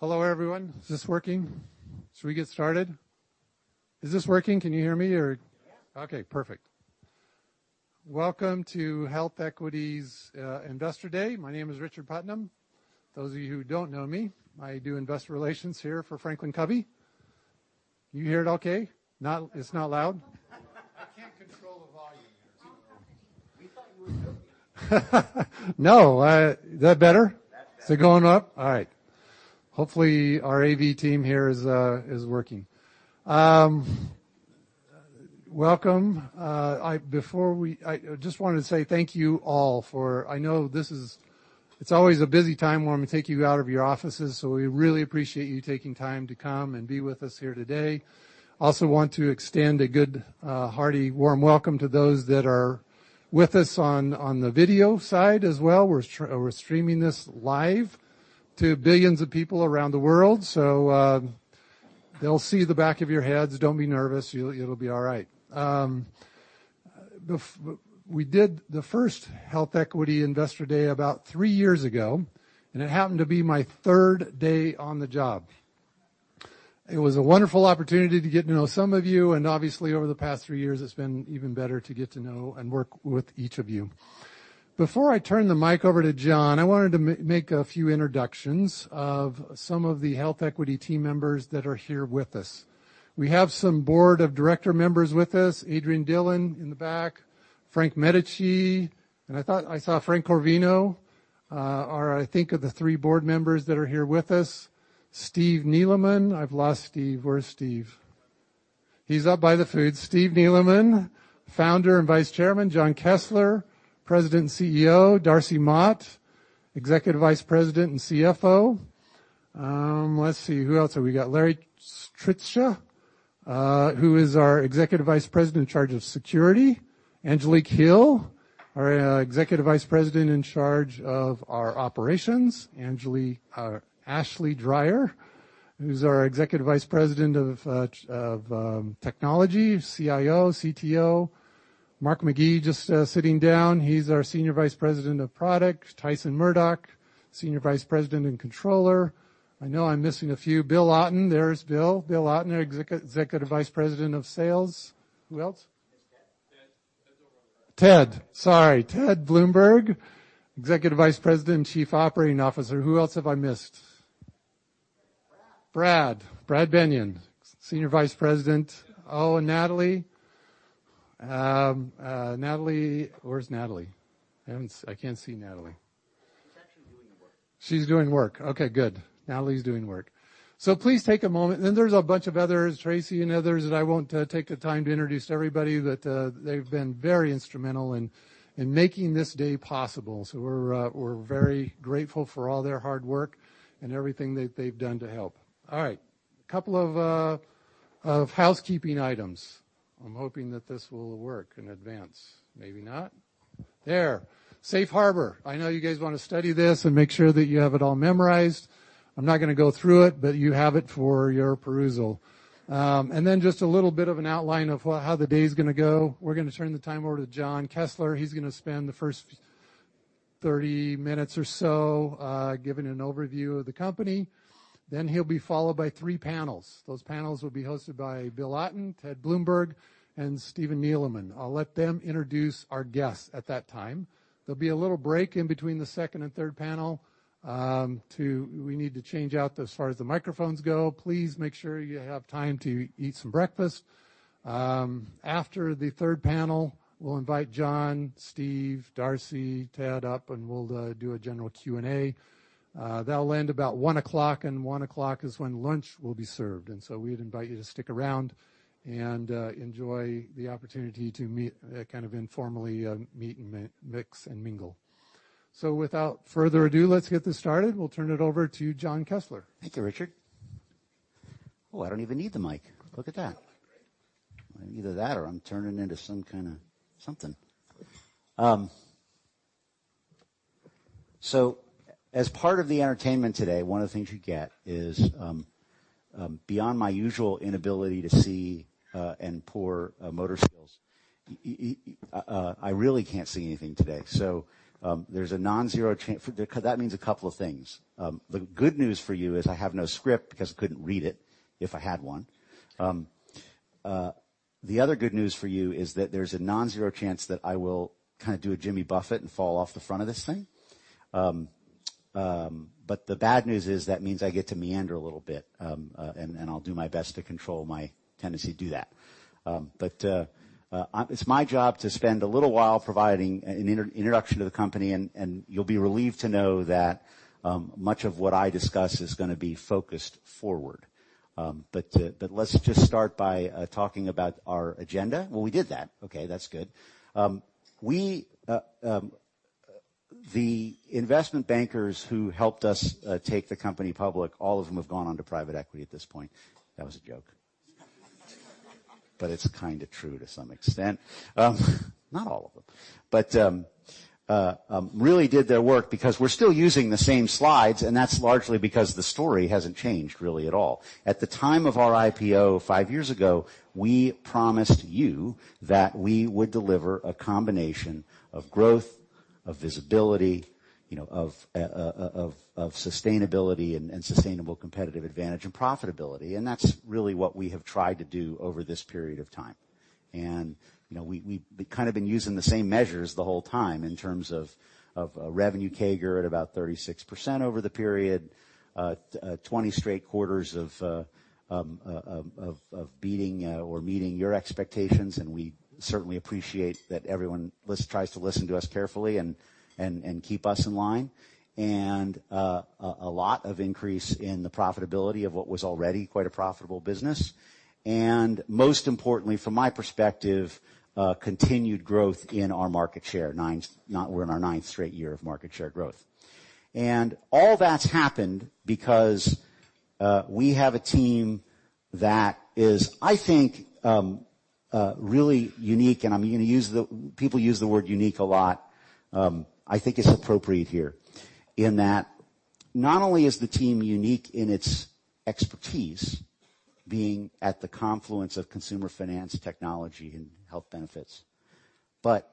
Hello, everyone. Is this working? Should we get started? Is this working? Can you hear me or? Yeah. Okay, perfect. Welcome to HealthEquity's Investor Day. My name is Richard Putnam. Those of you who don't know me, I do investor relations here for HealthEquity. You hear it okay? It's not loud? I can't control the volume here, so. We thought you were joking. No. Is that better? That's better. Is it going up? All right. Hopefully, our AV team here is working. Welcome. I just wanted to say thank you all. I know it's always a busy time when we take you out of your offices, so we really appreciate you taking time to come and be with us here today. Also want to extend a good, hearty, warm welcome to those that are with us on the video side as well. They'll see the back of your heads. Don't be nervous. It'll be all right. We did the first HealthEquity Investor Day about 3 years ago, and it happened to be my third day on the job. It was a wonderful opportunity to get to know some of you, obviously, over the past 3 years, it's been even better to get to know and work with each of you. Before I turn the mic over to Jon, I wanted to make a few introductions of some of the HealthEquity team members that are here with us. We have some Board of Director members with us, Adrian Dillon in the back, Frank Medici, and I thought I saw Frank Corvino are, I think, are the three Board members that are here with us. Steve Neeleman. I've lost Steve. Where's Steve? He's up by the food. Steve Neeleman, Founder and Vice Chairman. Jon Kessler, President and CEO. Darcy Mott, Executive Vice President and CFO. Let's see, who else have we got? Larry Trittschuh, who is our Executive Vice President, Chief Security Officer. Angelique Hill, our Executive Vice President in charge of our operations. Ashley Dreier, who's our Executive Vice President of Technology, CIO, CTO. Mark Magee just sitting down. He's our Senior Vice President of Product. Tyson Murdock, Senior Vice President and Controller. I know I'm missing a few. Bill Otten. There's Bill. Bill Otten, Executive Vice President of Sales. Who else? There's Ted. Ted. Ted's over on the left. Ted. Sorry. Ted Bloomberg, Executive Vice President and Chief Operating Officer. Who else have I missed? Brad. Brad. Brad Bennion, Senior Vice President. Oh, Natalie. Where's Natalie? I can't see Natalie. She's actually doing work. She's doing work. Okay, good. Natalie's doing work. Please take a moment. There's a bunch of others, Tracy and others, that I won't take the time to introduce everybody that they've been very instrumental in making this day possible. We're very grateful for all their hard work and everything that they've done to help. All right. A couple of housekeeping items. I'm hoping that this will work in advance. Maybe not. There. Safe Harbor. I know you guys want to study this and make sure that you have it all memorized. I'm not going to go through it, but you have it for your perusal. Just a little bit of an outline of how the day's going to go. We're going to turn the time over to Jon Kessler. He's going to spend the first 30 minutes or so giving an overview of the company. He'll be followed by 3 panels. Those panels will be hosted by Bill Otten, Ted Bloomberg, and Stephen Neeleman. I'll let them introduce our guests at that time. There'll be a little break in between the 2nd and 3rd panel. We need to change out as far as the microphones go. Please make sure you have time to eat some breakfast. After the 3rd panel, we'll invite Jon, Stephen, Darcy, Ted up, and we'll do a general Q&A. That'll end about 1:00, and 1:00 is when lunch will be served. We'd invite you to stick around and enjoy the opportunity to kind of informally meet and mix and mingle. Without further ado, let's get this started. We'll turn it over to Jon Kessler. Thank you, Richard. Oh, I don't even need the mic. Look at that. You're a mic, right? Either that or I'm turning into some kind of something. As part of the entertainment today, one of the things you get is, beyond my usual inability to see and poor motor skills, I really can't see anything today. That means a couple of things. The good news for you is I have no script because I couldn't read it if I had one. The other good news for you is that there's a non-zero chance that I will kind of do a Jimmy Buffett and fall off the front of this thing. The bad news is that means I get to meander a little bit, and I'll do my best to control my tendency to do that. It's my job to spend a little while providing an introduction to the company, you'll be relieved to know that much of what I discuss is going to be focused forward. Let's just start by talking about our agenda. Well, we did that. Okay, that's good. The investment bankers who helped us take the company public, all of them have gone on to private equity at this point. That was a joke. It's kind of true to some extent. Not all of them. Really did their work because we're still using the same slides, and that's largely because the story hasn't changed really at all. At the time of our IPO 5 years ago, we promised you that we would deliver a combination of growth, of visibility, of sustainability and sustainable competitive advantage and profitability. That's really what we have tried to do over this period of time. We've been using the same measures the whole time in terms of revenue CAGR at about 36% over the period, 20 straight quarters of beating or meeting your expectations, we certainly appreciate that everyone tries to listen to us carefully and keep us in line. A lot of increase in the profitability of what was already quite a profitable business. Most importantly, from my perspective, continued growth in our market share. We're in our ninth straight year of market share growth. All that's happened because we have a team that is, I think, really unique, and people use the word unique a lot. I think it's appropriate here in that not only is the team unique in its expertise, being at the confluence of consumer finance technology and health benefits, but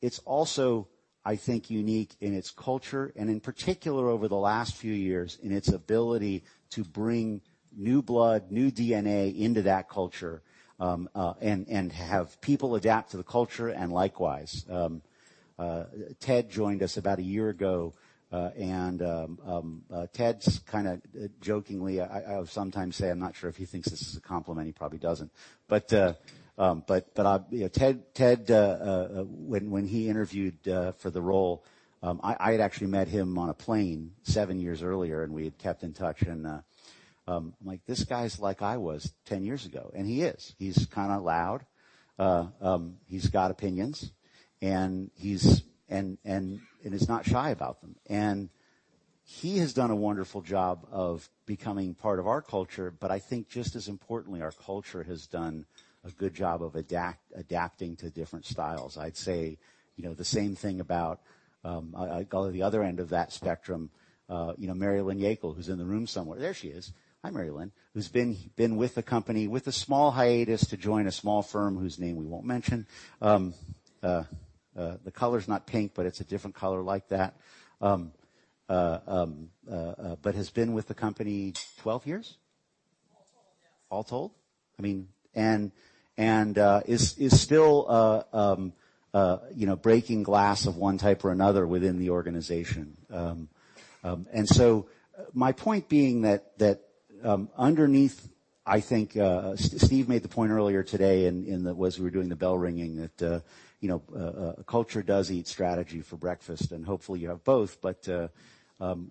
it's also, I think, unique in its culture, and in particular over the last few years, in its ability to bring new blood, new DNA into that culture, and have people adapt to the culture and likewise. Ted joined us about a year ago, Ted's kind of jokingly, I sometimes say I'm not sure if he thinks this is a compliment. He probably doesn't. Ted when he interviewed for the role, I had actually met him on a plane 7 years earlier, we had kept in touch, I'm like, "This guy is like I was 10 years ago." He is. He's kind of loud. He's got opinions, he's not shy about them. He has done a wonderful job of becoming part of our culture, but I think just as importantly, our culture has done a good job of adapting to different styles. I'd say the same thing about the other end of that spectrum. Mary Lynn Yakel, who's in the room somewhere. There she is. Hi, Mary Lynn. Who's been with the company with a small hiatus to join a small firm whose name we won't mention. The color's not pink, but it's a different color like that. Has been with the company 12 years? All told, yeah. All told? Is still breaking glass of one type or another within the organization. My point being that underneath, I think Steve made the point earlier today in as we were doing the bell ringing that culture does eat strategy for breakfast, and hopefully, you have both, but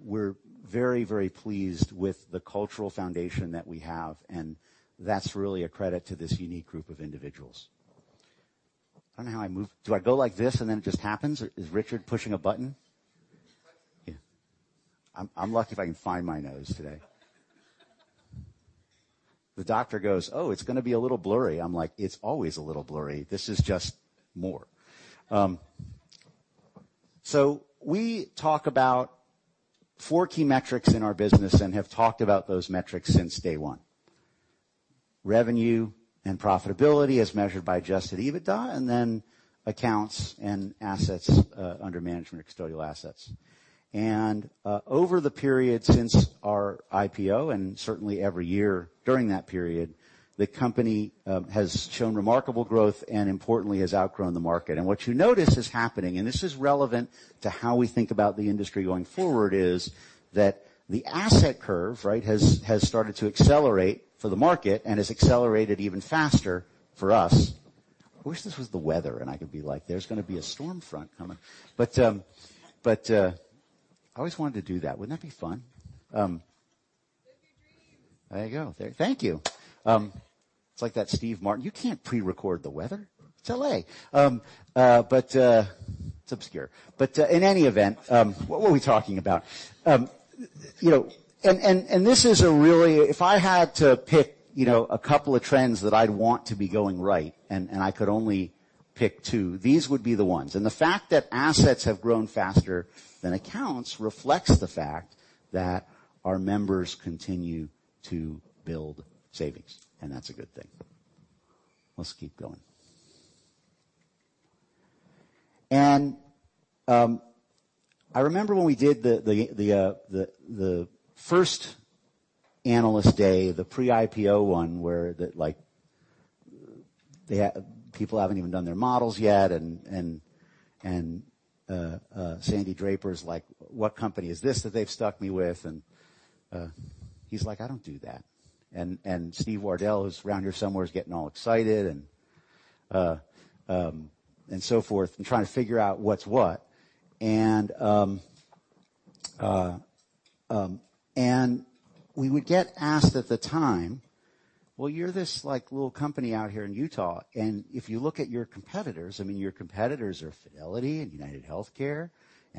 we're very, very pleased with the cultural foundation that we have, and that's really a credit to this unique group of individuals. I don't know how I move. Do I go like this and then it just happens? Is Richard pushing a button? You're pushing a button. Yeah. I'm lucky if I can find my nose today. The doctor goes, "Oh, it's going to be a little blurry." I'm like, "It's always a little blurry. This is just more." We talk about four key metrics in our business and have talked about those metrics since day one. Revenue and profitability as measured by adjusted EBITDA, and then accounts and assets under management or custodial assets. Over the period since our IPO, and certainly every year during that period, the company has shown remarkable growth and importantly, has outgrown the market. What you notice is happening, and this is relevant to how we think about the industry going forward, is that the asset curve, right, has started to accelerate for the market and has accelerated even faster for us. I wish this was the weather, and I could be like, "There's going to be a storm front coming." I always wanted to do that. Wouldn't that be fun? Live your dream. There you go. Thank you. It's like that Steve Martin. You can't pre-record the weather. It's L.A. It's obscure. In any event, what were we talking about? If I had to pick a couple of trends that I'd want to be going right and I could only pick two, these would be the ones. The fact that assets have grown faster than accounts reflects the fact that our members continue to build savings, and that's a good thing. Let's keep going. I remember when we did the first analyst day, the pre-IPO one where people haven't even done their models yet, Sandy Draper's like, "What company is this that they've stuck me with?" He's like, "I don't do that." Steven Wardell, who's around here somewhere, is getting all excited and so forth and trying to figure out what's what. We would get asked at the time, "Well, you're this little company out here in Utah, and if you look at your competitors, I mean, your competitors are Fidelity and UnitedHealthcare."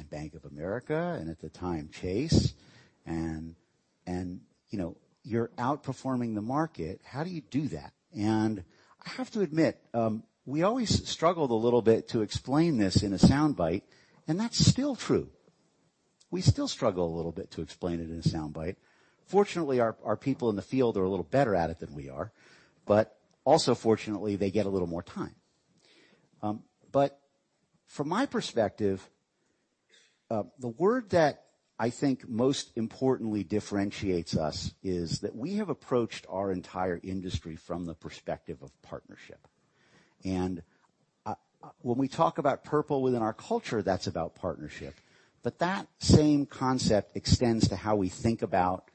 Bank of America, and at the time, Chase. You're outperforming the market. How do you do that? I have to admit, we always struggled a little bit to explain this in a soundbite, and that's still true. We still struggle a little bit to explain it in a soundbite. Fortunately, our people in the field are a little better at it than we are, but also fortunately, they get a little more time. From my perspective, the word that I think most importantly differentiates us is that we have approached our entire industry from the perspective of partnership. When we talk about purple within our culture, that's about partnership. That same concept extends to how we think about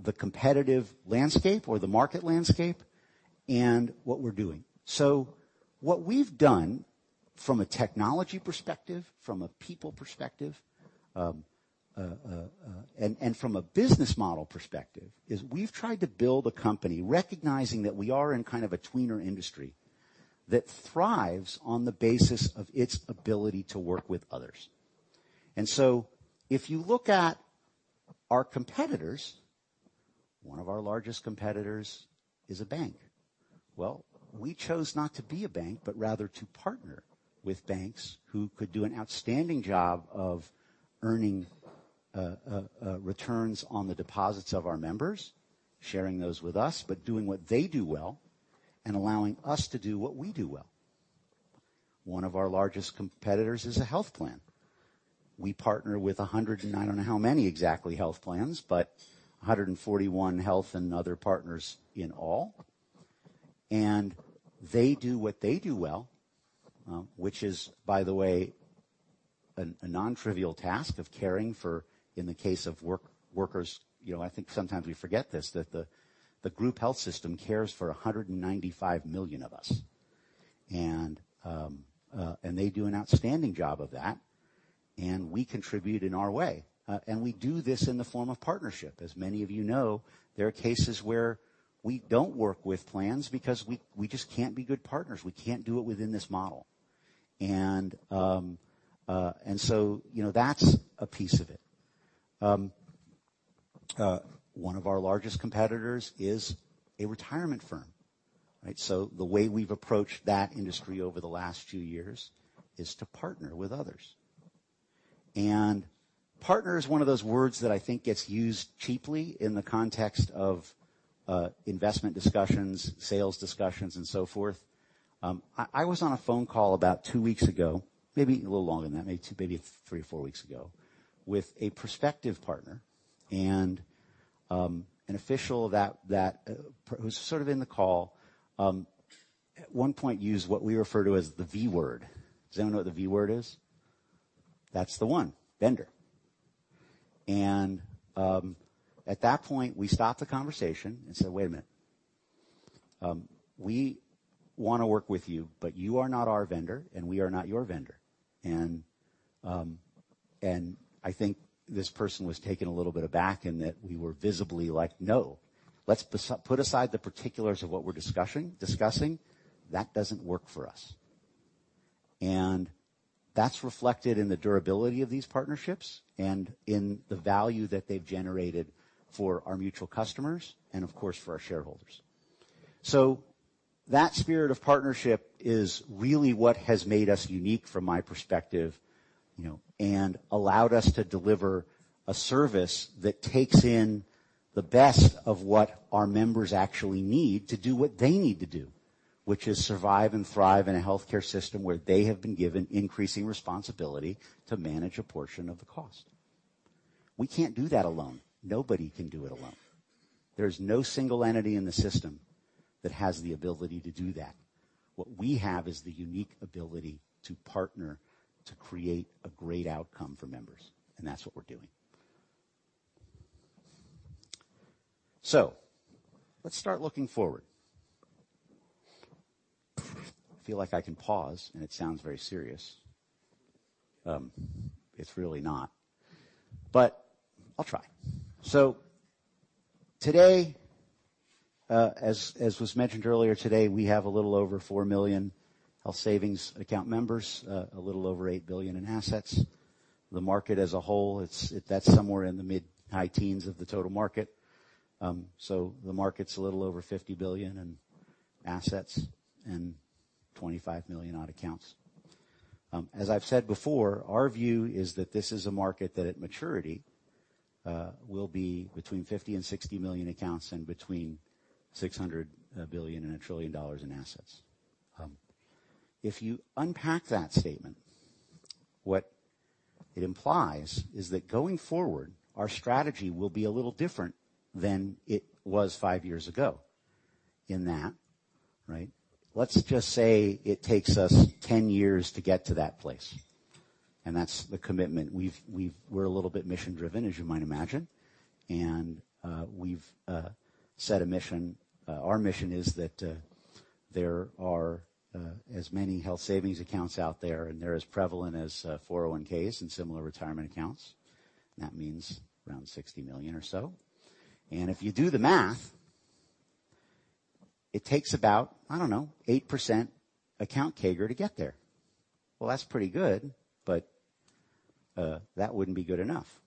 the competitive landscape or the market landscape and what we're doing. What we've done from a technology perspective, from a people perspective, and from a business model perspective, is we've tried to build a company recognizing that we are in kind of a tweener industry that thrives on the basis of its ability to work with others. If you look at our competitors, one of our largest competitors is a bank. We chose not to be a bank, but rather to partner with banks who could do an outstanding job of earning returns on the deposits of our members, sharing those with us, but doing what they do well and allowing us to do what we do well. One of our largest competitors is a health plan. We partner with 141 health and other partners in all. They do what they do well which is, by the way, a nontrivial task of caring for, in the case of workers, I think sometimes we forget this, that the group health system cares for 195 million of us. They do an outstanding job of that, and we contribute in our way. We do this in the form of partnership. As many of you know, there are cases where we don't work with plans because we just can't be good partners. We can't do it within this model. That's a piece of it. One of our largest competitors is a retirement firm, right? The way we've approached that industry over the last few years is to partner with others. Partner is one of those words that I think gets used cheaply in the context of investment discussions, sales discussions, and so forth. I was on a phone call about two weeks ago, maybe a little longer than that, maybe three or four weeks ago, with a prospective partner, and an official that was sort of in the call, at one point used what we refer to as the V word. Does anyone know what the V word is? That's the one, vendor. At that point, we stopped the conversation and said, "Wait a minute. We want to work with you, but you are not our vendor, and we are not your vendor." I think this person was taken a little bit aback in that we were visibly like, "No. Let's put aside the particulars of what we're discussing. That doesn't work for us." That's reflected in the durability of these partnerships and in the value that they've generated for our mutual customers and, of course, for our shareholders. That spirit of partnership is really what has made us unique from my perspective and allowed us to deliver a service that takes in the best of what our members actually need to do what they need to do, which is survive and thrive in a healthcare system where they have been given increasing responsibility to manage a portion of the cost. We can't do that alone. Nobody can do it alone. There's no single entity in the system that has the ability to do that. What we have is the unique ability to partner to create a great outcome for members, and that's what we're doing. Let's start looking forward. I feel like I can pause, and it sounds very serious. It's really not, but I'll try. Today, as was mentioned earlier, today we have a little over 4 million health savings account members, a little over $8 billion in assets. The market as a whole, that's somewhere in the mid-high teens of the total market. The market's a little over $50 billion in assets and 25 million odd accounts. As I've said before, our view is that this is a market that at maturity will be between 50 million and 60 million accounts and between $600 billion and $1 trillion in assets. If you unpack that statement, what it implies is that going forward, our strategy will be a little different than it was 5 years ago in that, right? Let's just say it takes us 10 years to get to that place, and that's the commitment. We're a little bit mission-driven, as you might imagine. We've set a mission. Our mission is that there are as many health savings accounts out there, and they're as prevalent as 401Ks and similar retirement accounts. That means around 60 million or so. If you do the math It takes about, I don't know, 8% account CAGR to get there. Well, that's pretty good, but that wouldn't be good enough.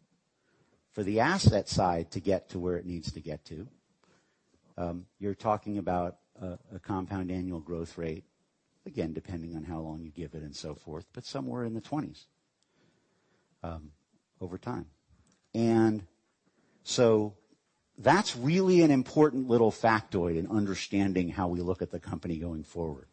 For the asset side to get to where it needs to get to, you're talking about a compound annual growth rate, again, depending on how long you give it and so forth, but somewhere in the 20s over time. That's really an important little factoid in understanding how we look at the company going forward.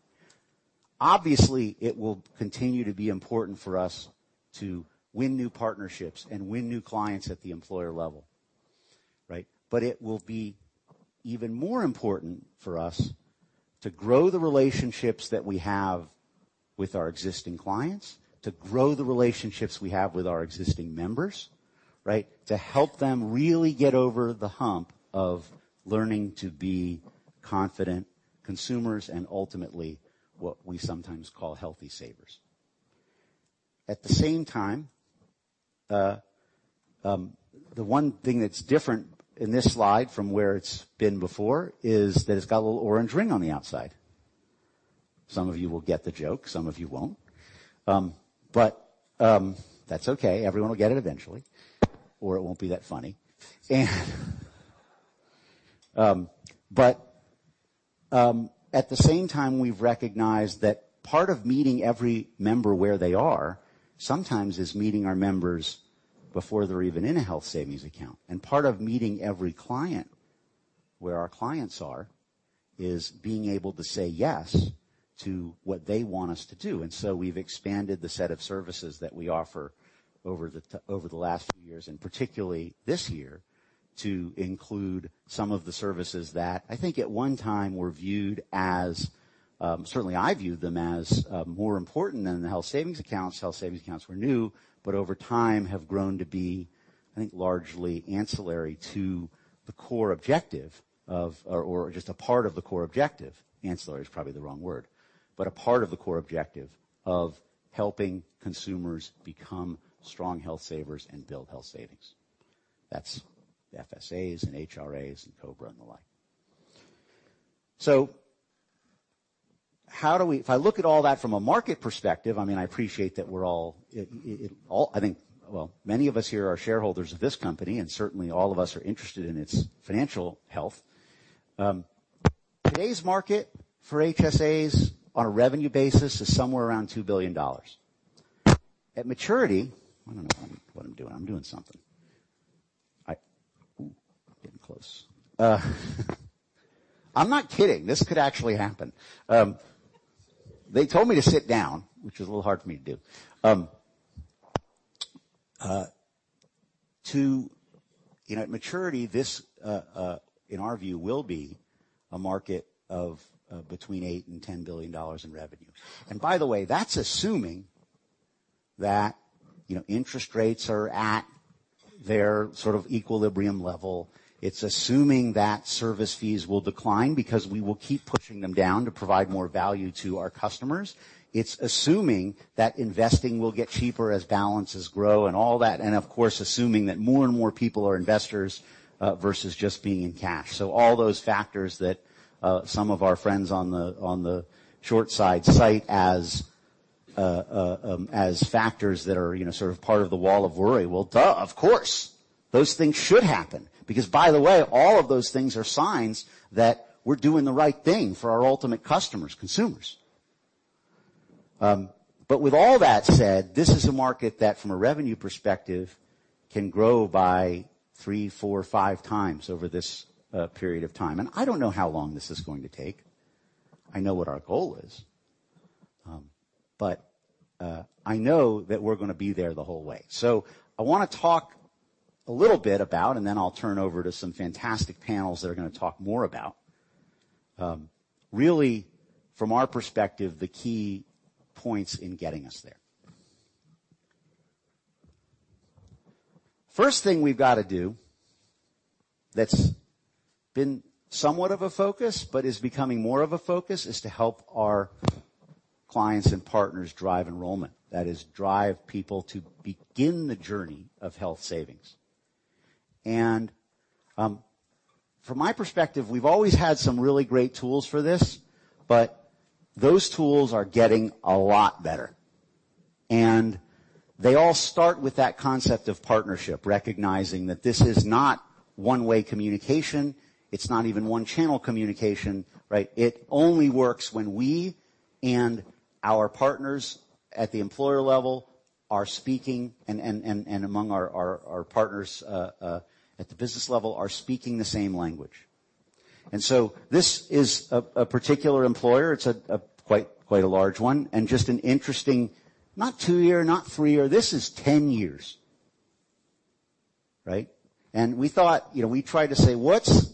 Obviously, it will continue to be important for us to win new partnerships and win new clients at the employer level, right? It will be even more important for us to grow the relationships that we have with our existing clients, to grow the relationships we have with our existing members, right? To help them really get over the hump of learning to be confident consumers and ultimately what we sometimes call healthy savers. At the same time, the one thing that's different in this slide from where it's been before is that it's got a little orange ring on the outside. Some of you will get the joke, some of you won't. That's okay. Everyone will get it eventually, or it won't be that funny. At the same time, we've recognized that part of meeting every member where they are sometimes is meeting our members before they're even in a health savings account. Part of meeting every client where our clients are is being able to say yes to what they want us to do. We've expanded the set of services that we offer over the last few years, and particularly this year, to include some of the services that I think at one time were viewed as, certainly I viewed them as more important than the health savings accounts. Health savings accounts were new, but over time have grown to be, I think, largely ancillary to the core objective of, or just a part of the core objective. Ancillary is probably the wrong word, but a part of the core objective of helping consumers become strong health savers and build health savings. That's the FSAs and HRAs and COBRA and the like. If I look at all that from a market perspective, I mean, I appreciate that we're all, I think, well, many of us here are shareholders of this company, and certainly all of us are interested in its financial health. Today's market for HSAs on a revenue basis is somewhere around $2 billion. At maturity I don't know what I'm doing. I'm doing something. I'm getting close. I'm not kidding. This could actually happen. They told me to sit down, which is a little hard for me to do. At maturity, this, in our view, will be a market of between $8 and $10 billion in revenue. By the way, that's assuming that interest rates are at their sort of equilibrium level. It's assuming that service fees will decline because we will keep pushing them down to provide more value to our customers. It's assuming that investing will get cheaper as balances grow and all that, and of course, assuming that more and more people are investors, versus just being in cash. All those factors that some of our friends on the short side cite as factors that are sort of part of the wall of worry, well, duh, of course. Those things should happen because, by the way, all of those things are signs that we're doing the right thing for our ultimate customers, consumers. With all that said, this is a market that, from a revenue perspective, can grow by three, four, five times over this period of time. I don't know how long this is going to take. I know what our goal is, but I know that we're going to be there the whole way. I want to talk a little bit about, and then I'll turn over to some fantastic panels that are going to talk more about, really from our perspective, the key points in getting us there. First thing we've got to do that's been somewhat of a focus but is becoming more of a focus is to help our clients and partners drive enrollment. That is, drive people to begin the journey of health savings. From my perspective, we've always had some really great tools for this, but those tools are getting a lot better, and they all start with that concept of partnership, recognizing that this is not one-way communication. It's not even one-channel communication, right? It only works when we and our partners at the employer level are speaking, and among our partners at the business level are speaking the same language. This is a particular employer. It's quite a large one and just an interesting, not two-year, not three-year, this is 10 years, right? We thought, we tried to say, "What's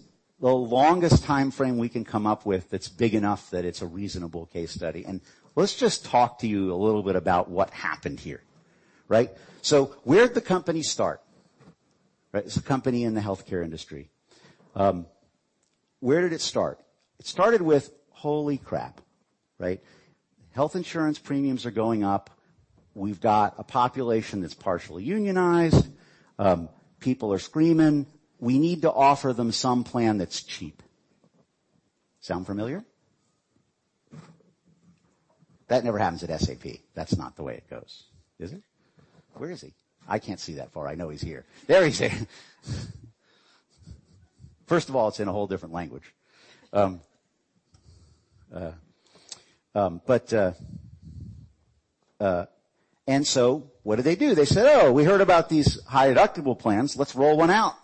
the longest timeframe we can come up with that's big enough that it's a reasonable case study?" Let's just talk to you a little bit about what happened here. Right? Where'd the company start, right? It's a company in the healthcare industry. Where did it start? It started with, "Holy crap," right? Health insurance premiums are going up. We've got a population that's partially unionized. People are screaming. We need to offer them some plan that's cheap. Sound familiar? That never happens at SAP. That's not the way it goes. Is it? Where is he? I can't see that far. I know he's here. There he is. First of all, it's in a whole different language. So what did they do? They said, "Oh, we heard about these high-deductible plans. Let's roll one out,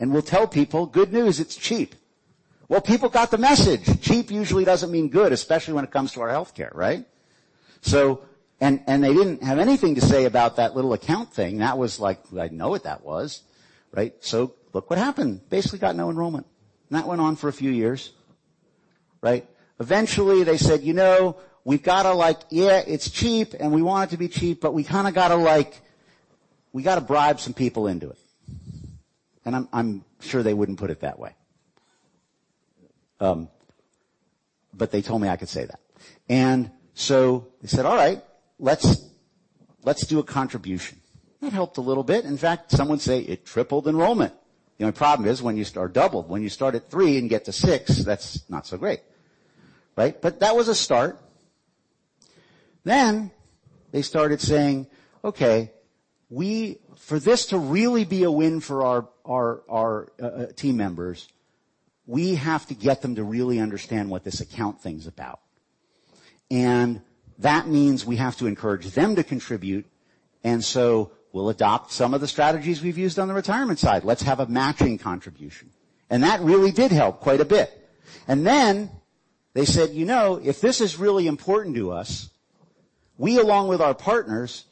and we'll tell people, good news, it's cheap." People got the message. Cheap usually doesn't mean good, especially when it comes to our healthcare, right? They didn't have anything to say about that little account thing. That was like, I know what that was. Right? Look what happened. Basically got no enrollment. That went on for a few years, right? Eventually they said, "You know, we've got to like, yeah, it's cheap, and we want it to be cheap, but we kind of got to bribe some people into it." I'm sure they wouldn't put it that way. They told me I could say that. So they said, "All right. Let's do a contribution." That helped a little bit. In fact, some would say it tripled enrollment. The only problem is when you start at three and get to six, that's not so great. Right? That was a start. They started saying, "Okay, for this to really be a win for our team members, we have to get them to really understand what this account thing's about. That means we have to encourage them to contribute, and so we'll adopt some of the strategies we've used on the retirement side. Let's have a matching contribution." That really did help quite a bit. Then they said, "If this is really important to us, we, along with our partners,"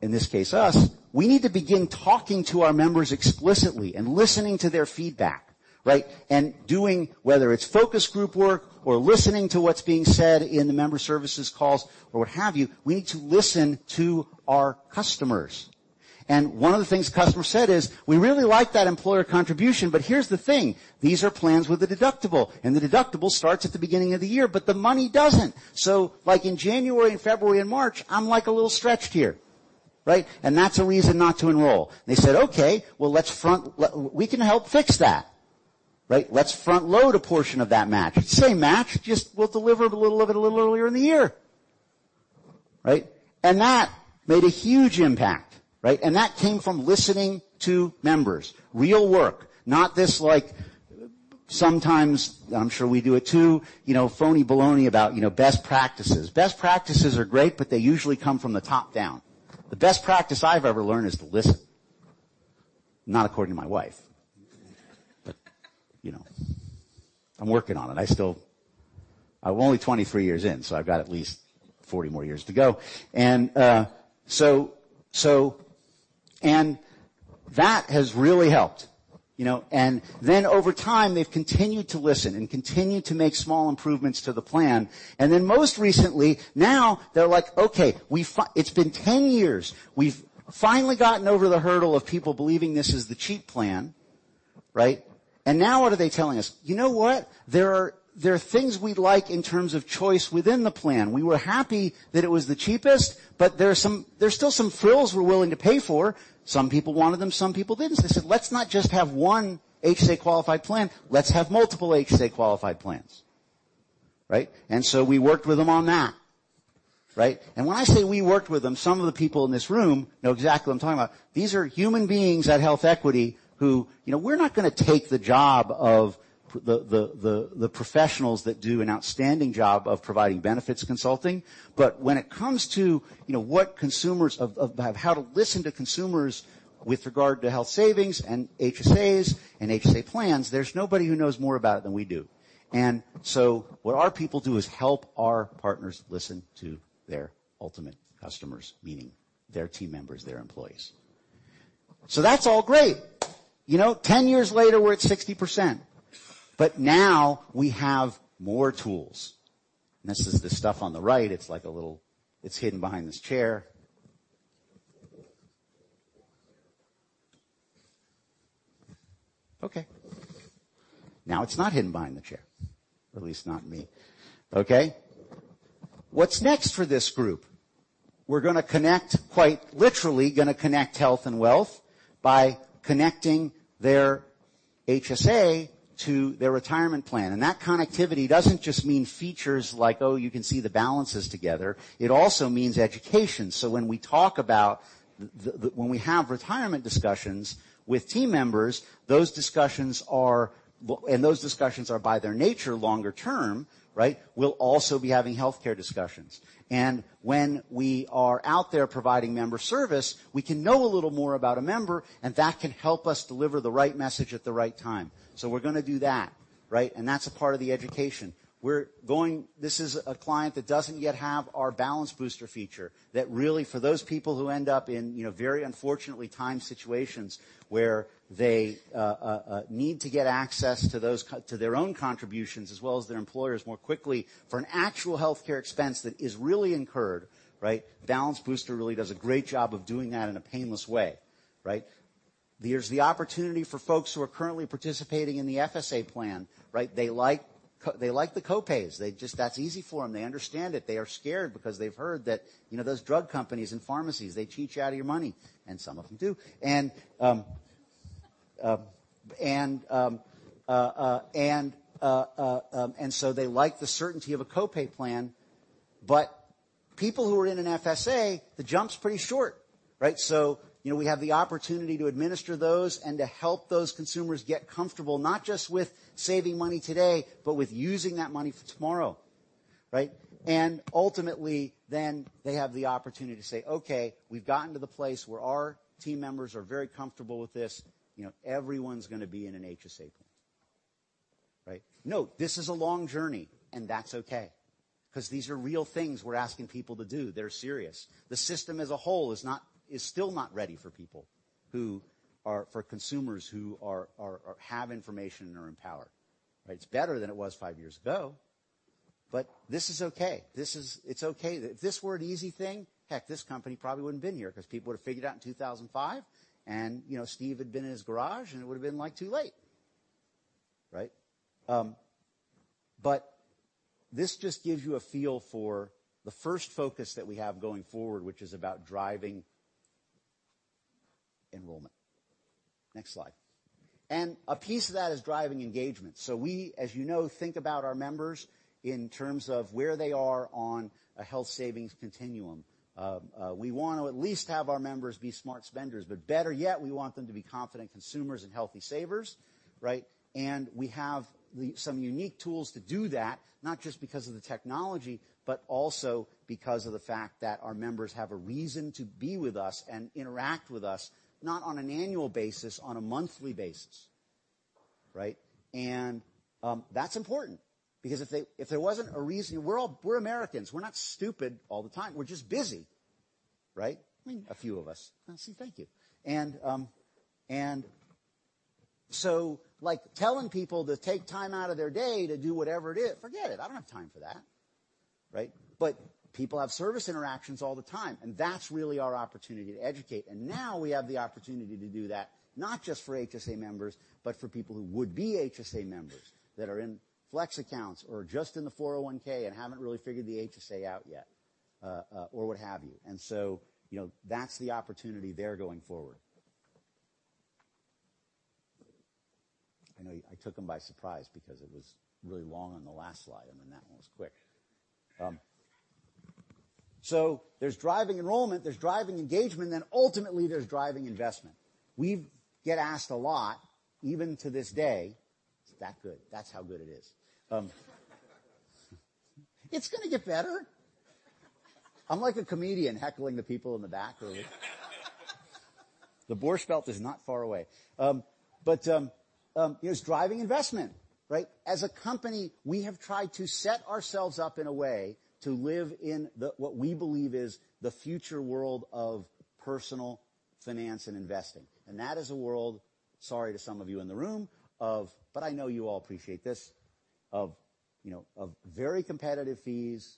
in this case us, "we need to begin talking to our members explicitly and listening to their feedback," right? "Doing whether it's focus group work or listening to what's being said in the member services calls or what have you, we need to listen to our customers." One of the things customers said is, "We really like that employer contribution, but here's the thing, these are plans with a deductible, and the deductible starts at the beginning of the year, but the money doesn't. So like in January and February and March, I'm like a little stretched here," right? That's a reason not to enroll. They said, "Okay, well, we can help fix that." Right? Let's front-load a portion of that match. Same match, just we'll deliver a little of it a little earlier in the year." Right? That made a huge impact, right? That came from listening to members. Real work, not this like sometimes, I'm sure we do it too, phony baloney about best practices. Best practices are great, but they usually come from the top down. The best practice I've ever learned is to listen. Not according to my wife. I'm working on it. I'm only 23 years in, so I've got at least 40 more years to go. That has really helped. Then over time, they've continued to listen and continued to make small improvements to the plan. Then most recently, now they're like, "Okay. It's been 10 years. We've finally gotten over the hurdle of people believing this is the cheap plan," right? Now what are they telling us? "You know what? There are things we'd like in terms of choice within the plan. We were happy that it was the cheapest, there's still some frills we're willing to pay for." Some people wanted them, some people didn't. They said, "Let's not just have one HSA-qualified plan, let's have multiple HSA-qualified plans." Right? We worked with them on that, right? When I say we worked with them, some of the people in this room know exactly what I'm talking about. These are human beings at HealthEquity who, we're not going to take the job of the professionals that do an outstanding job of providing benefits consulting. When it comes to how to listen to consumers with regard to health savings and HSAs and HSA plans, there's nobody who knows more about it than we do. What our people do is help our partners listen to their ultimate customers, meaning their team members, their employees. That's all great. 10 years later, we're at 60%. Now we have more tools. This is the stuff on the right. It's hidden behind this chair. Okay. Now it's not hidden behind the chair, at least not me. Okay. What's next for this group? We're going to connect, quite literally, going to connect health and wealth by connecting their HSA to their retirement plan. That connectivity doesn't just mean features like, oh, you can see the balances together. It also means education. When we have retirement discussions with team members, and those discussions are by their nature, longer term, right? We'll also be having healthcare discussions. When we are out there providing member service, we can know a little more about a member, that can help us deliver the right message at the right time. We're going to do that, right? That's a part of the education. This is a client that doesn't yet have our Balance Booster feature that really for those people who end up in very unfortunately timed situations where they need to get access to their own contributions as well as their employers more quickly for an actual healthcare expense that is really incurred, right? Balance Booster really does a great job of doing that in a painless way, right? There's the opportunity for folks who are currently participating in the FSA plan, right? They like the copays. That's easy for them. They understand it. They are scared because they've heard that those drug companies and pharmacies, they cheat you out of your money, and some of them do. They like the certainty of a copay plan, people who are in an FSA, the jump's pretty short, right? We have the opportunity to administer those and to help those consumers get comfortable, not just with saving money today, but with using that money for tomorrow, right? They have the opportunity to say, "Okay, we've gotten to the place where our team members are very comfortable with this. Everyone's going to be in an HSA plan." Right? Note, this is a long journey, that's okay because these are real things we're asking people to do. They're serious. The system as a whole is still not ready for people, for consumers who have information and are empowered, right? It's better than it was five years ago, but this is okay. If this were an easy thing, heck, this company probably wouldn't have been here because people would've figured it out in 2005, and Steve would've been in his garage, and it would've been too late. Right? This just gives you a feel for the first focus that we have going forward, which is about driving enrollment. Next slide. A piece of that is driving engagement. We, as you know, think about our members in terms of where they are on a health savings continuum. We want to at least have our members be smart spenders, but better yet, we want them to be confident consumers and healthy savers, right? We have some unique tools to do that, not just because of the technology, but also because of the fact that our members have a reason to be with us and interact with us, not on an annual basis, on a monthly basis. Right? That's important because if there wasn't a reason. We're Americans. We're not stupid all the time. We're just busy, right? I mean. A few of us. See, thank you. Telling people to take time out of their day to do whatever it is, forget it. I don't have time for that, right? People have service interactions all the time, and that's really our opportunity to educate. Now we have the opportunity to do that, not just for HSA members, but for people who would be HSA members that are in flex accounts or just in the 401 and haven't really figured the HSA out yet or what have you. That's the opportunity there going forward. I know I took them by surprise because it was really long on the last slide, and then that one was quick. There's driving enrollment, there's driving engagement, then ultimately there's driving investment. We get asked a lot, even to this day. It's that good. That's how good it is. It's going to get better. I'm like a comedian heckling the people in the back early. The Borscht Belt is not far away. It's driving investment, right? As a company, we have tried to set ourselves up in a way to live in the, what we believe is, the future world of personal finance and investing. That is a world, sorry to some of you in the room, but I know you all appreciate this, of very competitive fees,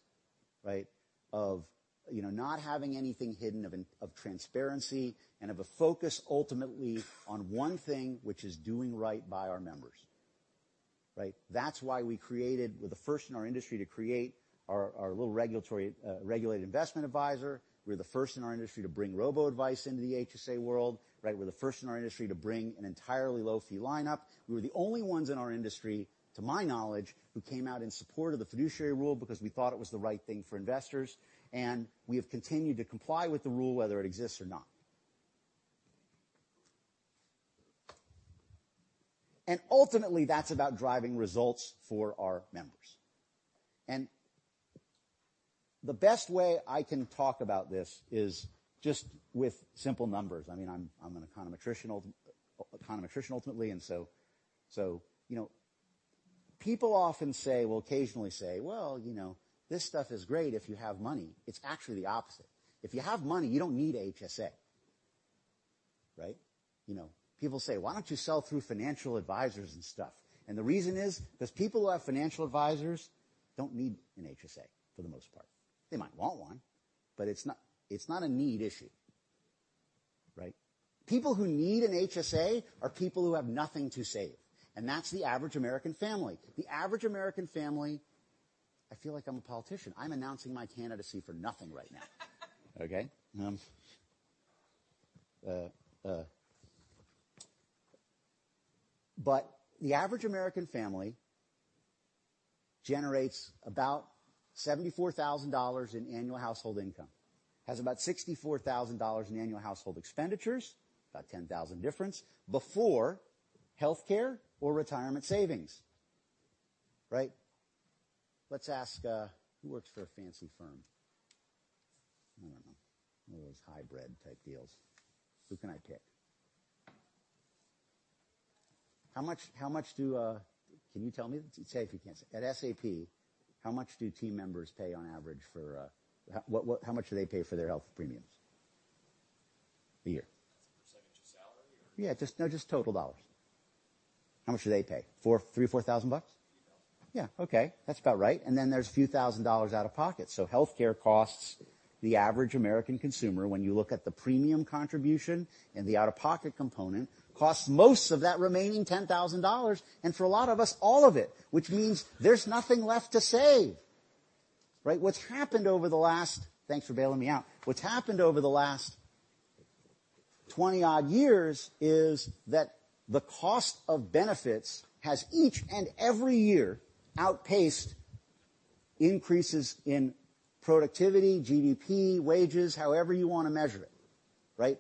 right, of not having anything hidden, of transparency, and of a focus ultimately on one thing, which is doing right by our members. Right? We're the first in our industry to create our little regulated investment advisor. We're the first in our industry to bring robo-advice into the HSA world, right? We're the first in our industry to bring an entirely low-fee lineup. We were the only ones in our industry, to my knowledge, who came out in support of the fiduciary rule because we thought it was the right thing for investors, and we have continued to comply with the rule, whether it exists or not. Ultimately, that's about driving results for our members. The best way I can talk about this is just with simple numbers. I'm an econometrician ultimately, and so people often say, will occasionally say, "Well, this stuff is great if you have money." It's actually the opposite. If you have money, you don't need HSA, right? People say, "Why don't you sell through financial advisors and stuff?" The reason is because people who have financial advisors don't need an HSA for the most part. They might want one, but it's not a need issue, right? People who need an HSA are people who have nothing to save, and that's the average American family. The average American family, I feel like I'm a politician. I'm announcing my candidacy for nothing right now. Okay. The average American family generates about $74,000 in annual household income, has about $64,000 in annual household expenditures, about $10,000 difference, before healthcare or retirement savings, right? Let's ask, who works for a fancy firm? I don't know. One of those high-bred type deals. Who can I pick? Can you tell me? It's okay if you can't say. At SAP, how much do team members pay on average for their health premiums a year? As a percentage of salary or- Yeah, no, just total dollars. How much do they pay? $3,000, $4,000? $3,000. Then there's a few thousand dollars out of pocket. Healthcare costs, the average American consumer, when you look at the premium contribution and the out-of-pocket component, costs most of that remaining $10,000, and for a lot of us, all of it. Which means there's nothing left to save, right? Thanks for bailing me out. What's happened over the last 20-odd years is that the cost of benefits has each and every year outpaced increases in productivity, GDP, wages, however you want to measure it. Right?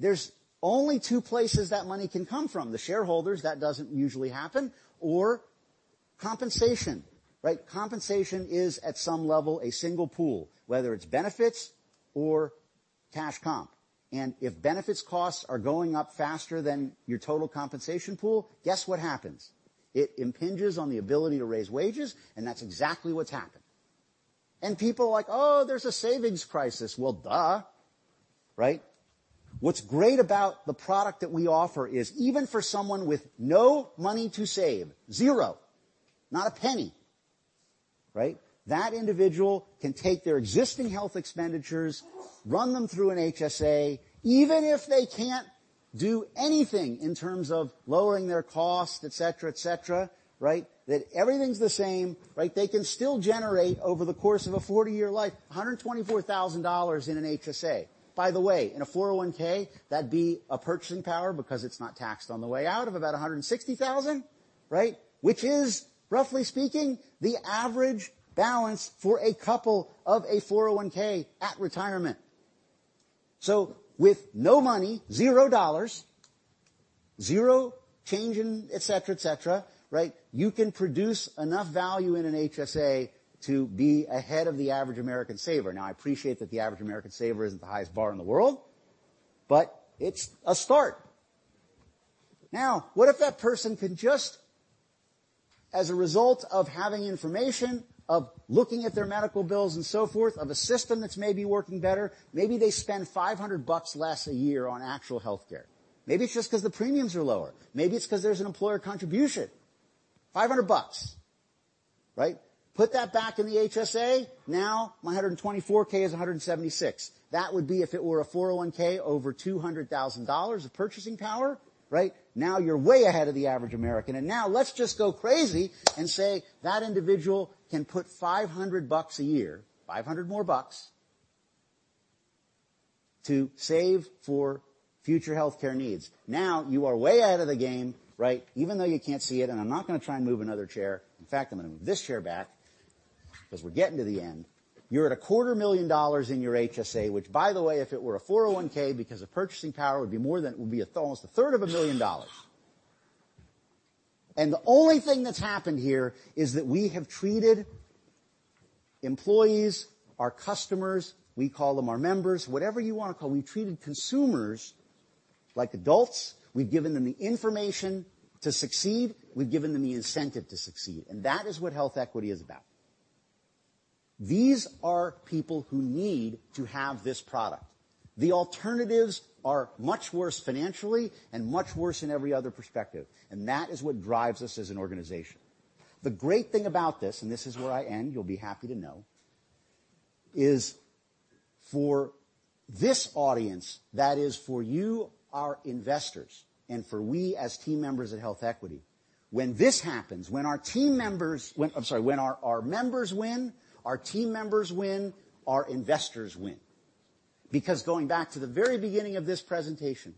There's only two places that money can come from, the shareholders, that doesn't usually happen, or compensation, right? Compensation is, at some level, a single pool, whether it's benefits or cash comp. If benefits costs are going up faster than your total compensation pool, guess what happens? It impinges on the ability to raise wages, and that's exactly what's happened. People are like, "Oh, there's a savings crisis." Well, duh. Right? What's great about the product that we offer is even for someone with no money to save, zero, not a penny, right? That individual can take their existing health expenditures, run them through an HSA, even if they can't do anything in terms of lowering their costs, et cetera. Everything's the same, they can still generate over the course of a 40-year life, $124,000 in an HSA. By the way, in a 401K, that'd be a purchasing power because it's not taxed on the way out of about $160,000, right? Which is, roughly speaking, the average balance for a couple of a 401K at retirement. With no money, $0, zero change in et cetera, you can produce enough value in an HSA to be ahead of the average American saver. Now, I appreciate that the average American saver isn't the highest bar in the world, but it's a start. Now, what if that person can just as a result of having information, of looking at their medical bills and so forth, of a system that's maybe working better, maybe they spend $500 less a year on actual healthcare. Maybe it's just because the premiums are lower. Maybe it's because there's an employer contribution. $500, right? Put that back in the HSA, now my $124,000 is $176,000. That would be if it were a 401K over $200,000 of purchasing power, right? Now you're way ahead of the average American. Now let's just go crazy and say that individual can put $500 a year, $500 more bucks, to save for future healthcare needs. You are way ahead of the game, right? Even though you can't see it, I'm not going to try and move another chair. In fact, I'm going to move this chair back because we're getting to the end. You're at a quarter million dollars in your HSA, which by the way, if it were a 401K, because the purchasing power would be more than, it would be almost a third of a million dollars. The only thing that's happened here is that we have treated employees, our customers, we call them our members, whatever you want to call them, we've treated consumers like adults. We've given them the information to succeed. We've given them the incentive to succeed. That is what HealthEquity is about. These are people who need to have this product. The alternatives are much worse financially and much worse in every other perspective, that is what drives us as an organization. The great thing about this, and this is where I end, you'll be happy to know, is for this audience, that is for you, our investors, and for we as team members at HealthEquity, when this happens, when our members win, our team members win, our investors win. Going back to the very beginning of this presentation,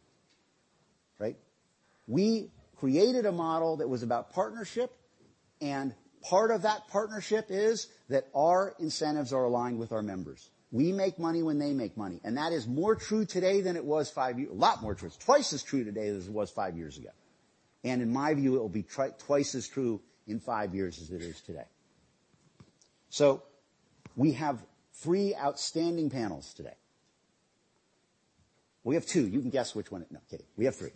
we created a model that was about partnership, and part of that partnership is that our incentives are aligned with our members. We make money when they make money, and that is more true today than it was five years. A lot more true. It's twice as true today as it was five years ago. In my view, it will be twice as true in five years as it is today. We have three outstanding panels today. We have two. You can guess which one. No, I'm kidding. We have three.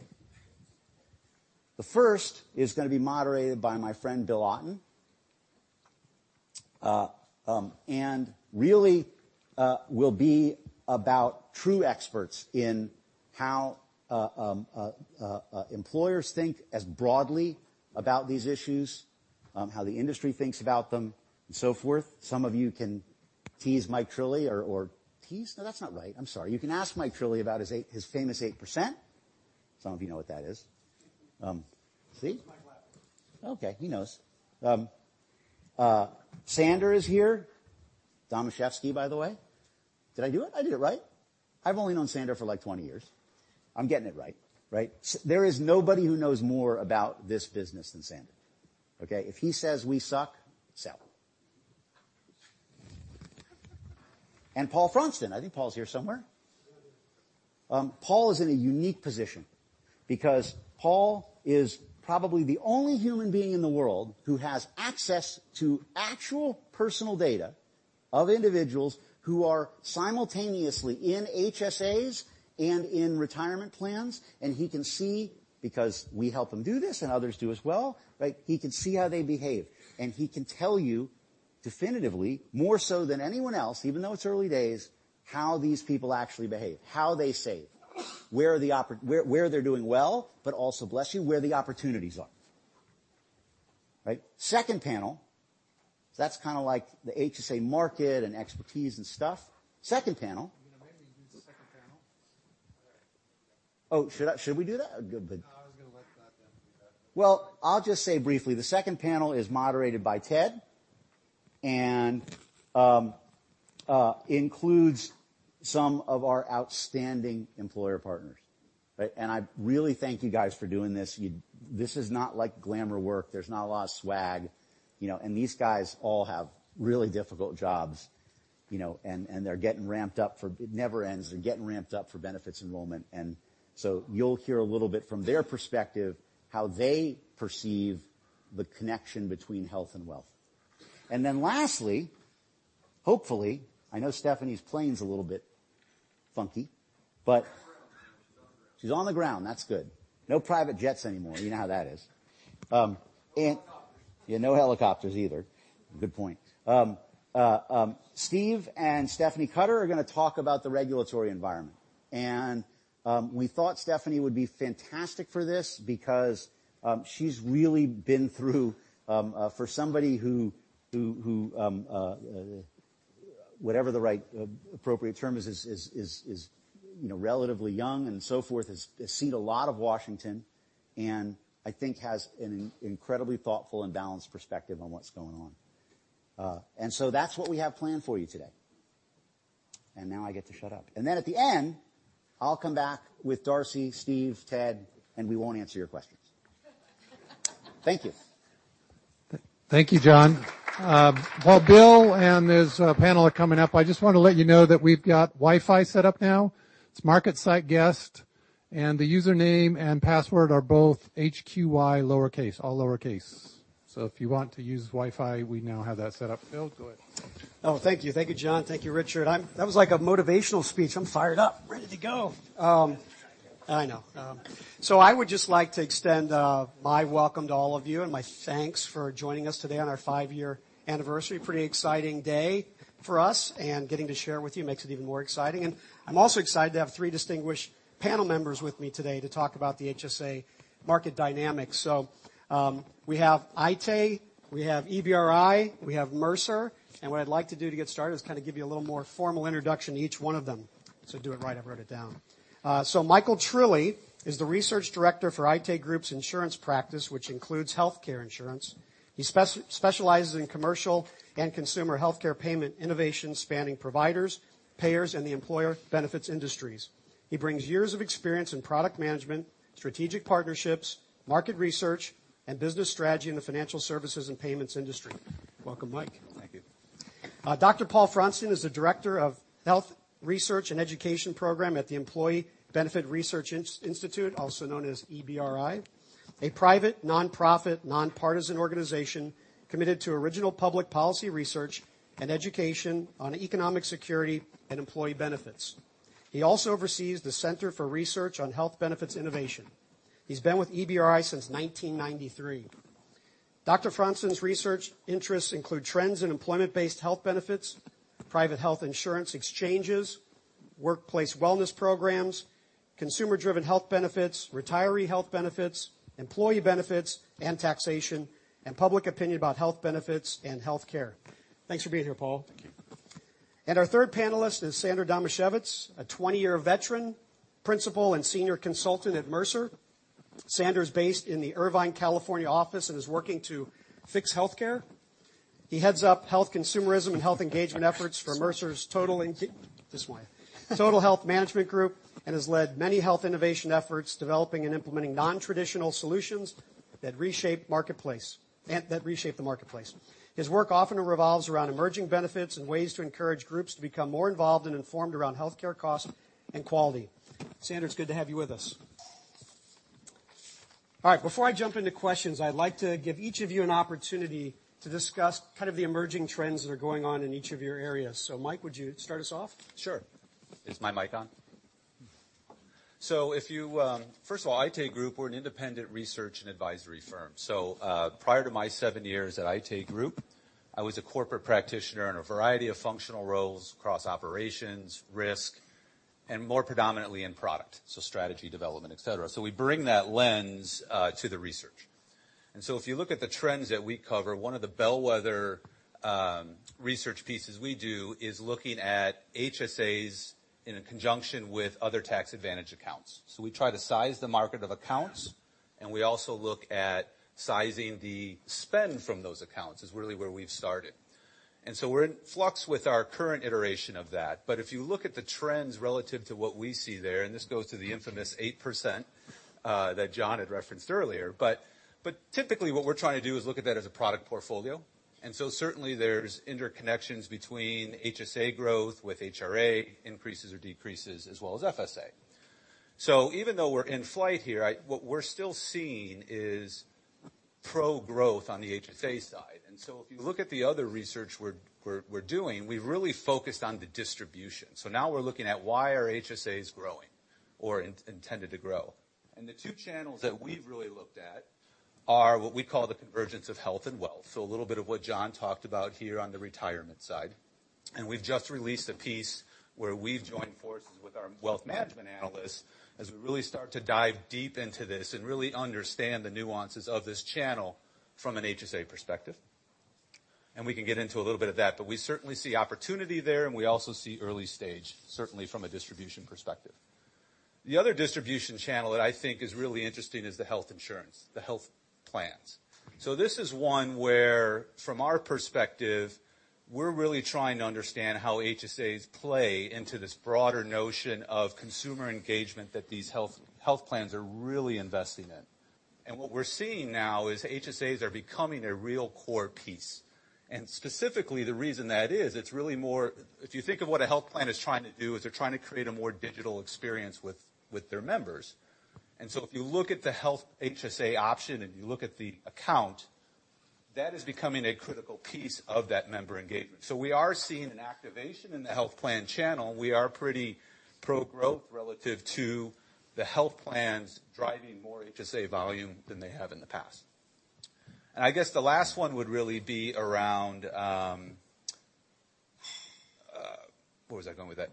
The first is going to be moderated by my friend Bill Otten, really will be about true experts in how employers think as broadly about these issues, how the industry thinks about them, and so forth. Some of you can tease Mike Trille, or tease? No, that's not right. I'm sorry. You can ask Mike Trille about his famous 8%. Some of you know what that is. See? Mike laughed. Okay. He knows. Sander is here. Adam Scheftski, by the way. Did I do it? I did it right. I've only known Sander for like 20 years. I'm getting it right. There is nobody who knows more about this business than Sander. Okay? If he says we suck, we suck. Paul Fronstin. I think Paul's here somewhere. Paul is in a unique position because Paul is probably the only human being in the world who has access to actual personal data of individuals who are simultaneously in HSAs and in retirement plans, and he can see because we help him do this and others do as well, he can see how they behave, and he can tell you definitively, more so than anyone else, even though it's early days, how these people actually behave, how they save, where they're doing well, but also, bless you, where the opportunities are. Right? Second panel, so that's kind of like the HSA market and expertise and stuff. Second panel- You're going to maybe do the second panel? All right. Oh, should we do that? Good. No, I was going to let that happen. Well, I'll just say briefly, the second panel is moderated by Ted, and includes some of our outstanding employer partners. Right? I really thank you guys for doing this. This is not glamour work. There's not a lot of swag. These guys all have really difficult jobs, and they're getting ramped up for It never ends. They're getting ramped up for benefits enrollment. So you'll hear a little bit from their perspective, how they perceive the connection between health and wealth. Lastly, hopefully, I know Stephanie's plane's a little bit funky, but- She's on the ground, she's on the ground. That's good. No private jets anymore. You know how that is. Or helicopters. Yeah, no helicopters either. Good point. Steve and Stephanie Cutter are going to talk about the regulatory environment. We thought Stephanie would be fantastic for this because she's really been through, for somebody who, whatever the right appropriate term is relatively young and so forth, has seen a lot of Washington, and I think has an incredibly thoughtful and balanced perspective on what's going on. So that's what we have planned for you today. Now I get to shut up. At the end, I'll come back with Darcy, Steve, Ted, and we won't answer your questions. Thank you. Thank you, John. While Bill and his panel are coming up, I just want to let you know that we've got Wi-Fi set up now. It's Marketside Guest, and the username and password are both hqy lowercase, all lowercase. If you want to use Wi-Fi, we now have that set up. Bill, go ahead. Oh, thank you. Thank you, Jon. Thank you, Richard. That was like a motivational speech. I'm fired up, ready to go. He's trying to get I know. I would just like to extend my welcome to all of you and my thanks for joining us today on our five-year anniversary. Pretty exciting day for us, and getting to share with you makes it even more exciting. I'm also excited to have three distinguished panel members with me today to talk about the HSA market dynamics. We have ITA, we have EBRI, we have Mercer, and what I'd like to do to get started is kind of give you a little more formal introduction to each one of them. Do it right. I've wrote it down. Michael Trulli is the research director for ITA Group's insurance practice, which includes healthcare insurance. He specializes in commercial and consumer healthcare payment innovation spanning providers, payers, and the employer benefits industries. He brings years of experience in product management, strategic partnerships, market research, and business strategy in the financial services and payments industry. Welcome, Mike. Thank you. Dr. Paul Fronstin is the director of Health Research and Education program at the Employee Benefit Research Institute, also known as EBRI, a private, nonprofit, nonpartisan organization committed to original public policy research and education on economic security and employee benefits. He also oversees the Center for Research on Health Benefits Innovation. He's been with EBRI since 1993. Dr. Fronstin's research interests include trends in employment-based health benefits, private health insurance exchanges, workplace wellness programs, consumer-driven health benefits, retiree health benefits, employee benefits and taxation, and public opinion about health benefits and healthcare. Thanks for being here, Paul. Thank you. Our third panelist is Sander Domaszewicz, a 20-year veteran, principal, and senior consultant at Mercer. Sander is based in the Irvine, California office and is working to fix healthcare. He heads up health consumerism and health engagement efforts for Mercer's total- This way This way, Total Health Management group and has led many health innovation efforts, developing and implementing non-traditional solutions that reshape the marketplace. His work often revolves around emerging benefits and ways to encourage groups to become more involved and informed around healthcare costs and quality. Sander, it's good to have you with us. All right. Before I jump into questions, I'd like to give each of you an opportunity to discuss the emerging trends that are going on in each of your areas. Mike, would you start us off? Sure. Is my mic on? First of all, ITA Group, we're an independent research and advisory firm. Prior to my seven years at ITA Group, I was a corporate practitioner in a variety of functional roles across operations, risk, and more predominantly in product, strategy development, etc. We bring that lens to the research. If you look at the trends that we cover, one of the bellwether research pieces we do is looking at HSAs in conjunction with other tax advantage accounts. We try to size the market of accounts, and we also look at sizing the spend from those accounts, is really where we've started. We're in flux with our current iteration of that. If you look at the trends relative to what we see there, and this goes to the infamous 8% that Jon had referenced earlier, typically what we're trying to do is look at that as a product portfolio. Certainly there's interconnections between HSA growth with HRA increases or decreases, as well as FSA. Even though we're in flight here, what we're still seeing is pro-growth on the HSA side. If you look at the other research we're doing, we've really focused on the distribution. Now we're looking at why are HSAs growing? Or intended to grow. The two channels that we've really looked at are what we call the convergence of health and wealth. A little bit of what Jon talked about here on the retirement side, we've just released a piece where we've joined forces with our wealth management analyst as we really start to dive deep into this and really understand the nuances of this channel from an HSA perspective. We can get into a little bit of that, but we certainly see opportunity there, we also see early stage, certainly from a distribution perspective. The other distribution channel that I think is really interesting is the health insurance, the health plans. This is one where, from our perspective, we're really trying to understand how HSAs play into this broader notion of consumer engagement that these health plans are really investing in. What we're seeing now is HSAs are becoming a real core piece. Specifically, the reason that is, if you think of what a health plan is trying to do, is they're trying to create a more digital experience with their members. If you look at the health HSA option, and you look at the account, that is becoming a critical piece of that member engagement. We are seeing an activation in the health plan channel. We are pretty pro-growth relative to the health plans driving more HSA volume than they have in the past. I guess the last one would really be around Where was I going with that?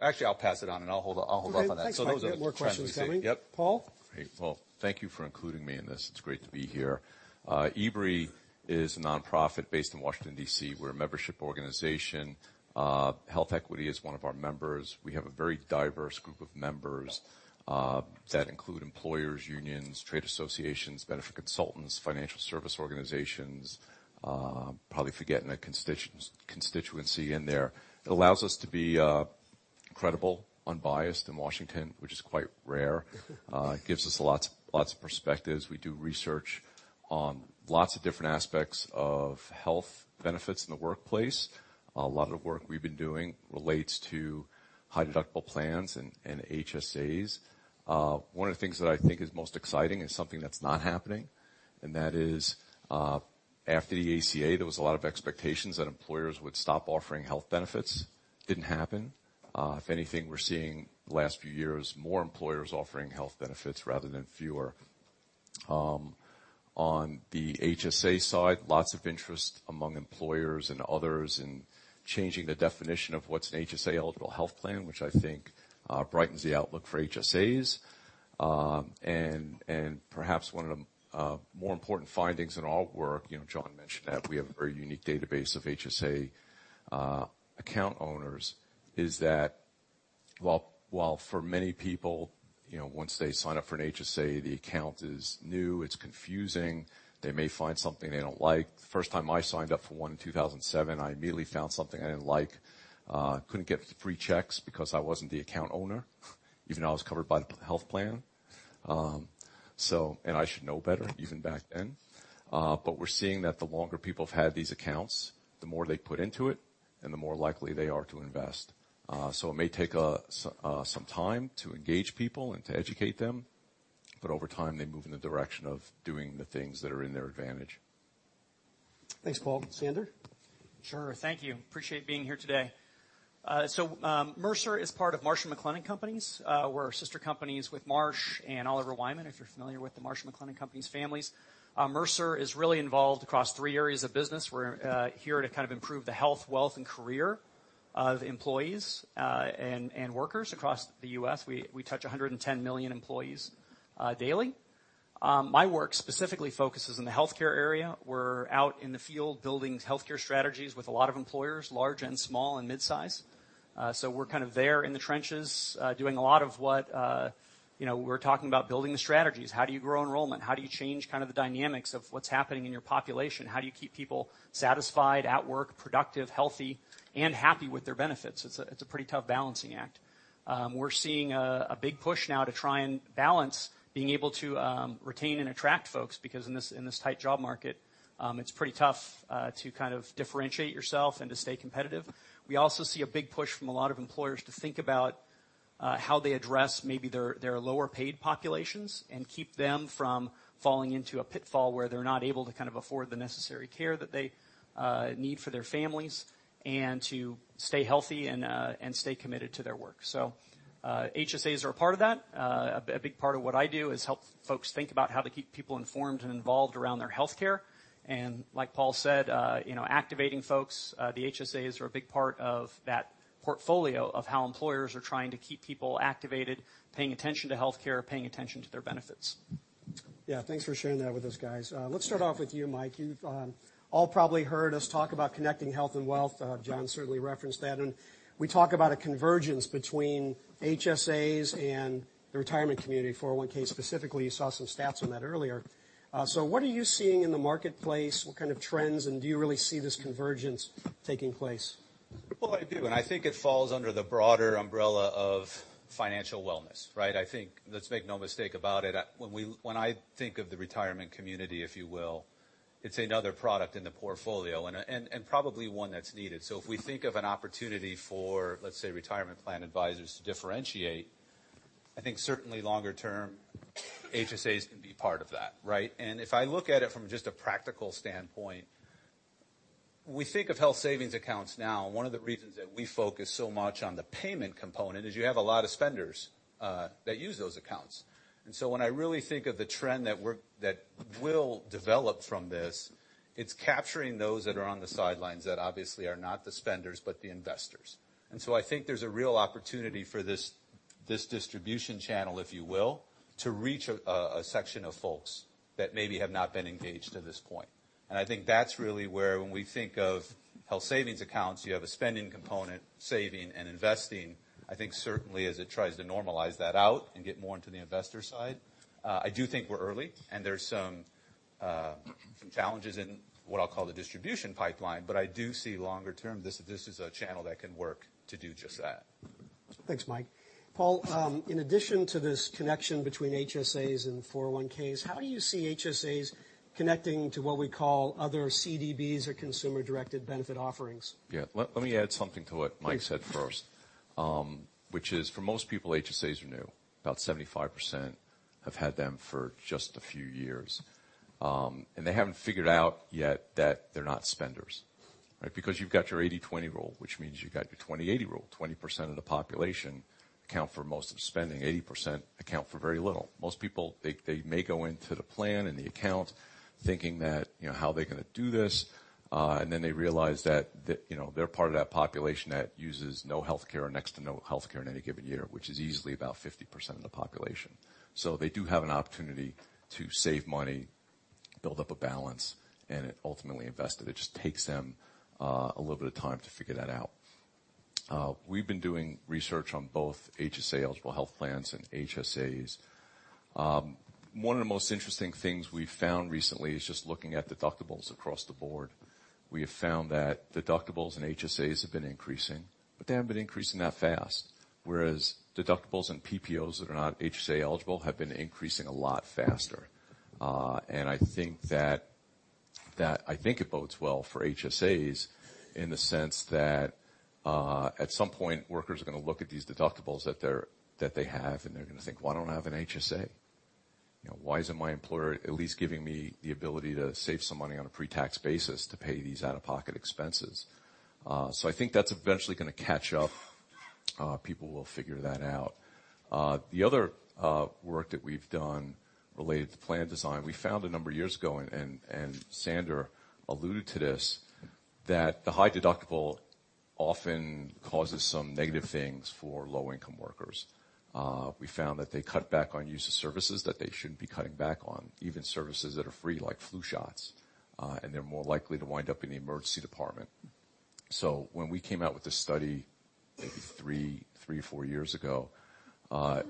Actually, I'll pass it on, I'll hold off on that. Okay, thanks, Mike. Those are the trends we see. We got more questions coming. Yep. Paul? Great. Paul, thank you for including me in this. It's great to be here. EBRI is a nonprofit based in Washington, D.C. We're a membership organization. HealthEquity is one of our members. We have a very diverse group of members that include employers, unions, trade associations, benefit consultants, financial service organizations. Probably forgetting a constituency in there. It allows us to be credible, unbiased in Washington, which is quite rare. It gives us lots of perspectives. We do research on lots of different aspects of health benefits in the workplace. A lot of the work we've been doing relates to high deductible plans and HSAs. One of the things that I think is most exciting is something that's not happening, and that is, after the ACA, there was a lot of expectations that employers would stop offering health benefits. Didn't happen. If anything, we're seeing the last few years, more employers offering health benefits rather than fewer. On the HSA side, lots of interest among employers and others in changing the definition of what's an HSA-eligible health plan, which I think brightens the outlook for HSAs. Perhaps one of the more important findings in our work, John mentioned that we have a very unique database of HSA account owners, is that while for many people, once they sign up for an HSA, the account is new, it's confusing. They may find something they don't like. The first time I signed up for one in 2007, I immediately found something I didn't like. Couldn't get free checks because I wasn't the account owner, even though I was covered by the health plan. I should know better, even back then. We're seeing that the longer people have had these accounts, the more they put into it, and the more likely they are to invest. It may take some time to engage people and to educate them, but over time, they move in the direction of doing the things that are in their advantage. Thanks, Paul. Sander? Sure. Thank you. Appreciate being here today. Mercer is part of Marsh & McLennan Companies. We're sister companies with Marsh and Oliver Wyman, if you're familiar with the Marsh & McLennan Companies families. Mercer is really involved across three areas of business. We're here to improve the health, wealth, and career of employees and workers across the U.S. We touch 110 million employees daily. My work specifically focuses on the healthcare area. We're out in the field building healthcare strategies with a lot of employers, large and small and mid-size. We're there in the trenches doing a lot of what we're talking about, building the strategies. How do you grow enrollment? How do you change the dynamics of what's happening in your population? How do you keep people satisfied at work, productive, healthy, and happy with their benefits? It's a pretty tough balancing act. We're seeing a big push now to try and balance being able to retain and attract folks, because in this tight job market, it's pretty tough to differentiate yourself and to stay competitive. We also see a big push from a lot of employers to think about how they address maybe their lower-paid populations and keep them from falling into a pitfall where they're not able to afford the necessary care that they need for their families, and to stay healthy and stay committed to their work. HSAs are a part of that. A big part of what I do is help folks think about how to keep people informed and involved around their healthcare. Like Paul said, activating folks, the HSAs are a big part of that portfolio of how employers are trying to keep people activated, paying attention to healthcare, paying attention to their benefits. Yeah, thanks for sharing that with us, guys. Let's start off with you, Mike. You've all probably heard us talk about connecting health and wealth. Jon certainly referenced that, we talk about a convergence between HSAs and the retirement community, 401 s specifically. You saw some stats on that earlier. What are you seeing in the marketplace? What kind of trends, do you really see this convergence taking place? I do, I think it falls under the broader umbrella of financial wellness, right? I think, let's make no mistake about it, when I think of the retirement community, if you will, it's another product in the portfolio, and probably one that's needed. If we think of an opportunity for, let's say, retirement plan advisors to differentiate, I think certainly longer term, HSAs can be part of that, right? If I look at it from just a practical standpoint. When we think of Health Savings Accounts now, one of the reasons that we focus so much on the payment component is you have a lot of spenders that use those accounts. When I really think of the trend that will develop from this, it's capturing those that are on the sidelines that obviously are not the spenders but the investors. I think there's a real opportunity for this distribution channel, if you will, to reach a section of folks that maybe have not been engaged to this point. I think that's really where when we think of Health Savings Accounts, you have a spending component, saving, and investing. I think certainly as it tries to normalize that out and get more into the investor side, I do think we're early, and there's some challenges in what I'll call the distribution pipeline. I do see longer term, this is a channel that can work to do just that. Thanks, Mike. Paul, in addition to this connection between HSAs and 401Ks, how do you see HSAs connecting to what we call other CDBs or consumer-directed benefit offerings? Let me add something to what Mike said first, which is for most people, HSAs are new. About 75% have had them for just a few years, and they haven't figured out yet that they're not spenders, right? Because you've got your 80/20 rule, which means you've got your 20/80 rule. 20% of the population account for most of the spending, 80% account for very little. Most people, they may go into the plan and the account thinking that how they're going to do this, and then they realize that they're part of that population that uses no healthcare or next to no healthcare in any given year, which is easily about 50% of the population. They do have an opportunity to save money, build up a balance, and ultimately invest it. It just takes them a little bit of time to figure that out. We've been doing research on both HSA-eligible health plans and HSAs. One of the most interesting things we've found recently is just looking at deductibles across the board. We have found that deductibles and HSAs have been increasing, but they haven't been increasing that fast. Whereas deductibles and PPOs that are not HSA eligible have been increasing a lot faster. I think it bodes well for HSAs in the sense that, at some point, workers are going to look at these deductibles that they have, and they're going to think, "Why don't I have an HSA? Why isn't my employer at least giving me the ability to save some money on a pre-tax basis to pay these out-of-pocket expenses?" I think that's eventually going to catch up. People will figure that out. The other work that we've done related to plan design, we found a number of years ago, and Sander alluded to this, that the high deductible often causes some negative things for low-income workers. We found that they cut back on use of services that they shouldn't be cutting back on, even services that are free, like flu shots, and they're more likely to wind up in the emergency department. When we came out with this study maybe three or four years ago, one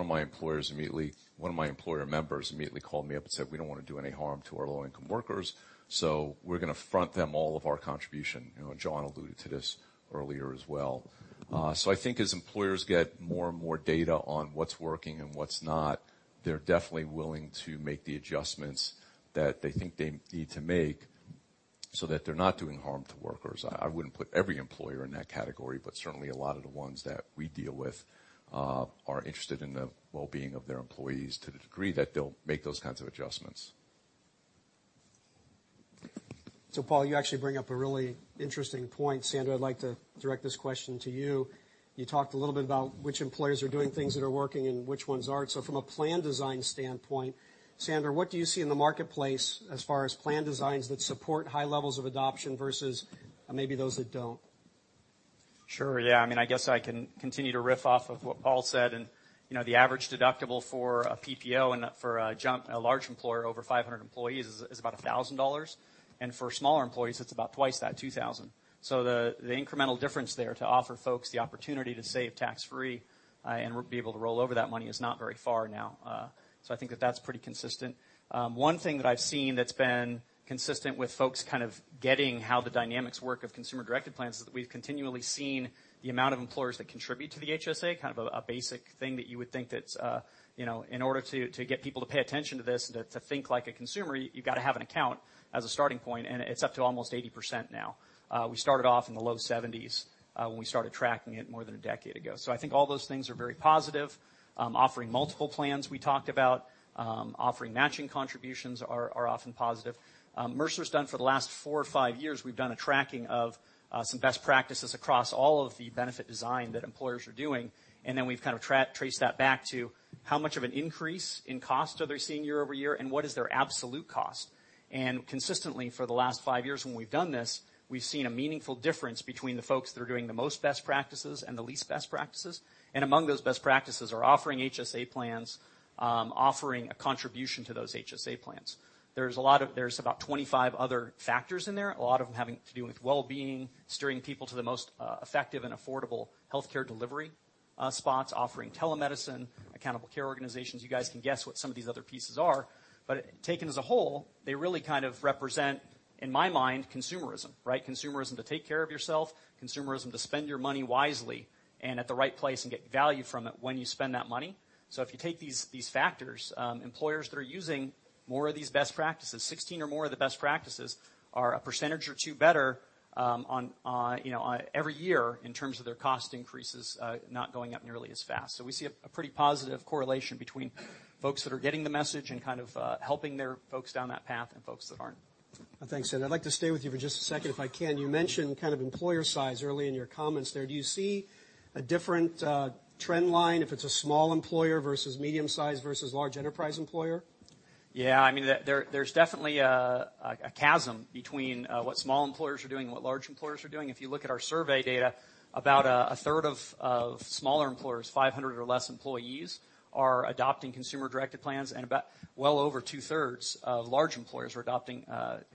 of my employer members immediately called me up and said, "We don't want to do any harm to our low-income workers, so we're going to front them all of our contribution." Jon alluded to this earlier as well. I think as employers get more and more data on what's working and what's not, they're definitely willing to make the adjustments that they think they need to make so that they're not doing harm to workers. I wouldn't put every employer in that category, but certainly a lot of the ones that we deal with are interested in the well-being of their employees to the degree that they'll make those kinds of adjustments. Paul, you actually bring up a really interesting point. Sander, I'd like to direct this question to you. You talked a little bit about which employers are doing things that are working and which ones aren't. From a plan design standpoint, Sander, what do you see in the marketplace as far as plan designs that support high levels of adoption versus maybe those that don't? Sure. Yeah. I guess I can continue to riff off of what Paul said, the average deductible for a PPO and for a large employer, over 500 employees, is about $1,000. For smaller employees, it's about twice that, $2,000. The incremental difference there to offer folks the opportunity to save tax-free and be able to roll over that money is not very far now. I think that that's pretty consistent. One thing that I've seen that's been consistent with folks kind of getting how the dynamics work of consumer-directed plans is that we've continually seen the amount of employers that contribute to the HSA, kind of a basic thing that you would think that in order to get people to pay attention to this, to think like a consumer, you got to have an account as a starting point, and it's up to almost 80% now. We started off in the low 70s when we started tracking it more than a decade ago. I think all those things are very positive. Offering multiple plans we talked about offering matching contributions are often positive. Mercer's done for the last four or five years, we've done a tracking of some best practices across all of the benefit design that employers are doing, then we've kind of traced that back to how much of an increase in cost are they seeing year-over-year, and what is their absolute cost. Consistently for the last five years when we've done this, we've seen a meaningful difference between the folks that are doing the most best practices and the least best practices. Among those best practices are offering HSA plans, offering a contribution to those HSA plans. There's about 25 other factors in there, a lot of them having to do with well-being, steering people to the most effective and affordable healthcare delivery spots, offering telemedicine, accountable care organizations. You guys can guess what some of these other pieces are. Taken as a whole, they really kind of represent, in my mind, consumerism, right? Consumerism to take care of yourself, consumerism to spend your money wisely and at the right place, and get value from it when you spend that money. If you take these factors, employers that are using more of these best practices, 16 or more of the best practices are a percentage or two better every year in terms of their cost increases not going up nearly as fast. We see a pretty positive correlation between folks that are getting the message and kind of helping their folks down that path and folks that aren't. Thanks, Sander. I'd like to stay with you for just a second if I can. You mentioned kind of employer size early in your comments there. Do you see a different trend line if it's a small employer versus medium-sized versus large enterprise employer? Yeah. There's definitely a chasm between what small employers are doing and what large employers are doing. If you look at our survey data, about a third of smaller employers, 500 or less employees, are adopting consumer-directed plans, and about well over two-thirds of large employers are adopting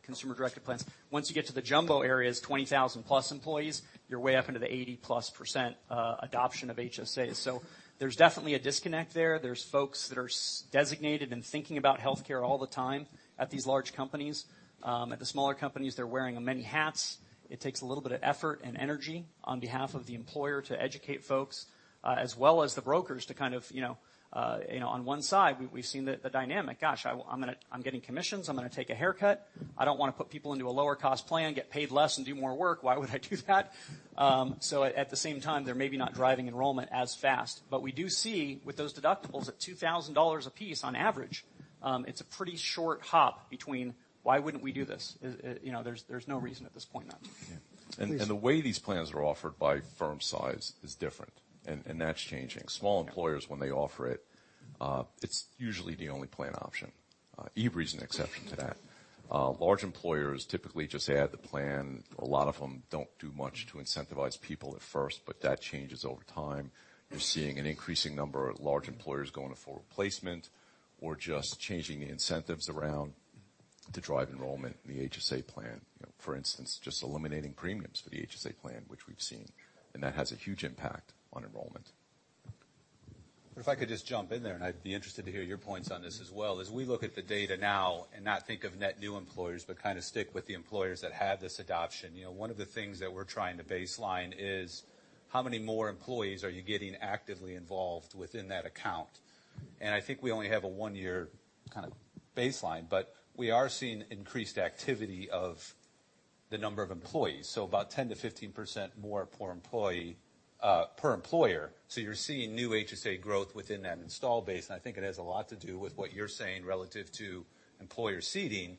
consumer-directed plans. Once you get to the jumbo areas, 20,000-plus employees, you're way up into the 80+% adoption of HSAs. There's definitely a disconnect there. There's folks that are designated and thinking about healthcare all the time at these large companies. At the smaller companies, they're wearing many hats. It takes a little bit of effort and energy on behalf of the employer to educate folks, as well as the brokers to kind of, on one side, we've seen the dynamic, gosh, I'm getting commissions. I'm going to take a haircut. I don't want to put people into a lower cost plan, get paid less and do more work. Why would I do that? At the same time, they're maybe not driving enrollment as fast. We do see with those deductibles at $2,000 a piece on average, it's a pretty short hop between why wouldn't we do this? There's no reason at this point not to. Yeah. Please. The way these plans are offered by firm size is different, and that's changing. Yeah. Small employers, when they offer it's usually the only plan option. Every's an exception to that. Large employers typically just add the plan. A lot of them don't do much to incentivize people at first, but that changes over time. We're seeing an increasing number of large employers going to full replacement or just changing the incentives around to drive enrollment in the HSA plan. For instance, just eliminating premiums for the HSA plan, which we've seen, and that has a huge impact on enrollment. If I could just jump in there, I'd be interested to hear your points on this as well. As we look at the data now and not think of net new employers, but kind of stick with the employers that have this adoption, one of the things that we're trying to baseline is how many more employees are you getting actively involved within that account? I think we only have a one-year kind of baseline, but we are seeing increased activity of the number of employees, so about 10%-15% more per employer. You're seeing new HSA growth within that install base, and I think it has a lot to do with what you're saying relative to employer seeding.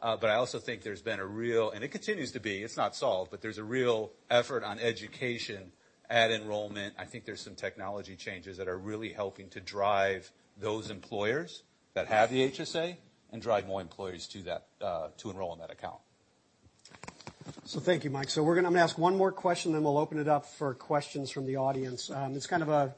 I also think there's been a real, and it continues to be, it's not solved, but there's a real effort on education at enrollment. I think there's some technology changes that are really helping to drive those employers that have the HSA and drive more employees to enroll in that account. Thank you, Mike. We're going to ask one more question, then we'll open it up for questions from the audience. It's kind of an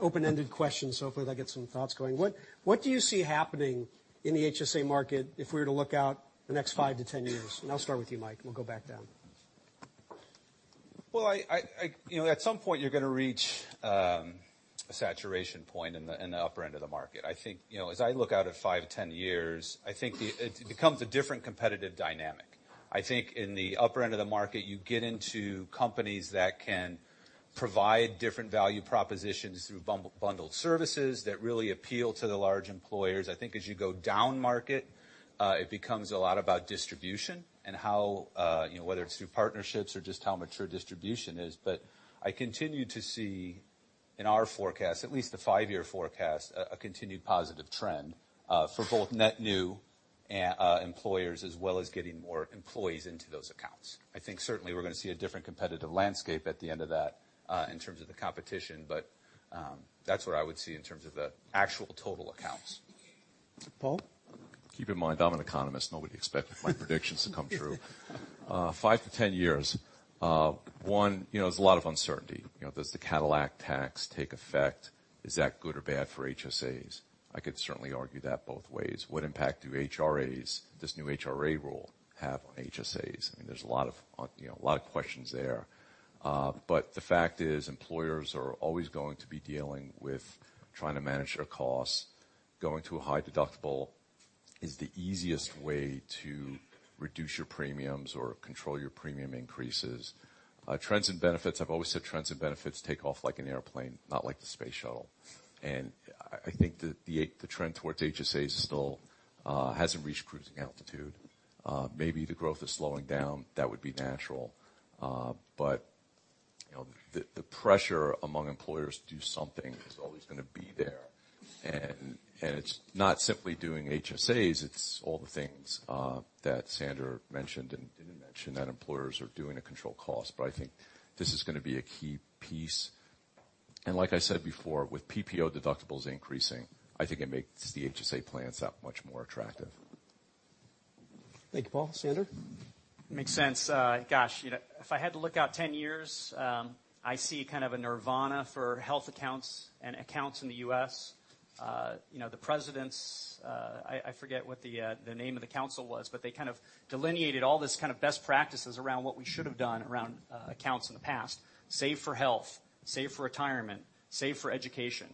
open-ended question, so hopefully that gets some thoughts going. What do you see happening in the HSA market if we were to look out the next five to 10 years? I'll start with you, Mike, and we'll go back down. Well, at some point, you're going to reach a saturation point in the upper end of the market. I think, as I look out at five to 10 years, I think it becomes a different competitive dynamic. I think in the upper end of the market, you get into companies that can provide different value propositions through bundled services that really appeal to the large employers. I think as you go down market, it becomes a lot about distribution and whether it's through partnerships or just how mature distribution is. I continue to see in our forecast, at least the five-year forecast, a continued positive trend for both net new employers as well as getting more employees into those accounts. I think certainly we're going to see a different competitive landscape at the end of that in terms of the competition, but that's what I would see in terms of the actual total accounts. Paul? Keep in mind, I'm an economist. Nobody expected my predictions to come true. Five to 10 years. One, there's a lot of uncertainty. Does the Cadillac tax take effect? Is that good or bad for HSAs? I could certainly argue that both ways. What impact do HRAs, this new HRA rule, have on HSAs? There's a lot of questions there. The fact is, employers are always going to be dealing with trying to manage their costs. Going to a high deductible is the easiest way to reduce your premiums or control your premium increases. Trends and benefits, I've always said trends and benefits take off like an airplane, not like the space shuttle. I think the trend towards HSAs still hasn't reached cruising altitude. Maybe the growth is slowing down. That would be natural. The pressure among employers to do something is always going to be there. It's not simply doing HSAs, it's all the things that Sander mentioned and didn't mention that employers are doing to control cost. I think this is going to be a key piece. Like I said before, with PPO deductibles increasing, I think it makes the HSA plans that much more attractive. Thank you, Paul. Sander? Makes sense. Gosh, if I had to look out 10 years, I see kind of a nirvana for health accounts and accounts in the U.S. The president's, I forget what the name of the council was, but they kind of delineated all this kind of best practices around what we should have done around accounts in the past. Save for health, save for retirement, save for education.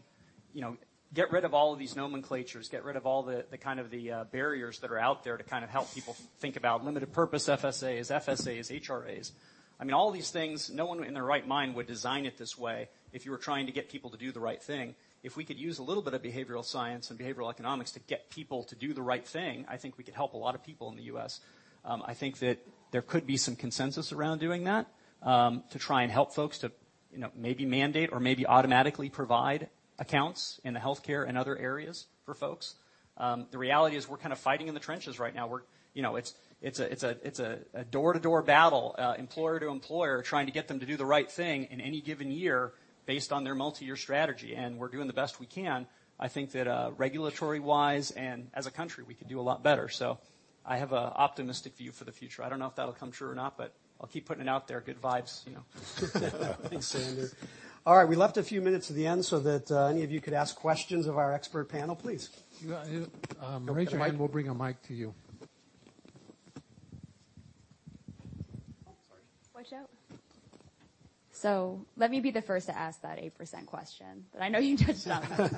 Get rid of all of these nomenclatures, get rid of all the kind of the barriers that are out there to kind of help people think about limited purpose FSAs, HRAs. I mean, all these things, no one in their right mind would design it this way if you were trying to get people to do the right thing. If we could use a little bit of behavioral science and behavioral economics to get people to do the right thing, I think we could help a lot of people in the U.S. I think that there could be some consensus around doing that, to try and help folks to maybe mandate or maybe automatically provide accounts in the healthcare and other areas for folks. The reality is we're kind of fighting in the trenches right now. It's a door-to-door battle, employer to employer, trying to get them to do the right thing in any given year based on their multi-year strategy, and we're doing the best we can. I think that regulatory-wise and as a country, we could do a lot better. I have an optimistic view for the future. I don't know if that'll come true or not, but I'll keep putting it out there. Good vibes. Thanks, Sander. All right. We left a few minutes at the end so that any of you could ask questions of our expert panel. Please. Raise your hand, we'll bring a mic to you. Watch out. Let me be the first to ask that 8% question, but I know you touched on that.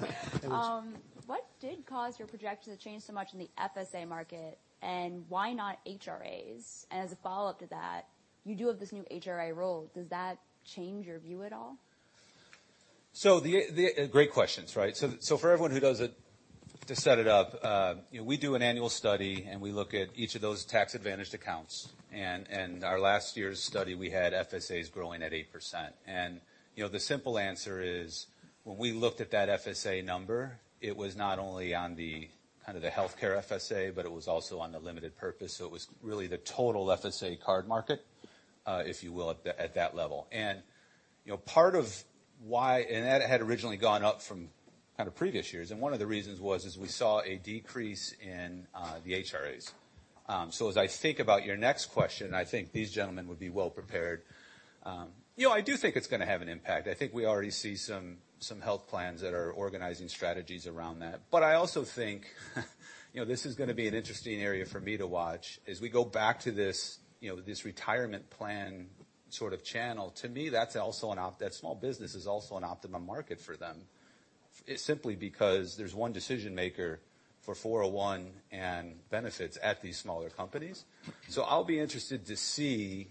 What did cause your projection to change so much in the FSA market, and why not HRAs? As a follow-up to that, you do have this new HRA rule. Does that change your view at all? Great questions. For everyone who does it, to set it up, we do an annual study, and we look at each of those tax-advantaged accounts. Our last year's study, we had FSAs growing at 8%. The simple answer is, when we looked at that FSA number, it was not only on the kind of the healthcare FSA, but it was also on the limited purpose. It was really the total FSA card market, if you will, at that level. That had originally gone up from kind of previous years, and one of the reasons was is we saw a decrease in the HRAs. As I think about your next question, I think these gentlemen would be well-prepared. I do think it's going to have an impact. I think we already see some health plans that are organizing strategies around that. I also think this is going to be an interesting area for me to watch as we go back to this retirement plan sort of channel. To me, that small business is also an optimum market for them simply because there's one decision-maker for 401K and benefits at these smaller companies. I'll be interested to see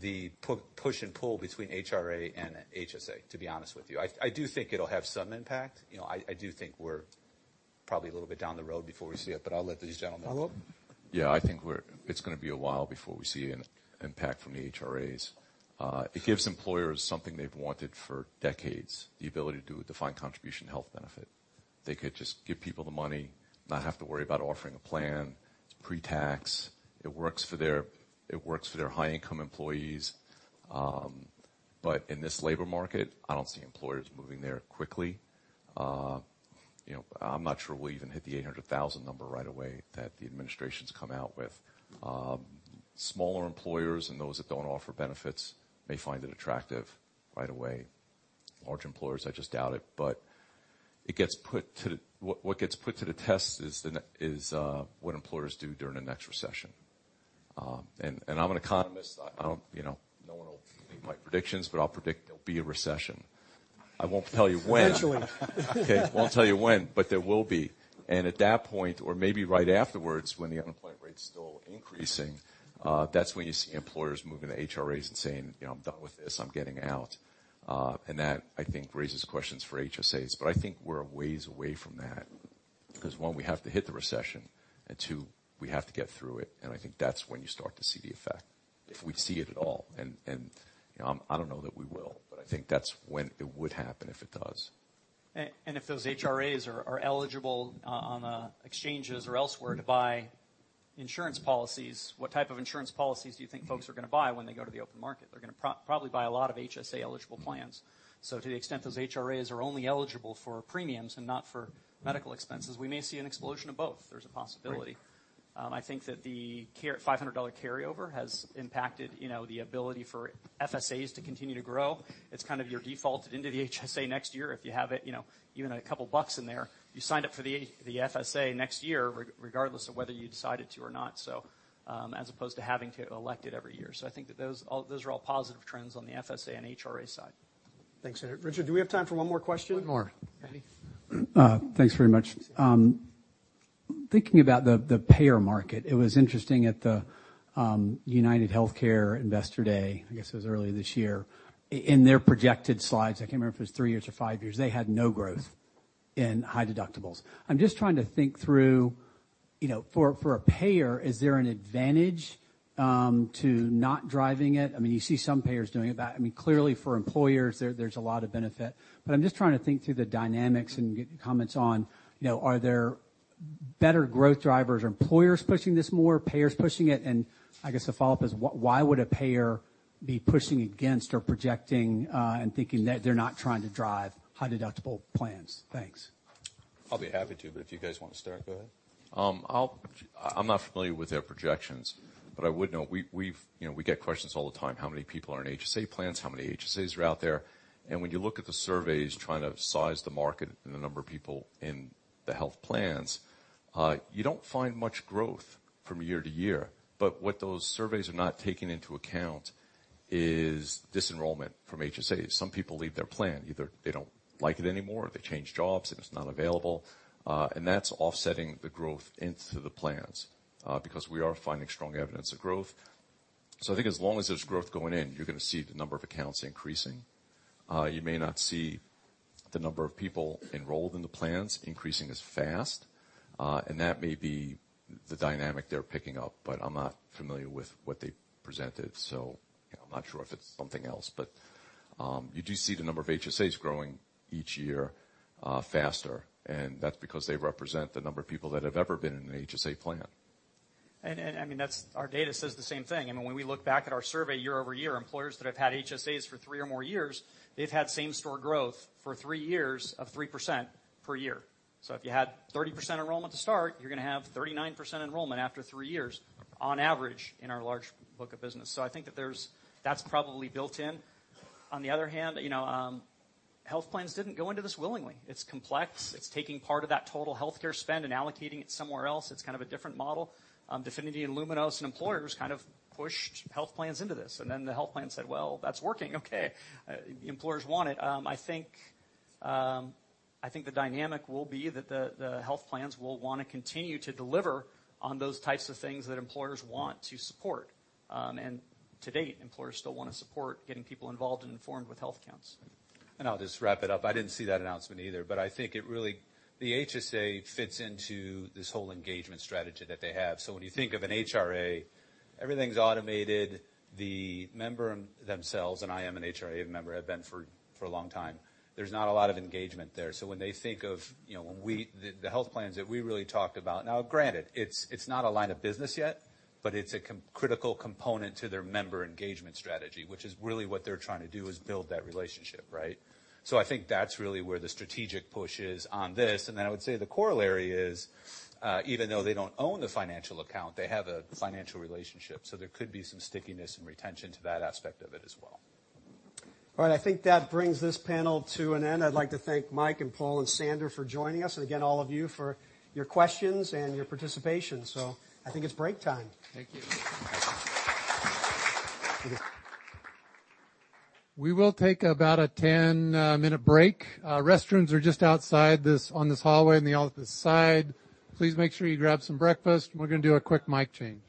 the push and pull between HRA and HSA, to be honest with you. I do think it'll have some impact. I do think we're probably a little bit down the road before we see it, but I'll let these gentlemen. Follow up? I think it's going to be a while before we see an impact from the HRAs. It gives employers something they've wanted for decades, the ability to do a defined contribution health benefit. They could just give people the money, not have to worry about offering a plan, it's pre-tax. It works for their high-income employees. In this labor market, I don't see employers moving there quickly. I'm not sure we'll even hit the 800,000 number right away that the administration's come out with. Smaller employers and those that don't offer benefits may find it attractive right away. Large employers, I just doubt it. What gets put to the test is what employers do during the next recession. I'm an economist. No one will believe my predictions. I'll predict there'll be a recession. I won't tell you when. Eventually. won't tell you when. There will be. At that point, or maybe right afterwards, when the unemployment rate's still increasing, that's when you see employers moving to HRAs and saying, "I'm done with this. I'm getting out." That, I think, raises questions for HSAs. I think we're a ways away from that because, one, we have to hit the recession, and two, we have to get through it, and I think that's when you start to see the effect, if we see it at all. I don't know that we will. I think that's when it would happen, if it does. If those HRAs are eligible on the exchanges or elsewhere to buy insurance policies, what type of insurance policies do you think folks are going to buy when they go to the open market? They're going to probably buy a lot of HSA-eligible plans. To the extent those HRAs are only eligible for premiums and not for medical expenses, we may see an explosion of both. There's a possibility. Right. I think that the $500 carryover has impacted the ability for FSAs to continue to grow. It's kind of your default into the HSA next year if you have even a couple of bucks in there. You signed up for the FSA next year, regardless of whether you decided to or not, as opposed to having to elect it every year. I think that those are all positive trends on the FSA and HRA side. Thanks. Richard, do we have time for one more question? One more. Eddie? Thanks very much. Thinking about the payer market, it was interesting at the UnitedHealthcare Investor Day, I guess it was earlier this year. In their projected slides, I can't remember if it was three years or five years, they had no growth in high deductibles. I'm just trying to think through, for a payer, is there an advantage to not driving it? You see some payers doing it, but clearly for employers, there's a lot of benefit. I'm just trying to think through the dynamics and get your comments on, are there better growth drivers? Are employers pushing this more? Are payers pushing it? I guess the follow-up is, why would a payer be pushing against or projecting and thinking that they're not trying to drive high-deductible plans? Thanks. I'll be happy to, but if you guys want to start, go ahead. I'm not familiar with their projections, but I would know, we get questions all the time, how many people are in HSA plans, how many HSAs are out there? When you look at the surveys trying to size the market and the number of people in the health plans, you don't find much growth from year to year. What those surveys are not taking into account is dis-enrollment from HSAs. Some people leave their plan. Either they don't like it anymore, or they change jobs, and it's not available. That's offsetting the growth into the plans because we are finding strong evidence of growth. I think as long as there's growth going in, you're going to see the number of accounts increasing. You may not see the number of people enrolled in the plans increasing as fast, and that may be the dynamic they're picking up. I'm not familiar with what they presented, so I'm not sure if it's something else. You do see the number of HSAs growing each year faster, and that's because they represent the number of people that have ever been in an HSA plan. Our data says the same thing. When we look back at our survey year-over-year, employers that have had HSAs for three or more years, they've had same-store growth for three years of 3% per year. If you had 30% enrollment to start, you're going to have 39% enrollment after three years on average in our large book of business. I think that's probably built in. On the other hand. Health plans didn't go into this willingly. It's complex. It's taking part of that total healthcare spend and allocating it somewhere else. It's kind of a different model. Definity and Lumenos and employers kind of pushed health plans into this, the health plan said, "Well, that's working. Okay. Employers want it." I think the dynamic will be that the health plans will want to continue to deliver on those types of things that employers want to support. To date, employers still want to support getting people involved and informed with health accounts. I'll just wrap it up. I didn't see that announcement either, I think the HSA fits into this whole engagement strategy that they have. When you think of an HRA, everything's automated. The member themselves, and I am an HRA member, have been for a long time, there's not a lot of engagement there. When they think of the health plans that we really talked about, now granted, it's not a line of business yet, it's a critical component to their member engagement strategy, which is really what they're trying to do is build that relationship, right? I think that's really where the strategic push is on this. I would say the corollary is, even though they don't own the financial account, they have a financial relationship, there could be some stickiness and retention to that aspect of it as well. All right. I think that brings this panel to an end. I'd like to thank Mike and Paul and Sander for joining us, and again, all of you for your questions and your participation. I think it's break time. Thank you. We will take about a 10-minute break. Restrooms are just outside on this hallway and out this side. Please make sure you grab some breakfast, and we're going to do a quick mic change.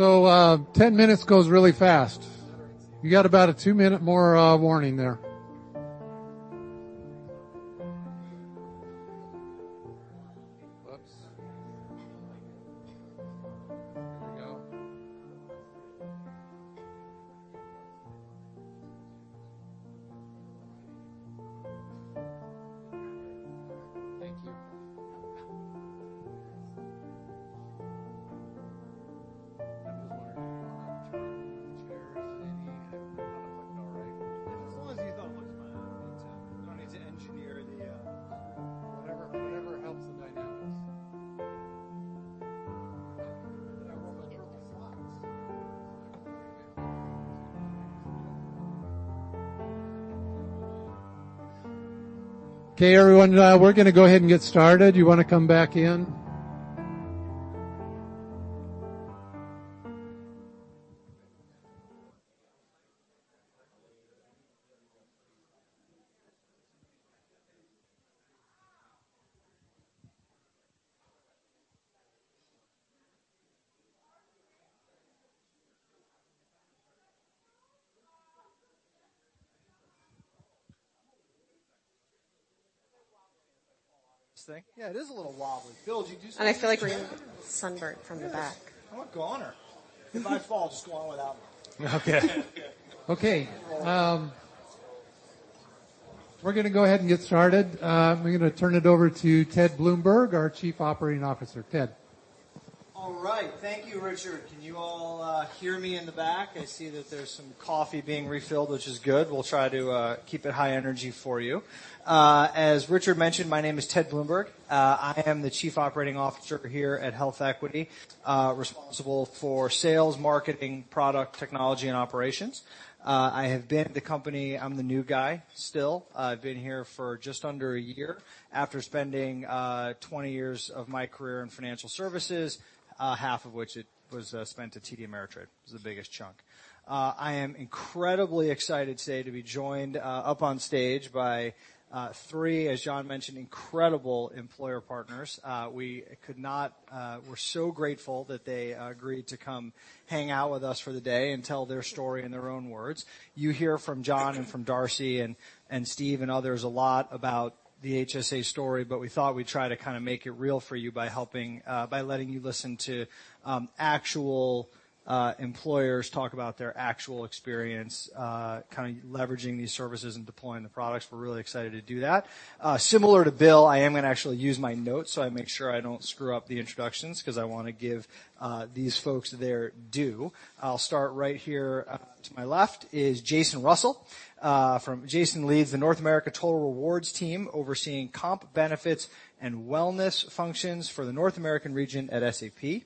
Good stuff. 10 minutes goes really fast. You got about a two-minute more warning there. Whoops. Here we go. Thank you. I'm just wondering about the chairs, any kind of like All right. As long as you don't need to engineer the. Okay, everyone, we're going to go ahead and get started. You want to come back in? This thing? Yeah, it is a little wobbly. Bill, do you- I feel like we're going to get sunburnt from the back. I'm a goner. If I fall, just go on without me. Okay. Okay. We're going to go ahead and get started. We're going to turn it over to Ted Bloomberg, our Chief Operating Officer. Ted. All right. Thank you, Richard. Can you all hear me in the back? I see that there's some coffee being refilled, which is good. We'll try to keep it high energy for you. As Richard mentioned, my name is Ted Bloomberg. I am the Chief Operating Officer here at HealthEquity, responsible for sales, marketing, product, technology, and operations. I have been at the company I'm the new guy still. I've been here for just under a year after spending 20 years of my career in financial services, half of which was spent at TD Ameritrade, was the biggest chunk. I am incredibly excited today to be joined up on stage by three, as John mentioned, incredible employer partners. We're so grateful that they agreed to come hang out with us for the day and tell their story in their own words. You hear from John and from Darcy and Steve and others a lot about the HSA story. We thought we'd try to make it real for you by letting you listen to actual employers talk about their actual experience leveraging these services and deploying the products. We're really excited to do that. Similar to Bill, I am going to actually use my notes, so I make sure I don't screw up the introductions because I want to give these folks their due. I'll start right here. To my left is Jason Russell. Jason leads the North America Total Rewards team, overseeing comp benefits and wellness functions for the North American region at SAP.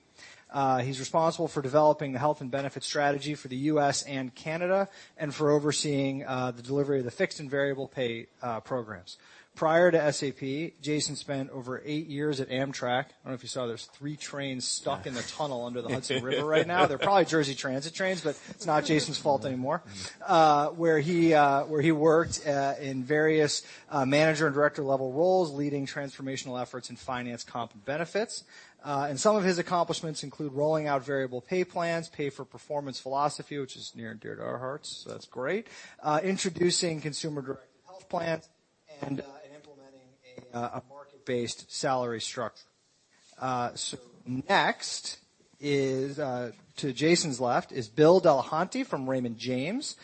He's responsible for developing the health and benefits strategy for the U.S. and Canada and for overseeing the delivery of the fixed and variable pay programs. Prior to SAP, Jason spent over eight years at Amtrak. I don't know if you saw there's 3 trains stuck in the tunnel under the Hudson River right now. They're probably NJ Transit trains, it's not Jason's fault anymore. Where he worked in various manager and director level roles, leading transformational efforts in finance comp and benefits. Some of his accomplishments include rolling out variable pay plans, pay for performance philosophy, which is near and dear to our hearts, introducing consumer-directed health plans and implementing a market-based salary structure. That's great. Next, to Jason's left, is Bill Delahanty from Raymond James.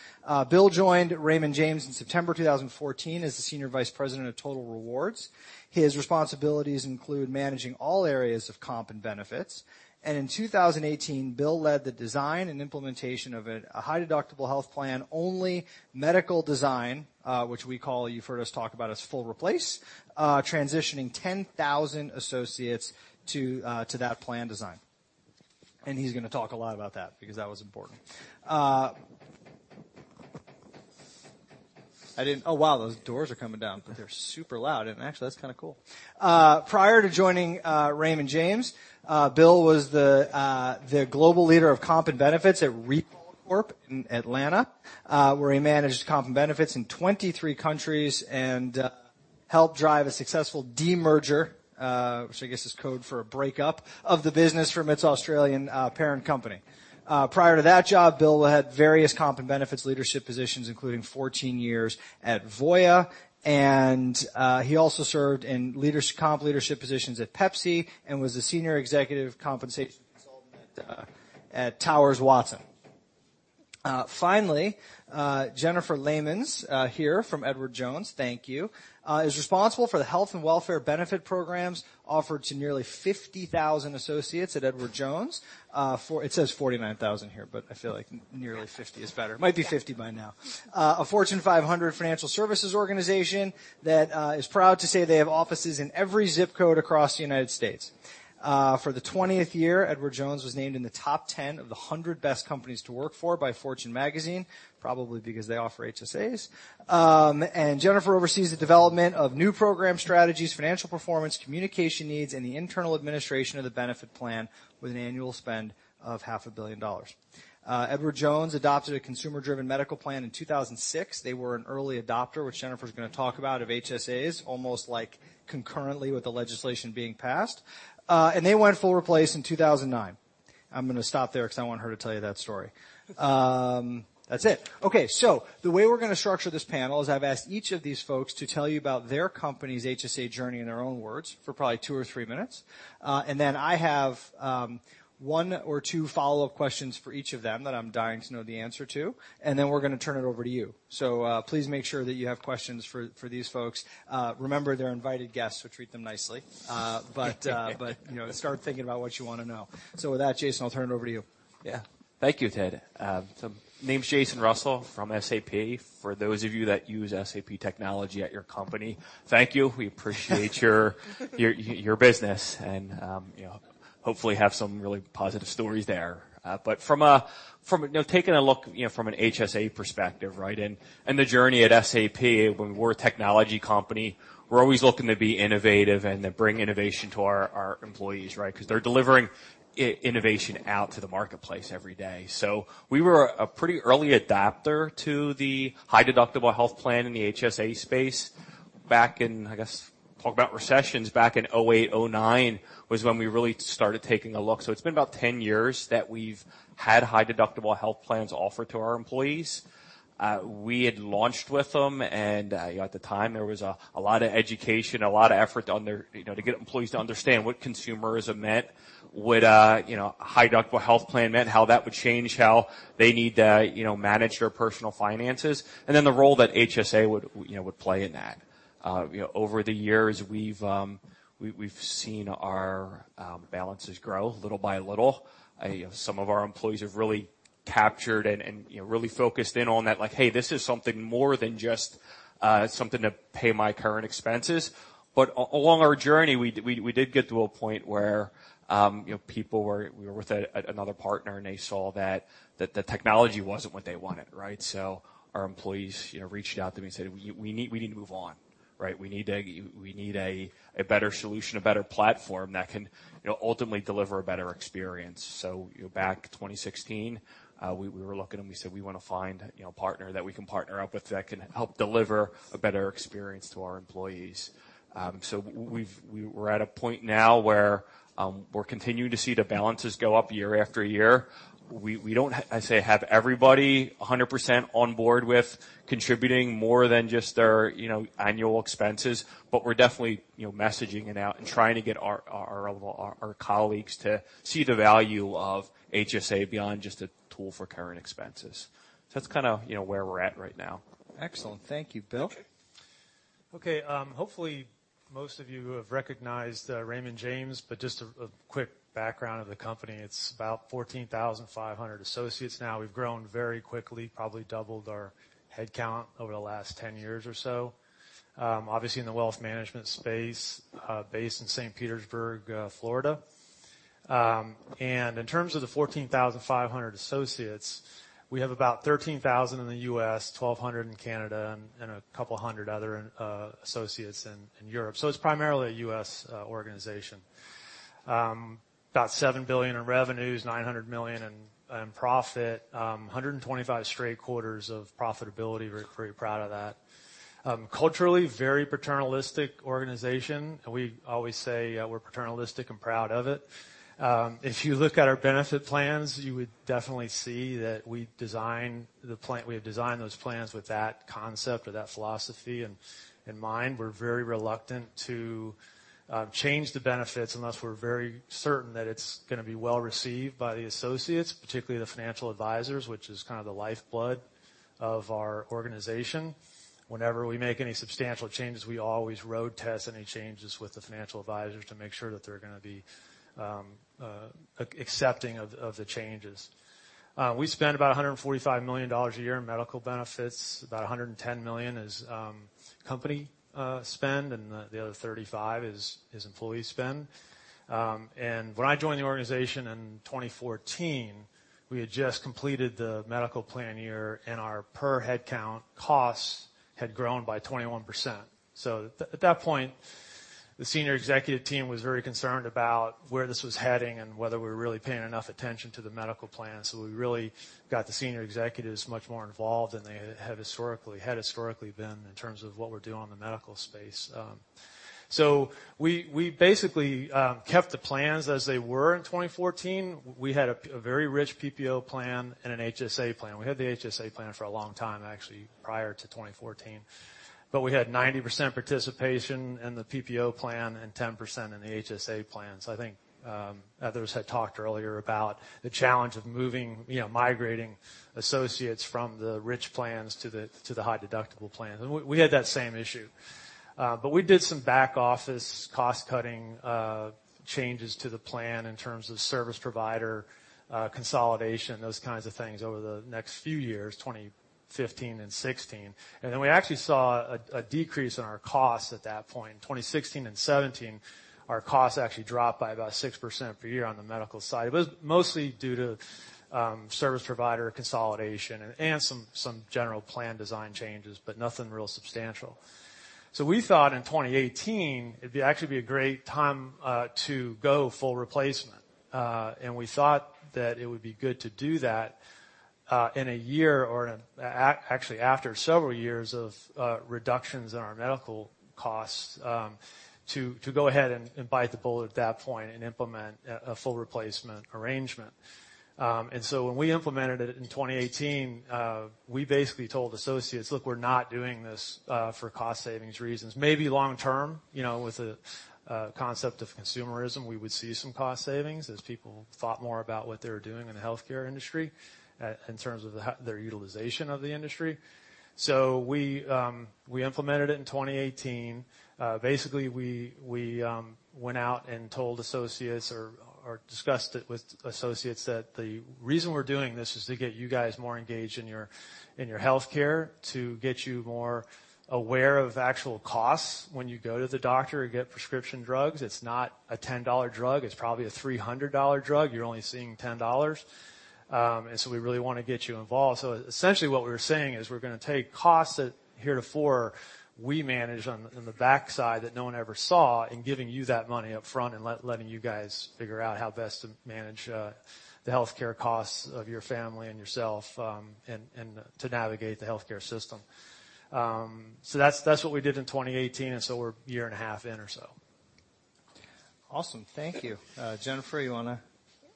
Bill joined Raymond James in September 2014 as the Senior Vice President of Total Rewards. His responsibilities include managing all areas of comp and benefits. In 2018, Bill led the design and implementation of a high deductible health plan, only medical design, which we call, you've heard us talk about as full replace, transitioning 10,000 associates to that plan design. He's going to talk a lot about that because that was important. Oh, wow, those doors are coming down. They're super loud and actually that's kind of cool. Prior to joining Raymond James, Bill was the global leader of comp and benefits at Recold Corp in Atlanta, where he managed comp and benefits in 23 countries and helped drive a successful demerger, which I guess is code for a breakup, of the business from its Australian parent company. Prior to that job, Bill had various comp and benefits leadership positions, including 14 years at Voya, he also served in comp leadership positions at Pepsi and was the senior executive compensation consultant at Towers Watson. Finally, Jennifer Lemons here from Edward Jones, thank you, is responsible for the health and welfare benefit programs offered to nearly 50,000 associates at Edward Jones. It says 49,000 here, but I feel like nearly 50 is better. Might be 50 by now. A Fortune 500 financial services organization that is proud to say they have offices in every zip code across the United States. For the 20th year, Edward Jones was named in the top 10 of the 100 best companies to work for by Fortune magazine, probably because they offer HSAs. Jennifer oversees the development of new program strategies, financial performance, communication needs, and the internal administration of the benefit plan with an annual spend of half a billion dollars. Edward Jones adopted a consumer-driven medical plan in 2006. They were an early adopter, which Jennifer's going to talk about, of HSAs, almost concurrently with the legislation being passed. They went full replace in 2009. I'm going to stop there because I want her to tell you that story. That's it. Okay. The way we're going to structure this panel is I've asked each of these folks to tell you about their company's HSA journey in their own words for probably two or three minutes. Then I have one or two follow-up questions for each of them that I'm dying to know the answer to. Then we're going to turn it over to you. Please make sure that you have questions for these folks. Remember, they're invited guests, so treat them nicely. Start thinking about what you want to know. With that, Jason, I'll turn it over to you. Yeah. Thank you, Ted. Name's Jason Russell from SAP. For those of you that use SAP technology at your company, thank you. We appreciate your business. Hopefully have some really positive stories there. Taking a look from an HSA perspective, right? The journey at SAP, when we're a technology company, we're always looking to be innovative and to bring innovation to our employees, right? Because they're delivering innovation out to the marketplace every day. We were a pretty early adapter to the high deductible health plan in the HSA space back in, I guess, talk about recessions, back in 2008, 2009 was when we really started taking a look. It's been about 10 years that we've had high deductible health plans offered to our employees. We had launched with them. At the time, there was a lot of education, a lot of effort to get employees to understand what consumerism meant, what a high deductible health plan meant, how that would change how they need to manage their personal finances, the role that HSA would play in that. Over the years, we've seen our balances grow little by little. Some of our employees have really captured and really focused in on that, like, "Hey, this is something more than just something to pay my current expenses." Along our journey, we did get to a point where people were with another partner. They saw that the technology wasn't what they wanted, right? Our employees reached out to me and said, "We need to move on. We need a better solution, a better platform that can ultimately deliver a better experience." Back in 2016, we were looking. We said we want to find a partner that we can partner up with that can help deliver a better experience to our employees. We're at a point now where we're continuing to see the balances go up year after year. We don't, I say, have everybody 100% on board with contributing more than just their annual expenses. We're definitely messaging it out, trying to get our colleagues to see the value of HSA beyond just a tool for current expenses. That's kind of where we're at right now. Excellent. Thank you. Bill? Hopefully, most of you have recognized Raymond James. Just a quick background of the company. It's about 14,500 associates now. We've grown very quickly, probably doubled our headcount over the last 10 years or so. Obviously, in the wealth management space, based in St. Petersburg, Florida. In terms of the 14,500 associates, we have about 13,000 in the U.S., 1,200 in Canada, and a couple hundred other associates in Europe. It's primarily a U.S. organization. About $7 billion in revenues, $900 million in profit. 125 straight quarters of profitability. We're very proud of that. Culturally, very paternalistic organization. We always say we're paternalistic and proud of it. If you look at our benefit plans, you would definitely see that we have designed those plans with that concept or that philosophy in mind. We're very reluctant to change the benefits unless we're very certain that it's going to be well-received by the associates, particularly the financial advisors, which is kind of the lifeblood of our organization. Whenever we make any substantial changes, we always road test any changes with the financial advisors to make sure that they're going to be accepting of the changes. We spend about $145 million a year in medical benefits. About $110 million is company spend, and the other 35 is employee spend. When I joined the organization in 2014, we had just completed the medical plan year, and our per head count costs had grown by 21%. At that point, the senior executive team was very concerned about where this was heading and whether we were really paying enough attention to the medical plan. We really got the senior executives much more involved than they had historically been in terms of what we're doing in the medical space. We basically kept the plans as they were in 2014. We had a very rich PPO plan and an HSA plan. We had the HSA plan for a long time, actually, prior to 2014. We had 90% participation in the PPO plan and 10% in the HSA plan. I think others had talked earlier about the challenge of migrating associates from the rich plans to the high deductible plans, and we had that same issue. We did some back-office cost-cutting changes to the plan in terms of service provider consolidation, those kinds of things over the next few years, 2015 and '16. We actually saw a decrease in our costs at that point. In 2016 and '17, our costs actually dropped by about 6% per year on the medical side. It was mostly due to service provider consolidation and some general plan design changes. Nothing real substantial. We thought in 2018 it'd actually be a great time to go full replacement. We thought that it would be good to do that in a year, or actually after several years of reductions in our medical costs, to go ahead and bite the bullet at that point and implement a full replacement arrangement. When we implemented it in 2018, we basically told associates, "Look, we're not doing this for cost savings reasons." Maybe long term, with the concept of consumerism, we would see some cost savings as people thought more about what they were doing in the healthcare industry in terms of their utilization of the industry. We implemented it in 2018. Basically, we went out and told associates or discussed it with associates that the reason we're doing this is to get you guys more engaged in your healthcare to get you more aware of actual costs when you go to the doctor or get prescription drugs. It's not a $10 drug. It's probably a $300 drug. You're only seeing $10. We really want to get you involved. Essentially what we were saying is we're going to take costs that heretofore we managed on the backside that no one ever saw, and giving you that money up front and letting you guys figure out how best to manage the healthcare costs of your family and yourself, and to navigate the healthcare system. That's what we did in 2018, we're a year and a half in or so. Awesome. Thank you. Jennifer, you want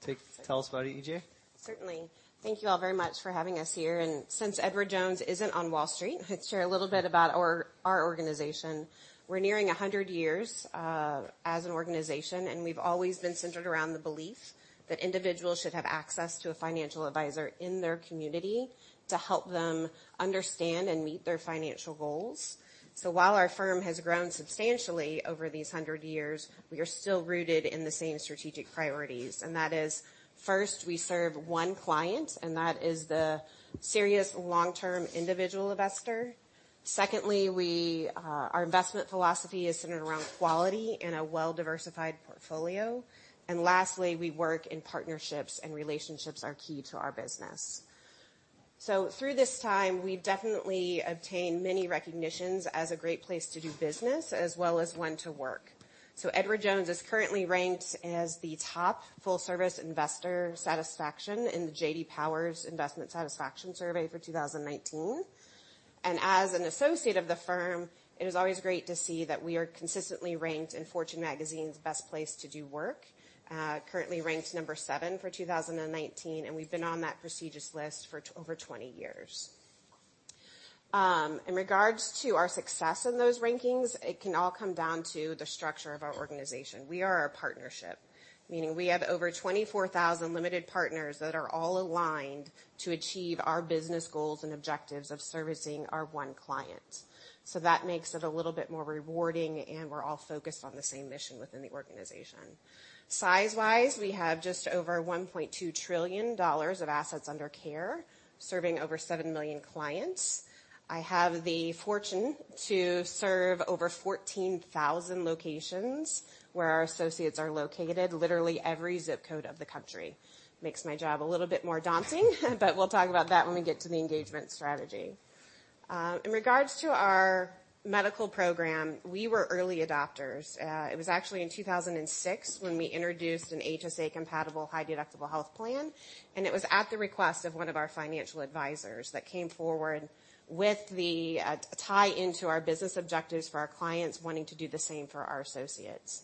to tell us about EJ? Certainly. Thank you all very much for having us here, since Edward Jones isn't on Wall Street, I'll share a little bit about our organization. We're nearing 100 years, as an organization, we've always been centered around the belief that individuals should have access to a financial advisor in their community to help them understand and meet their financial goals. While our firm has grown substantially over these 100 years, we are still rooted in the same strategic priorities. That is, first, we serve one client, and that is the serious long-term individual investor. Secondly, our investment philosophy is centered around quality and a well-diversified portfolio. Lastly, we work in partnerships, and relationships are key to our business. Through this time, we've definitely obtained many recognitions as a great place to do business as well as one to work. Edward Jones is currently ranked as the top full-service investor satisfaction in the J.D. Power's Investment Satisfaction Study for 2019. As an associate of the firm, it is always great to see that we are consistently ranked in Fortune magazine's best place to do work, currently ranked number 7 for 2019, and we've been on that prestigious list for over 20 years. In regards to our success in those rankings, it can all come down to the structure of our organization. We are a partnership, meaning we have over 24,000 limited partners that are all aligned to achieve our business goals and objectives of servicing our one client. That makes it a little bit more rewarding, and we're all focused on the same mission within the organization. Size-wise, we have just over $1.2 trillion of assets under care, serving over 7 million clients. I have the fortune to serve over 14,000 locations where our associates are located, literally every zip code of the country. Makes my job a little bit more daunting. We'll talk about that when we get to the engagement strategy. In regards to our medical program, we were early adopters. It was actually in 2006 when we introduced an HSA compatible high deductible health plan, and it was at the request of one of our financial advisors that came forward with the tie-in to our business objectives for our clients wanting to do the same for our associates.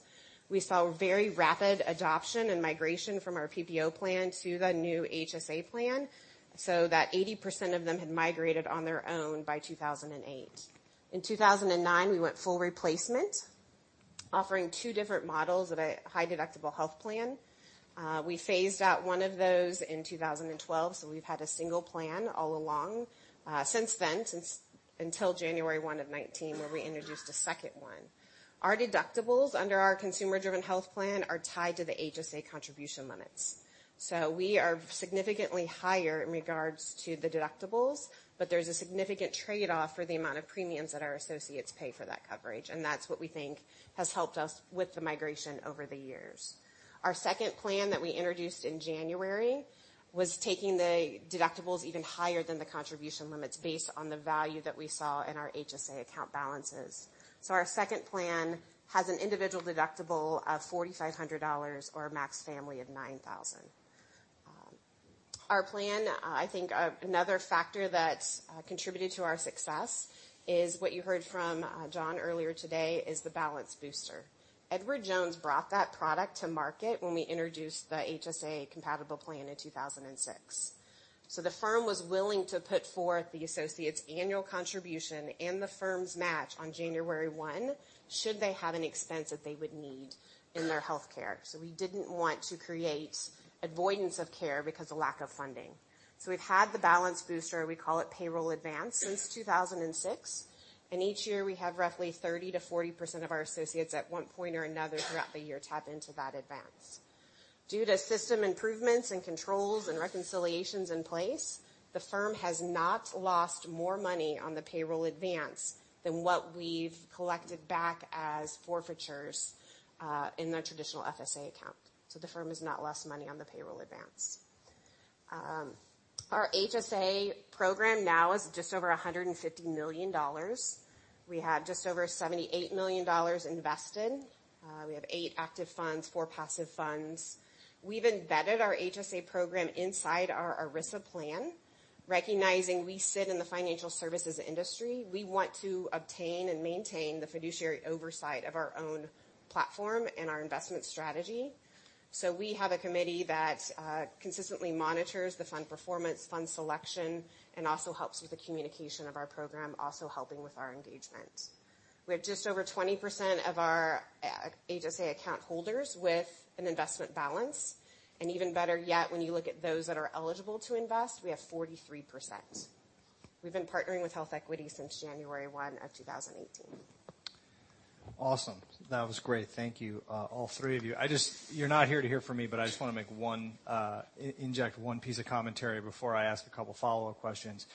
We saw very rapid adoption and migration from our PPO plan to the new HSA plan, so that 80% of them had migrated on their own by 2008. In 2009, we went full replacement, offering two different models of a high deductible health plan. We phased out one of those in 2012. We've had a single plan all along since then, until January 1 of 2019, where we introduced a second one. Our deductibles under our consumer-driven health plan are tied to the HSA contribution limits. We are significantly higher in regards to the deductibles, but there's a significant trade-off for the amount of premiums that our associates pay for that coverage, and that's what we think has helped us with the migration over the years. Our second plan that we introduced in January was taking the deductibles even higher than the contribution limits based on the value that we saw in our HSA account balances. Our second plan has an individual deductible of $4,500 or a max family of $9,000. Our plan, I think another factor that contributed to our success is what you heard from Jon earlier today is the Balance Booster. Edward Jones brought that product to market when we introduced the HSA compatible plan in 2006. The firm was willing to put forth the associates' annual contribution and the firm's match on January 1 should they have an expense that they would need in their healthcare. We didn't want to create avoidance of care because of lack of funding. We've had the Balance Booster, we call it payroll advance, since 2006, and each year we have roughly 30%-40% of our associates at one point or another throughout the year tap into that advance. Due to system improvements and controls and reconciliations in place, the firm has not lost more money on the payroll advance than what we've collected back as forfeitures, in the traditional FSA account. The firm has not lost money on the payroll advance. Our HSA program now is just over $150 million. We have just over $78 million invested. We have eight active funds, four passive funds. We've embedded our HSA program inside our ERISA plan, recognizing we sit in the financial services industry. We want to obtain and maintain the fiduciary oversight of our own platform and our investment strategy. We have a committee that consistently monitors the fund performance, fund selection, and also helps with the communication of our program, also helping with our engagement. We have just over 20% of our HSA account holders with an investment balance. Even better yet, when you look at those that are eligible to invest, we have 43%. We've been partnering with HealthEquity since January 1 of 2018. Awesome. That was great. Thank you, all three of you. You're not here to hear from me. I just want to inject one piece of commentary before I ask a couple follow-up questions.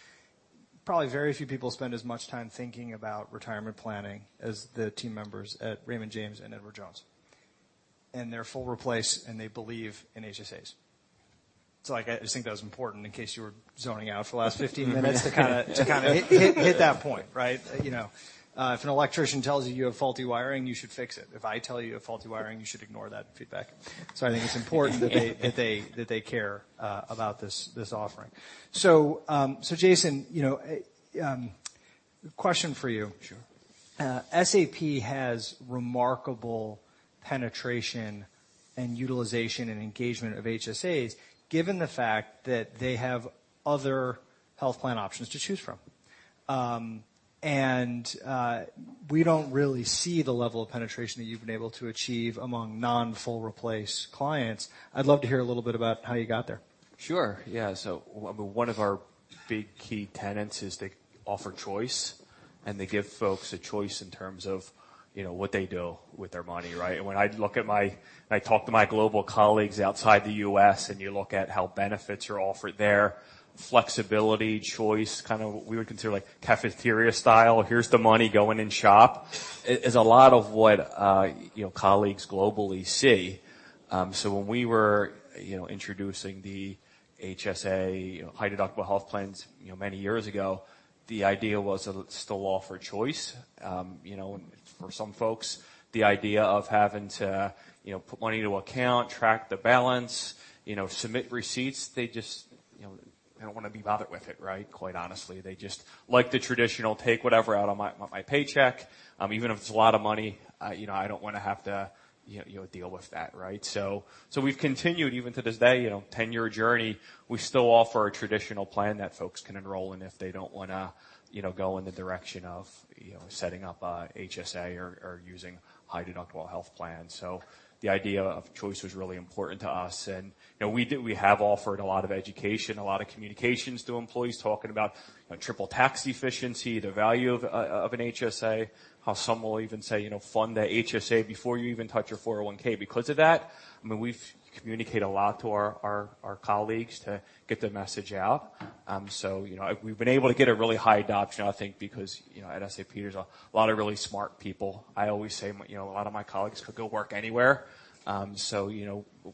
Probably very few people spend as much time thinking about retirement planning as the team members at Raymond James and Edward Jones, and they're full replace, and they believe in HSAs. I just think that was important in case you were zoning out for the last 15 minutes to kind of hit that point, right? If an electrician tells you have faulty wiring, you should fix it. If I tell you have faulty wiring, you should ignore that feedback. I think it's important that they care about this offering. Jason, question for you. Sure. SAP has remarkable penetration and utilization and engagement of HSAs given the fact that they have other health plan options to choose from. We don't really see the level of penetration that you've been able to achieve among non full replace clients. I'd love to hear a little bit about how you got there. Sure. Yeah. One of our big key tenets is they offer choice, and they give folks a choice in terms of what they do with their money, right? When I talk to my global colleagues outside the U.S., and you look at how benefits are offered there, flexibility, choice, kind of what we would consider cafeteria style, here's the money, go in and shop, is a lot of what colleagues globally see. When we were introducing the HSA high deductible health plans many years ago, the idea was to still offer choice. For some folks, the idea of having to put money into account, track the balance, submit receipts, they don't want to be bothered with it, right? Quite honestly. They just like the traditional take whatever out of my paycheck even if it's a lot of money, I don't want to have to deal with that, right? We've continued, even to this day, 10-year journey, we still offer a traditional plan that folks can enroll in if they don't want to go in the direction of setting up an HSA or using high deductible health plans. The idea of choice was really important to us. We have offered a lot of education, a lot of communications to employees, talking about triple tax efficiency, the value of an HSA, how some will even say, "Fund the HSA before you even touch your 401 because of that." We've communicated a lot to our colleagues to get the message out. We've been able to get a really high adoption, I think, because at SAP, there's a lot of really smart people. I always say, a lot of my colleagues could go work anywhere.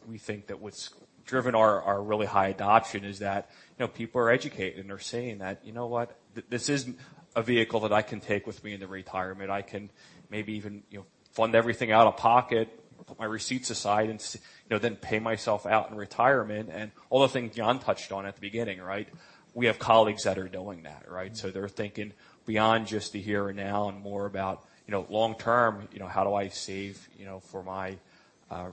We think that what's driven our really high adoption is that people are educated, and they're saying that, "You know what? This is a vehicle that I can take with me into retirement. I can maybe even fund everything out of pocket, put my receipts aside, and then pay myself out in retirement," and all the things Jon touched on at the beginning, right? We have colleagues that are doing that, right? They're thinking beyond just the here and now and more about long term, how do I save for my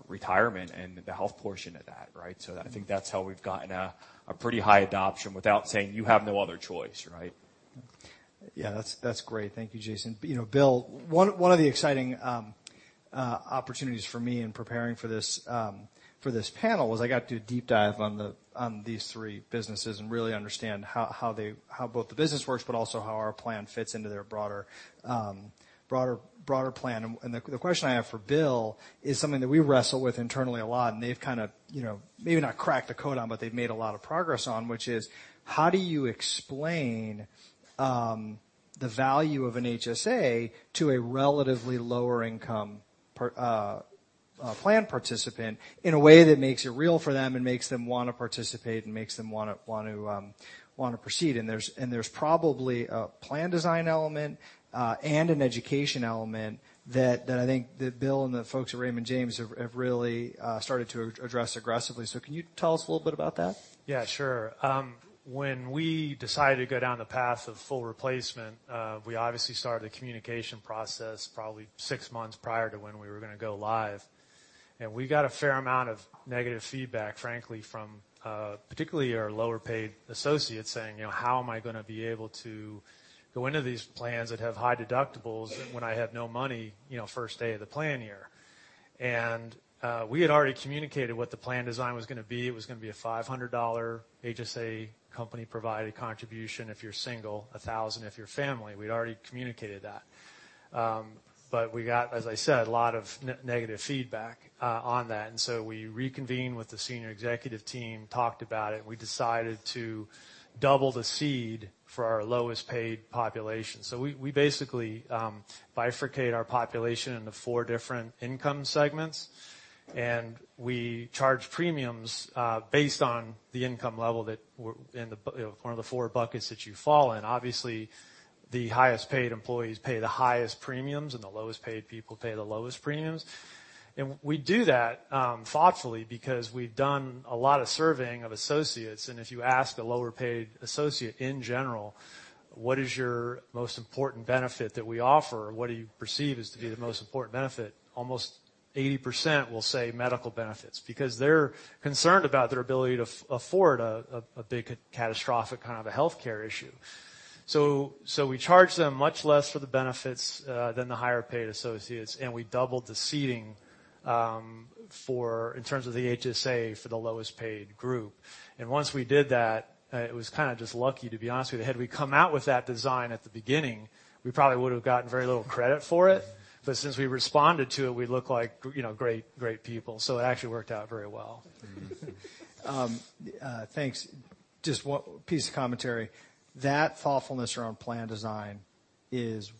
retirement and the health portion of that, right? I think that's how we've gotten a pretty high adoption without saying, "You have no other choice," right? Yeah, that's great. Thank you, Jason. Bill, one of the exciting opportunities for me in preparing for this panel was I got to do a deep dive on these three businesses and really understand how both the business works, but also how our plan fits into their broader plan. The question I have for Bill is something that we wrestle with internally a lot, and they've kind of, maybe not cracked the code on, but they've made a lot of progress on, which is, how do you explain the value of an HSA to a relatively lower income plan participant in a way that makes it real for them and makes them want to participate and makes them want to proceed? There's probably a plan design element, and an education element that I think that Bill and the folks at Raymond James have really started to address aggressively. Can you tell us a little bit about that? Yeah, sure. When we decided to go down the path of full replacement, we obviously started a communication process probably six months prior to when we were going to go live. We got a fair amount of negative feedback, frankly, from particularly our lower paid associates saying, "How am I going to be able to go into these plans that have high deductibles when I have no money first day of the plan year?" We had already communicated what the plan design was going to be. It was going to be a $500 HSA company provided contribution if you're single, $1,000 if you're family. We had already communicated that. We got, as I said, a lot of negative feedback on that. We reconvened with the senior executive team, talked about it, and we decided to double the seed for our lowest paid population. We basically bifurcate our population into four different income segments, and we charge premiums based on the income level in one of the four buckets that you fall in. Obviously, the highest paid employees pay the highest premiums, and the lowest paid people pay the lowest premiums. We do that thoughtfully because we've done a lot of surveying of associates, and if you ask a lower paid associate in general, what is your most important benefit that we offer? What do you perceive is to be the most important benefit? Almost 80% will say medical benefits because they're concerned about their ability to afford a big, catastrophic kind of a healthcare issue. We charge them much less for the benefits than the higher paid associates, and we doubled the seeding In terms of the HSA for the lowest-paid group. Once we did that, it was kind of just lucky, to be honest with you. Had we come out with that design at the beginning, we probably would have gotten very little credit for it. Since we responded to it, we look like great people. It actually worked out very well. Thanks. Just one piece of commentary. That thoughtfulness around plan design is basically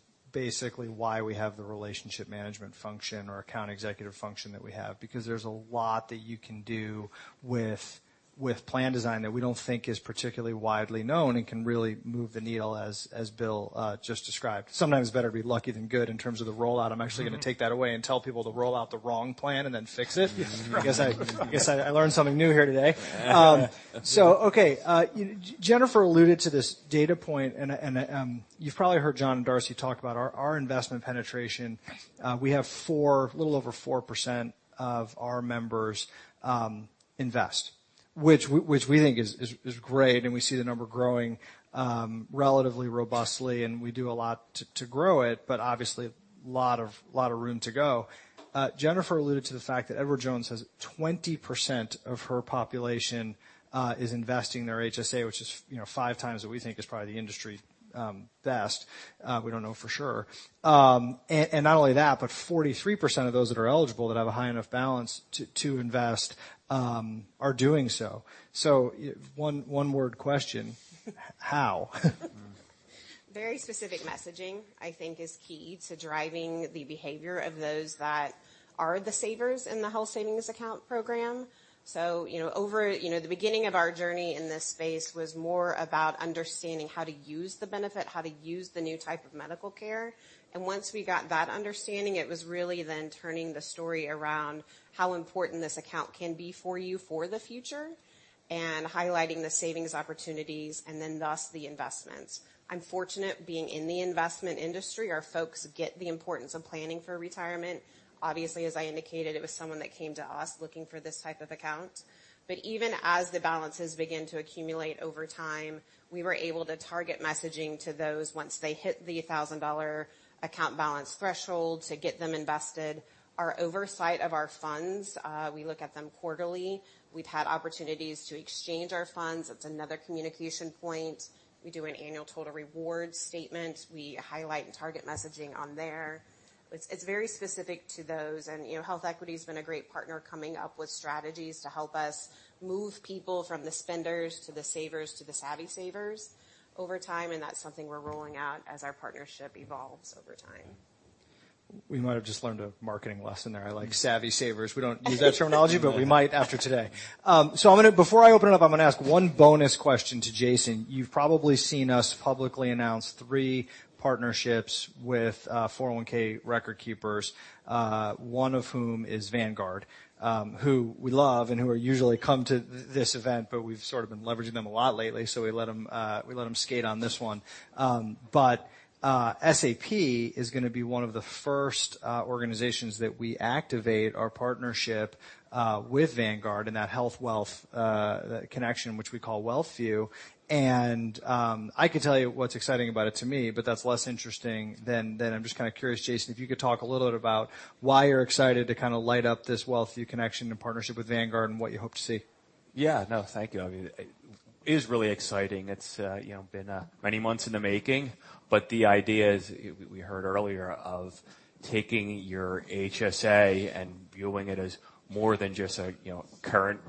why we have the relationship management function or account executive function that we have, because there's a lot that you can do with plan design that we don't think is particularly widely known and can really move the needle, as Bill just described. Sometimes better to be lucky than good in terms of the rollout. I'm actually going to take that away and tell people to roll out the wrong plan and then fix it. I guess I learned something new here today. Okay. Jennifer alluded to this data point, and you've probably heard Jon and Darcy talk about our investment penetration. We have a little over 4% of our members invest, which we think is great, and we see the number growing relatively robustly, and we do a lot to grow it, but obviously, a lot of room to go. Jennifer alluded to the fact that Edward Jones has 20% of her population is investing their HSA, which is five times what we think is probably the industry best. We don't know for sure. Not only that, but 43% of those that are eligible that have a high enough balance to invest are doing so. One word question. How? Very specific messaging, I think, is key to driving the behavior of those that are the savers in the Health Savings Account program. The beginning of our journey in this space was more about understanding how to use the benefit, how to use the new type of medical care. Once we got that understanding, it was really then turning the story around how important this account can be for you for the future, and highlighting the savings opportunities, and then thus the investments. I'm fortunate being in the investment industry, our folks get the importance of planning for retirement. Obviously, as I indicated, it was someone that came to us looking for this type of account. Even as the balances begin to accumulate over time, we were able to target messaging to those once they hit the $1,000 account balance threshold to get them invested. Our oversight of our funds, we look at them quarterly. We've had opportunities to exchange our funds. That's another communication point. We do an annual total reward statement. We highlight target messaging on there. It's very specific to those, HealthEquity has been a great partner coming up with strategies to help us move people from the spenders to the savers to the savvy savers over time, and that's something we're rolling out as our partnership evolves over time. We might have just learned a marketing lesson there. I like savvy savers. We don't use that terminology, but we might after today. Before I open it up, I'm going to ask one bonus question to Jason. You've probably seen us publicly announce three partnerships with 401K record keepers, one of whom is Vanguard, who we love and who usually come to this event, but we've sort of been leveraging them a lot lately, so we let them skate on this one. SAP is going to be one of the first organizations that we activate our partnership with Vanguard in that health-wealth connection, which we call Wealthview. I can tell you what's exciting about it to me, that's less interesting than, I'm just kind of curious, Jason, if you could talk a little bit about why you're excited to light up this Wealthview connection and partnership with Vanguard and what you hope to see. Yeah. No, thank you. It is really exciting. It's been many months in the making, the idea, as we heard earlier, of taking your HSA and viewing it as more than just a current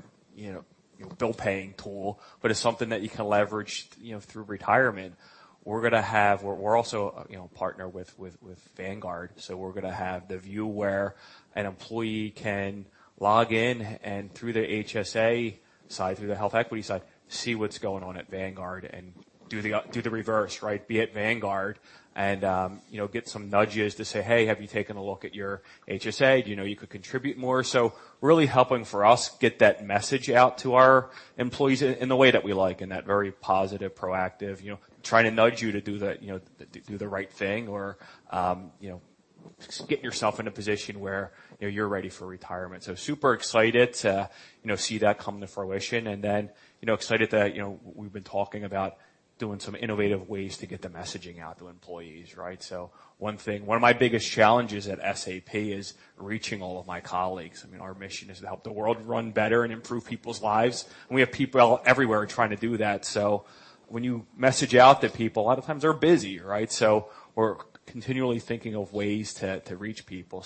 bill-paying tool, but as something that you can leverage through retirement. We're also partnered with Vanguard, we're going to have the view where an employee can log in and through the HSA side, through the HealthEquity side, see what's going on at Vanguard and do the reverse, right? Be at Vanguard and get some nudges to say, "Hey, have you taken a look at your HSA? Do you know you could contribute more?" Really helping for us get that message out to our employees in the way that we like, in that very positive, proactive, trying to nudge you to do the right thing, or get yourself in a position where you're ready for retirement. Super excited to see that come to fruition, excited that we've been talking about doing some innovative ways to get the messaging out to employees, right? One of my biggest challenges at SAP is reaching all of my colleagues. Our mission is to help the world run better and improve people's lives, we have people everywhere trying to do that. When you message out to people, a lot of times they're busy, right? We're continually thinking of ways to reach people.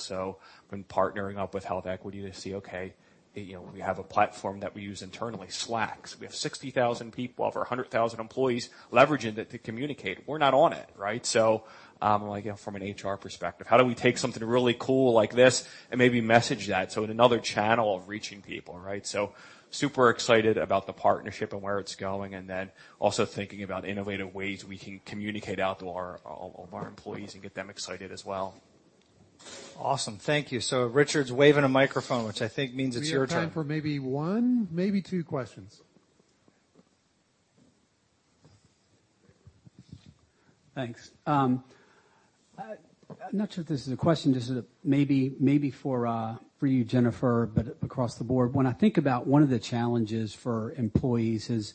When partnering up with HealthEquity, they see, okay, we have a platform that we use internally, Slack. We have 60,000 people, over 100,000 employees leveraging it to communicate. We're not on it, right? From an HR perspective, how do we take something really cool like this and maybe message that, in another channel of reaching people, right? Super excited about the partnership and where it's going, and then also thinking about innovative ways we can communicate out to all of our employees and get them excited as well. Awesome. Thank you. Richard's waving a microphone, which I think means it's your turn. We have time for maybe one, maybe two questions. Thanks. I'm not sure if this is a question. This is maybe for you, Jennifer, across the board. When I think about one of the challenges for employees is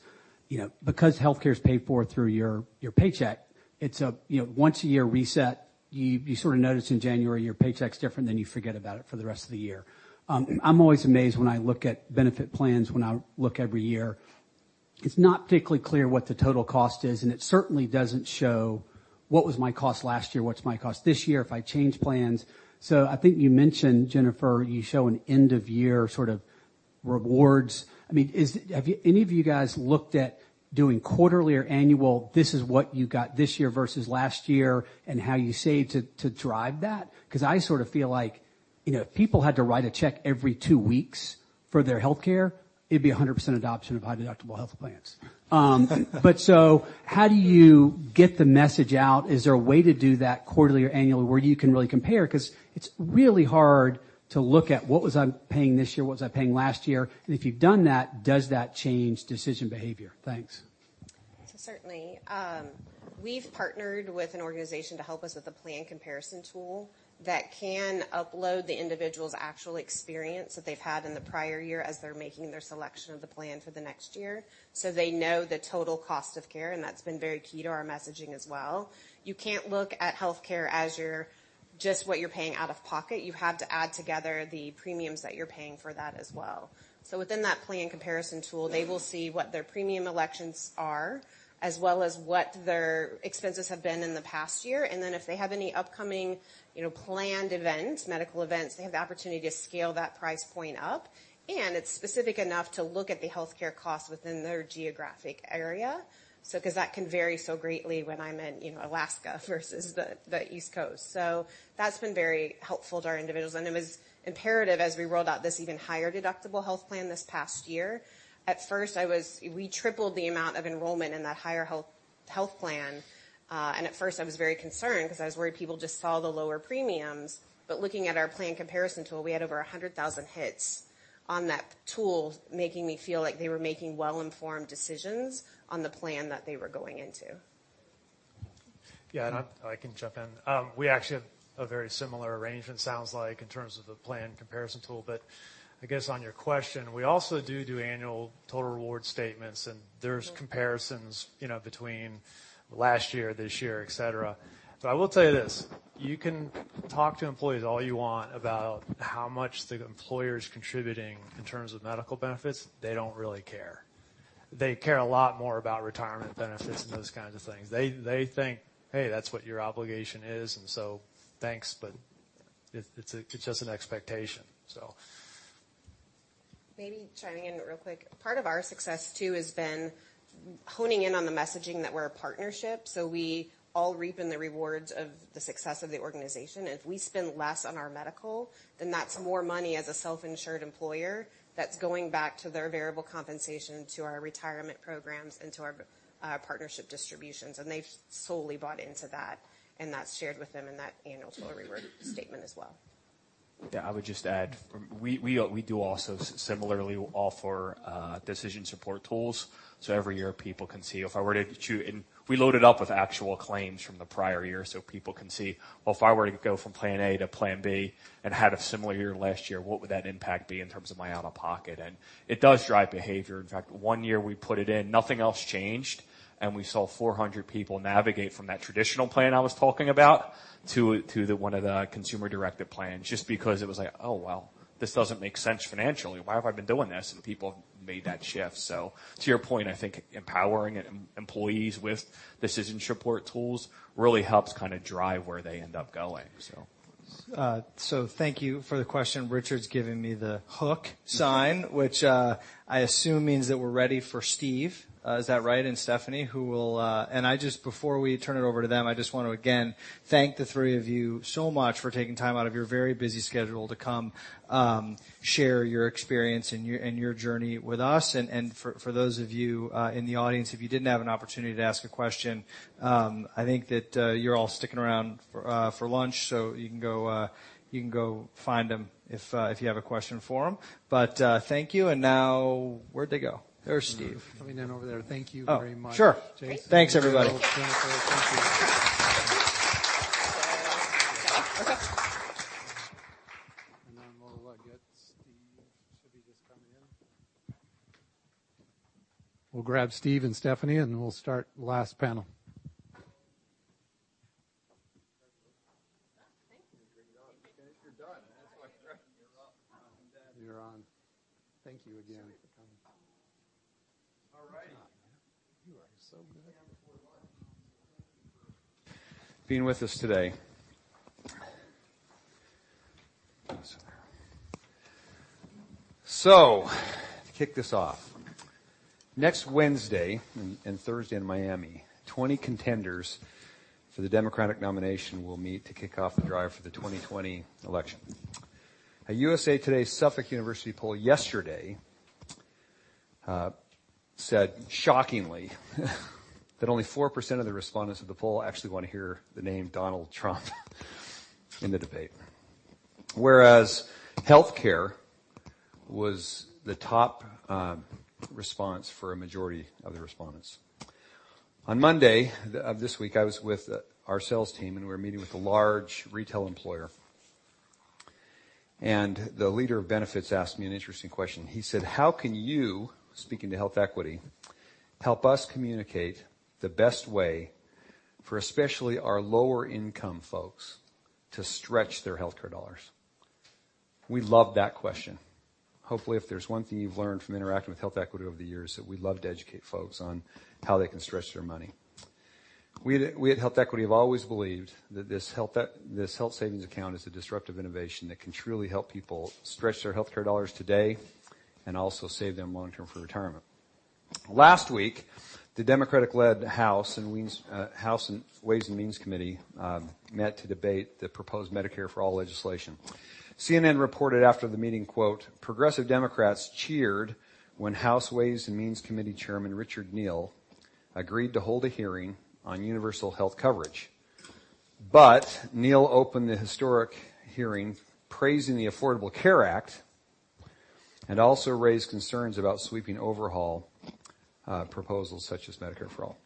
because healthcare is paid for through your paycheck, it's a once-a-year reset. You sort of notice in January your paycheck's different, you forget about it for the rest of the year. I'm always amazed when I look at benefit plans, when I look every year It's not particularly clear what the total cost is, and it certainly doesn't show what was my cost last year, what's my cost this year if I change plans. I think you mentioned, Jennifer Lemons, you show an end of year sort of rewards. Have any of you guys looked at doing quarterly or annual, this is what you got this year versus last year, and how you save to drive that? I sort of feel like, if people had to write a check every two weeks for their healthcare, it'd be 100% adoption of high deductible health plans. How do you get the message out? Is there a way to do that quarterly or annually where you can really compare? It's really hard to look at what was I paying this year, what was I paying last year, and if you've done that, does that change decision behavior? Thanks. Certainly. We've partnered with an organization to help us with a plan comparison tool that can upload the individual's actual experience that they've had in the prior year as they're making their selection of the plan for the next year. They know the total cost of care, and that's been very key to our messaging as well. You can't look at healthcare as just what you're paying out of pocket. You have to add together the premiums that you're paying for that as well. Within that plan comparison tool, they will see what their premium elections are, as well as what their expenses have been in the past year. If they have any upcoming planned events, medical events, they have the opportunity to scale that price point up, and it's specific enough to look at the healthcare costs within their geographic area. That can vary so greatly when I'm in Alaska versus the East Coast. That's been very helpful to our individuals, and it was imperative as we rolled out this even higher deductible health plan this past year. At first, we tripled the amount of enrollment in that higher health plan. At first, I was very concerned because I was worried people just saw the lower premiums. Looking at our plan comparison tool, we had over 100,000 hits on that tool, making me feel like they were making well-informed decisions on the plan that they were going into. Yeah. I can jump in. We actually have a very similar arrangement, sounds like, in terms of the plan comparison tool. I guess on your question, we also do annual total reward statements, and there's comparisons between last year, this year, et cetera. I will tell you this. You can talk to employees all you want about how much the employer's contributing in terms of medical benefits. They don't really care. They care a lot more about retirement benefits and those kinds of things. They think, "Hey, that's what your obligation is, and so thanks, but it's just an expectation. Maybe chiming in real quick. Part of our success, too, has been honing in on the messaging that we're a partnership, so we all reap in the rewards of the success of the organization. If we spend less on our medical, then that's more money as a self-insured employer that's going back to their variable compensation, to our retirement programs, and to our partnership distributions. They've solely bought into that, and that's shared with them in that annual total reward statement as well. I would just add, we do also similarly offer decision support tools. Every year people can see, if I were to choose, and we load it up with actual claims from the prior year so people can see, "Well, if I were to go from plan A to plan B and had a similar year last year, what would that impact be in terms of my out-of-pocket?" It does drive behavior. In fact, one year we put it in, nothing else changed, and we saw 400 people navigate from that traditional plan I was talking about to one of the consumer-directed plans, just because it was like, "Oh, well, this doesn't make sense financially. Why have I been doing this?" People made that shift. To your point, I think empowering employees with decision support tools really helps drive where they end up going. Thank you for the question. Richard's giving me the hook sign, which I assume means that we're ready for Steve. Is that right? Stephanie. I just, before we turn it over to them, I just want to again thank the three of you so much for taking time out of your very busy schedule to come share your experience and your journey with us. For those of you in the audience, if you didn't have an opportunity to ask a question, I think that you're all sticking around for lunch, so you can go find them if you have a question for them. Thank you. Now, where'd they go? There's Steve. Coming in over there. Thank you very much. Oh, sure. Thank you. Thanks, everybody. Thank you. Then we'll get Steve. Should be just coming in. We'll grab Steve and Stephanie, and then we'll start the last panel. Oh, thank you. You're done. That's why. You're up. I'm glad you're on. Thank you again for coming. All right. Good job. You are so good. Before lunch, thank you for Being with us today. To kick this off, next Wednesday and Thursday in Miami, 20 contenders for the Democratic nomination will meet to kick off the drive for the 2020 election. A USA Today/Suffolk University poll yesterday said, shockingly, that only 4% of the respondents of the poll actually want to hear the name Donald Trump in the debate. Healthcare was the top response for a majority of the respondents. On Monday of this week, I was with our sales team, and we were meeting with a large retail employer. The leader of benefits asked me an interesting question. He said, "How can you," speaking to HealthEquity, "help us communicate the best way for especially our lower income folks to stretch their healthcare dollars? We love that question. Hopefully, if there's one thing you've learned from interacting with HealthEquity over the years, it's that we love to educate folks on how they can stretch their money. We at HealthEquity have always believed that this health savings account is a disruptive innovation that can truly help people stretch their healthcare dollars today and also save them long-term for retirement. Last week, the Democratic-led House Ways and Means Committee met to debate the proposed Medicare for All legislation. CNN reported after the meeting, quote, "Progressive Democrats cheered when House Ways and Means Committee Chairman Richard Neal agreed to hold a hearing on universal health coverage." Neal opened the historic hearing praising the Affordable Care Act and also raised concerns about sweeping overhaul proposals such as Medicare for All.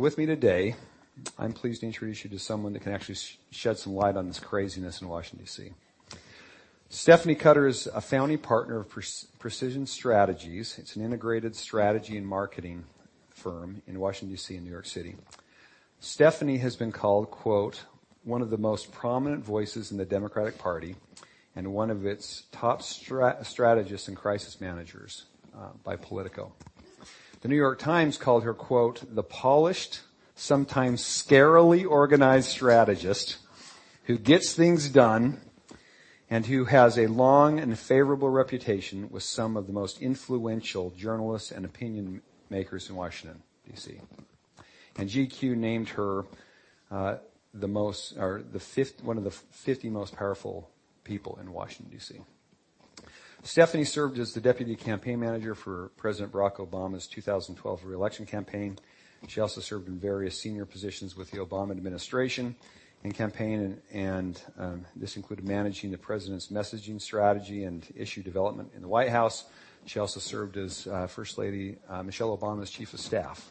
With me today, I'm pleased to introduce you to someone that can actually shed some light on this craziness in Washington, D.C. Stephanie Cutter is a founding partner of Precision Strategies. It's an integrated strategy and marketing firm in Washington, D.C., and New York City. Stephanie has been called, quote, "One of the most prominent voices in the Democratic Party and one of its top strategists and crisis managers" by Politico. The New York Times called her, quote, "The polished, sometimes scarily organized strategist who gets things done and who has a long and favorable reputation with some of the most influential journalists and opinion makers in Washington, D.C." GQ named her one of the 50 most powerful people in Washington, D.C. Stephanie served as the deputy campaign manager for President Barack Obama's 2012 re-election campaign. She also served in various senior positions with the Obama administration and campaign, and this included managing the president's messaging strategy and issue development in the White House. She also served as First Lady Michelle Obama's chief of staff.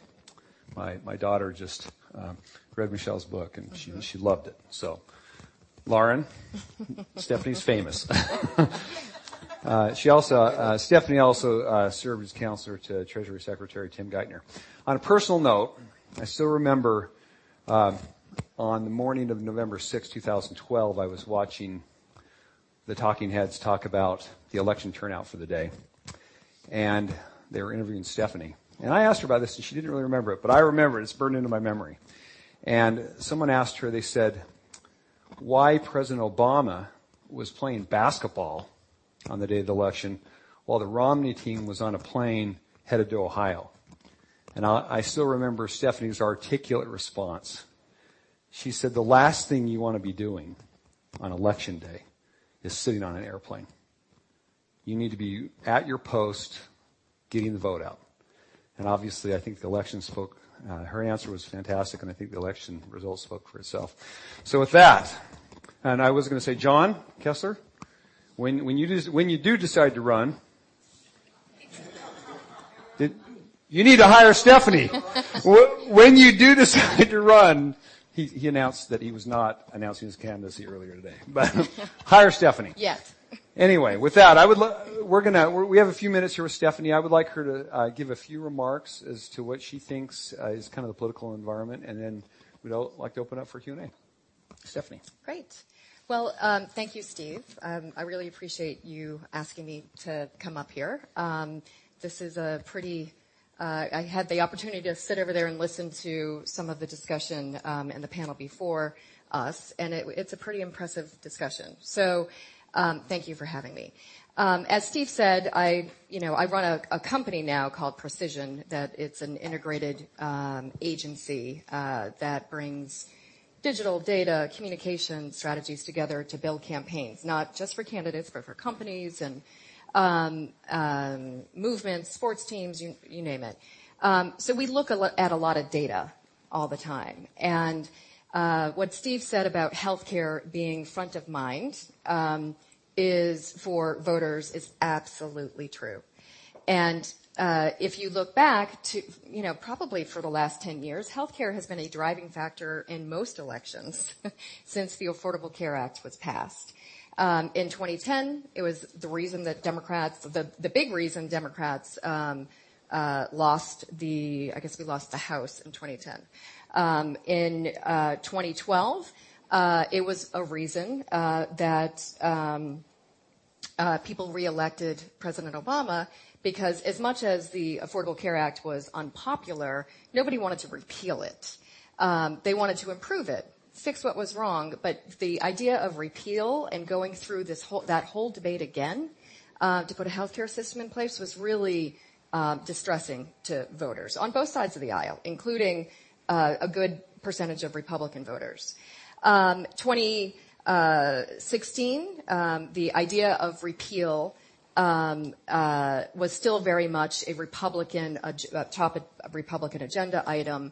My daughter just read Michelle's book, and she loved it. Lauren, Stephanie's famous. Stephanie also served as counselor to Treasury Secretary Tim Geithner. On a personal note, I still remember on the morning of November 6, 2012, I was watching the talking heads talk about the election turnout for the day, and they were interviewing Stephanie. I asked her about this, and she didn't really remember it, but I remember it. It's burned into my memory. Someone asked her, they said why President Obama was playing basketball on the day of the election while the Romney team was on a plane headed to Ohio. I still remember Stephanie's articulate response. She said, "The last thing you want to be doing on election day is sitting on an airplane. You need to be at your post getting the vote out." Obviously, I think her answer was fantastic, and I think the election results spoke for itself. With that, I was going to say, Jon Kessler, when you do decide to run, you need to hire Stephanie. When you do decide to run He announced that he was not announcing his candidacy earlier today, but hire Stephanie. Yes. Anyway, with that, we have a few minutes here with Stephanie. I would like her to give a few remarks as to what she thinks is the political environment, and then we'd like to open up for Q&A. Stephanie. Thank you, Steve. I really appreciate you asking me to come up here. I had the opportunity to sit over there and listen to some of the discussion and the panel before us, and it's a pretty impressive discussion. Thank you for having me. As Steve said, I run a company now called Precision, that it's an integrated agency that brings digital data communication strategies together to build campaigns, not just for candidates, but for companies and movements, sports teams, you name it. We look at a lot of data all the time. What Steve said about healthcare being front of mind for voters is absolutely true. If you look back to probably for the last 10 years, healthcare has been a driving factor in most elections since the Affordable Care Act was passed. In 2010, it was the big reason Democrats I guess we lost the House in 2010. In 2012, it was a reason that people reelected President Obama because as much as the Affordable Care Act was unpopular, nobody wanted to repeal it. They wanted to improve it, fix what was wrong. The idea of repeal and going through that whole debate again to put a healthcare system in place was really distressing to voters on both sides of the aisle, including a good percentage of Republican voters. 2016, the idea of repeal was still very much a Republican agenda item.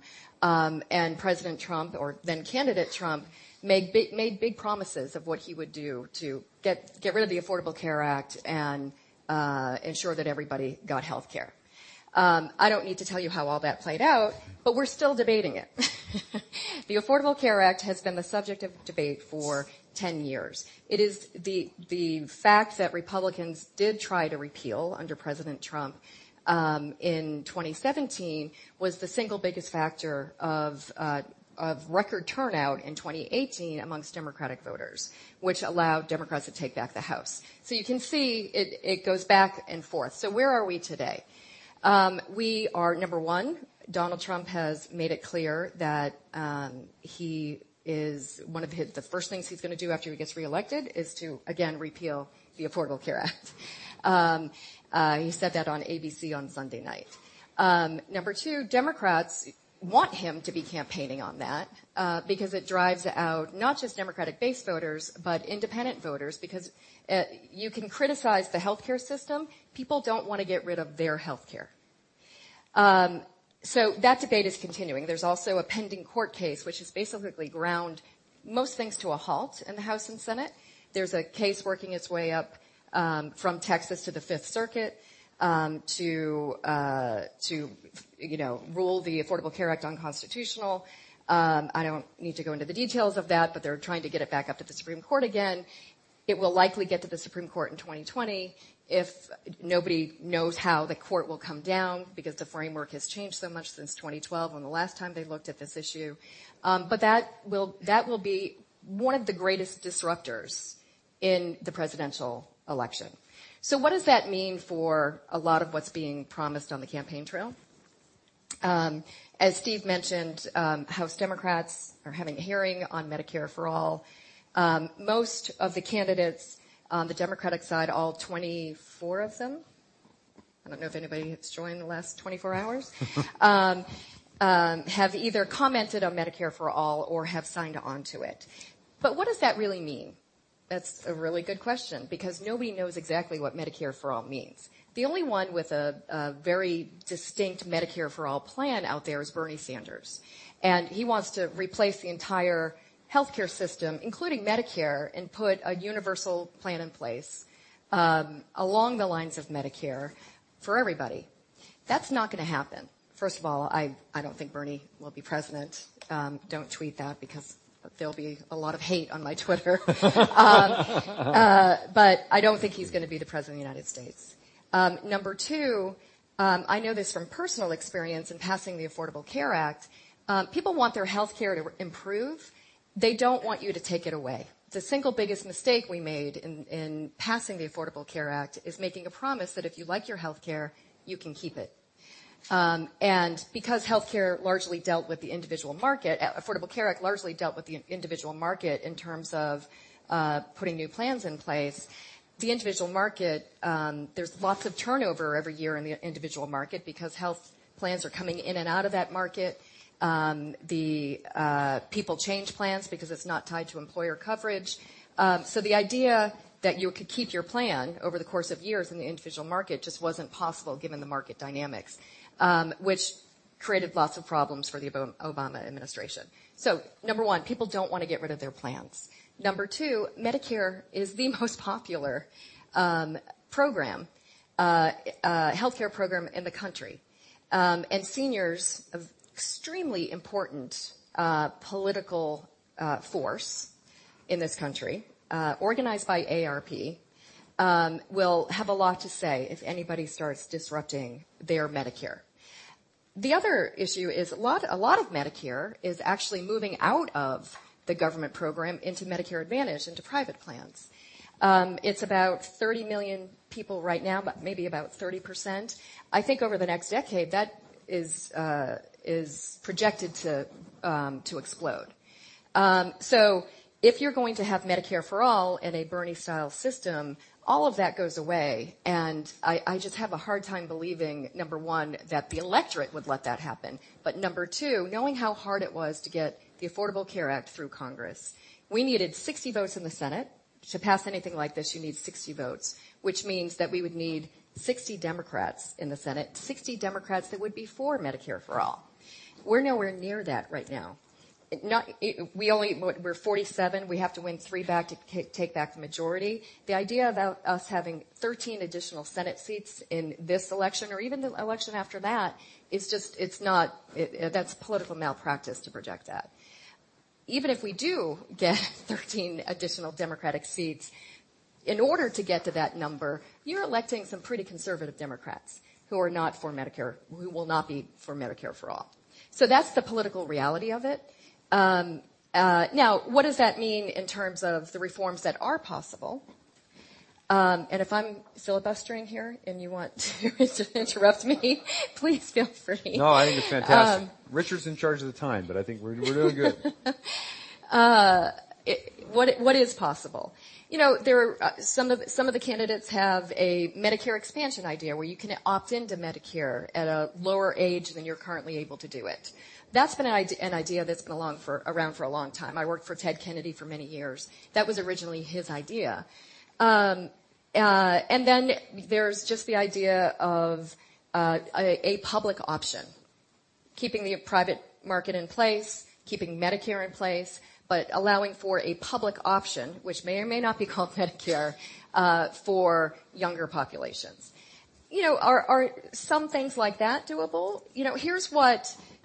President Trump, or then candidate Trump, made big promises of what he would do to get rid of the Affordable Care Act and ensure that everybody got healthcare. I don't need to tell you how all that played out, we're still debating it. The Affordable Care Act has been the subject of debate for 10 years. It is the fact that Republicans did try to repeal under President Trump in 2017 was the single biggest factor of record turnout in 2018 amongst Democratic voters, which allowed Democrats to take back the House. You can see it goes back and forth. Where are we today? We are number 1, Donald Trump has made it clear that one of the first things he's going to do after he gets reelected is to, again, repeal the Affordable Care Act. He said that on ABC on Sunday night. Number 2, Democrats want him to be campaigning on that because it drives out not just Democratic base voters, but independent voters. You can criticize the healthcare system, people don't want to get rid of their healthcare. That debate is continuing. There's also a pending court case, which has basically ground most things to a halt in the House and Senate. There's a case working its way up from Texas to the Fifth Circuit to rule the Affordable Care Act unconstitutional. I don't need to go into the details of that, they're trying to get it back up to the Supreme Court again. It will likely get to the Supreme Court in 2020. Nobody knows how the Court will come down because the framework has changed so much since 2012 when the last time they looked at this issue. That will be one of the greatest disruptors in the presidential election. What does that mean for a lot of what's being promised on the campaign trail? As Steve mentioned, House Democrats are having a hearing on Medicare for All. Most of the candidates on the Democratic side, all 24 of them, I don't know if anybody has joined in the last 24 hours have either commented on Medicare for All or have signed onto it. What does that really mean? That's a really good question, because nobody knows exactly what Medicare for All means. The only one with a very distinct Medicare for All plan out there is Bernie Sanders. He wants to replace the entire healthcare system, including Medicare, and put a universal plan in place along the lines of Medicare for everybody. That's not going to happen. First of all, I don't think Bernie will be president. Don't tweet that because there'll be a lot of hate on my Twitter. I don't think he's going to be the President of the United States. Number 2, I know this from personal experience in passing the Affordable Care Act, people want their healthcare to improve. They don't want you to take it away. The single biggest mistake we made in passing the Affordable Care Act is making a promise that if you like your healthcare, you can keep it. Because healthcare largely dealt with the individual market, Affordable Care Act largely dealt with the individual market in terms of putting new plans in place. There's lots of turnover every year in the individual market because health plans are coming in and out of that market. People change plans because it's not tied to employer coverage. The idea that you could keep your plan over the course of years in the individual market just wasn't possible given the market dynamics, which created lots of problems for the Obama administration. Number 1, people don't want to get rid of their plans. Number 2, Medicare is the most popular healthcare program in the country. Seniors, extremely important political force in this country, organized by AARP, will have a lot to say if anybody starts disrupting their Medicare. The other issue is a lot of Medicare is actually moving out of the government program into Medicare Advantage, into private plans. It's about 30 million people right now, maybe about 30%. I think over the next decade, that is projected to explode. If you're going to have Medicare for All in a Bernie style system, all of that goes away. I just have a hard time believing, number 1, that the electorate would let that happen. Number 2, knowing how hard it was to get the Affordable Care Act through Congress. We needed 60 votes in the Senate. To pass anything like this, you need 60 votes, which means that we would need 60 Democrats in the Senate, 60 Democrats that would be for Medicare for All. We're nowhere near that right now. We're 47. We have to win three back to take back the majority. The idea about us having 13 additional Senate seats in this election or even the election after that's political malpractice to project that. Even if we do get 13 additional Democratic seats, in order to get to that number, you're electing some pretty conservative Democrats who will not be for Medicare for All. That's the political reality of it. Now, what does that mean in terms of the reforms that are possible? If I'm filibustering here and you want to just interrupt me, please feel free. No, I think it's fantastic. Richard's in charge of the time, but I think we're doing good. What is possible? Some of the candidates have a Medicare expansion idea where you can opt into Medicare at a lower age than you're currently able to do it. That's been an idea that's been around for a long time. I worked for Ted Kennedy for many years. That was originally his idea. Then there's just the idea of a public option, keeping the private market in place, keeping Medicare in place, but allowing for a public option, which may or may not be called Medicare for younger populations. Are some things like that doable?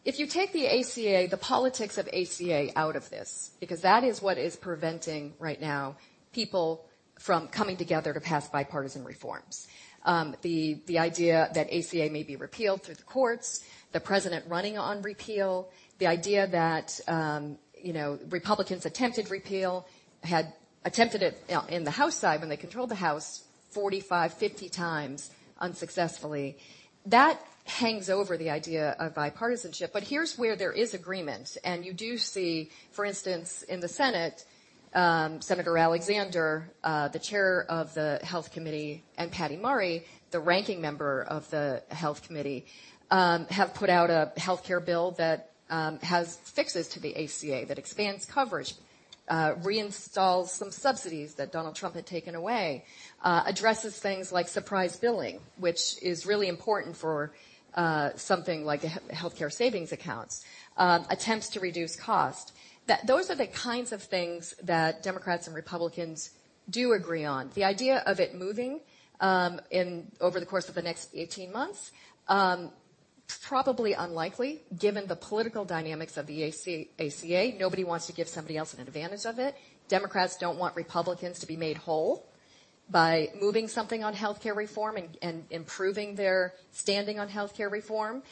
If you take the politics of ACA out of this, because that is what is preventing right now people from coming together to pass bipartisan reforms. The idea that ACA may be repealed through the courts, the president running on repeal, the idea that Republicans attempted repeal, had attempted it in the House side when they controlled the House 45, 50 times unsuccessfully. That hangs over the idea of bipartisanship. Here's where there is agreement, and you do see, for instance, in the Senate, Senator Alexander, the chair of the Health Committee, and Patty Murray, the ranking member of the Health Committee, have put out a healthcare bill that has fixes to the ACA that expands coverage. Reinstalls some subsidies that Donald Trump had taken away, addresses things like surprise billing, which is really important for something like Health Savings Accounts. Attempts to reduce cost. Those are the kinds of things that Democrats and Republicans do agree on. The idea of it moving over the course of the next 18 months, is probably unlikely given the political dynamics of the ACA. Nobody wants to give somebody else an advantage of it. Democrats don't want Republicans to be made whole by moving something on healthcare reform and improving their standing on healthcare reform.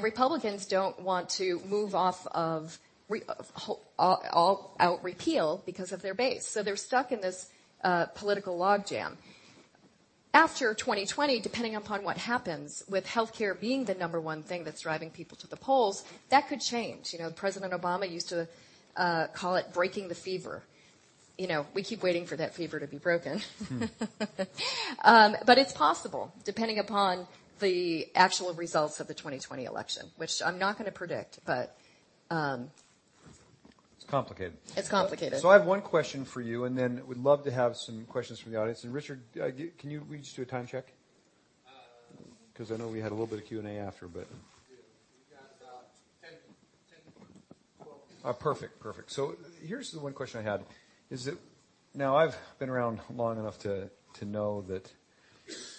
Republicans don't want to move off of all-out repeal because of their base. They're stuck in this political logjam. After 2020, depending upon what happens with healthcare being the number one thing that's driving people to the polls, that could change. President Obama used to call it breaking the fever. We keep waiting for that fever to be broken. It's possible, depending upon the actual results of the 2020 election, which I'm not going to predict. It's complicated. It's complicated. I have one question for you, and then would love to have some questions from the audience. Richard, can you just do a time check? Because I know we had a little bit of Q&A after a bit. Yeah. We've got 10, 12 minutes. Perfect. Here's the one question I had is that, now I've been around long enough to know that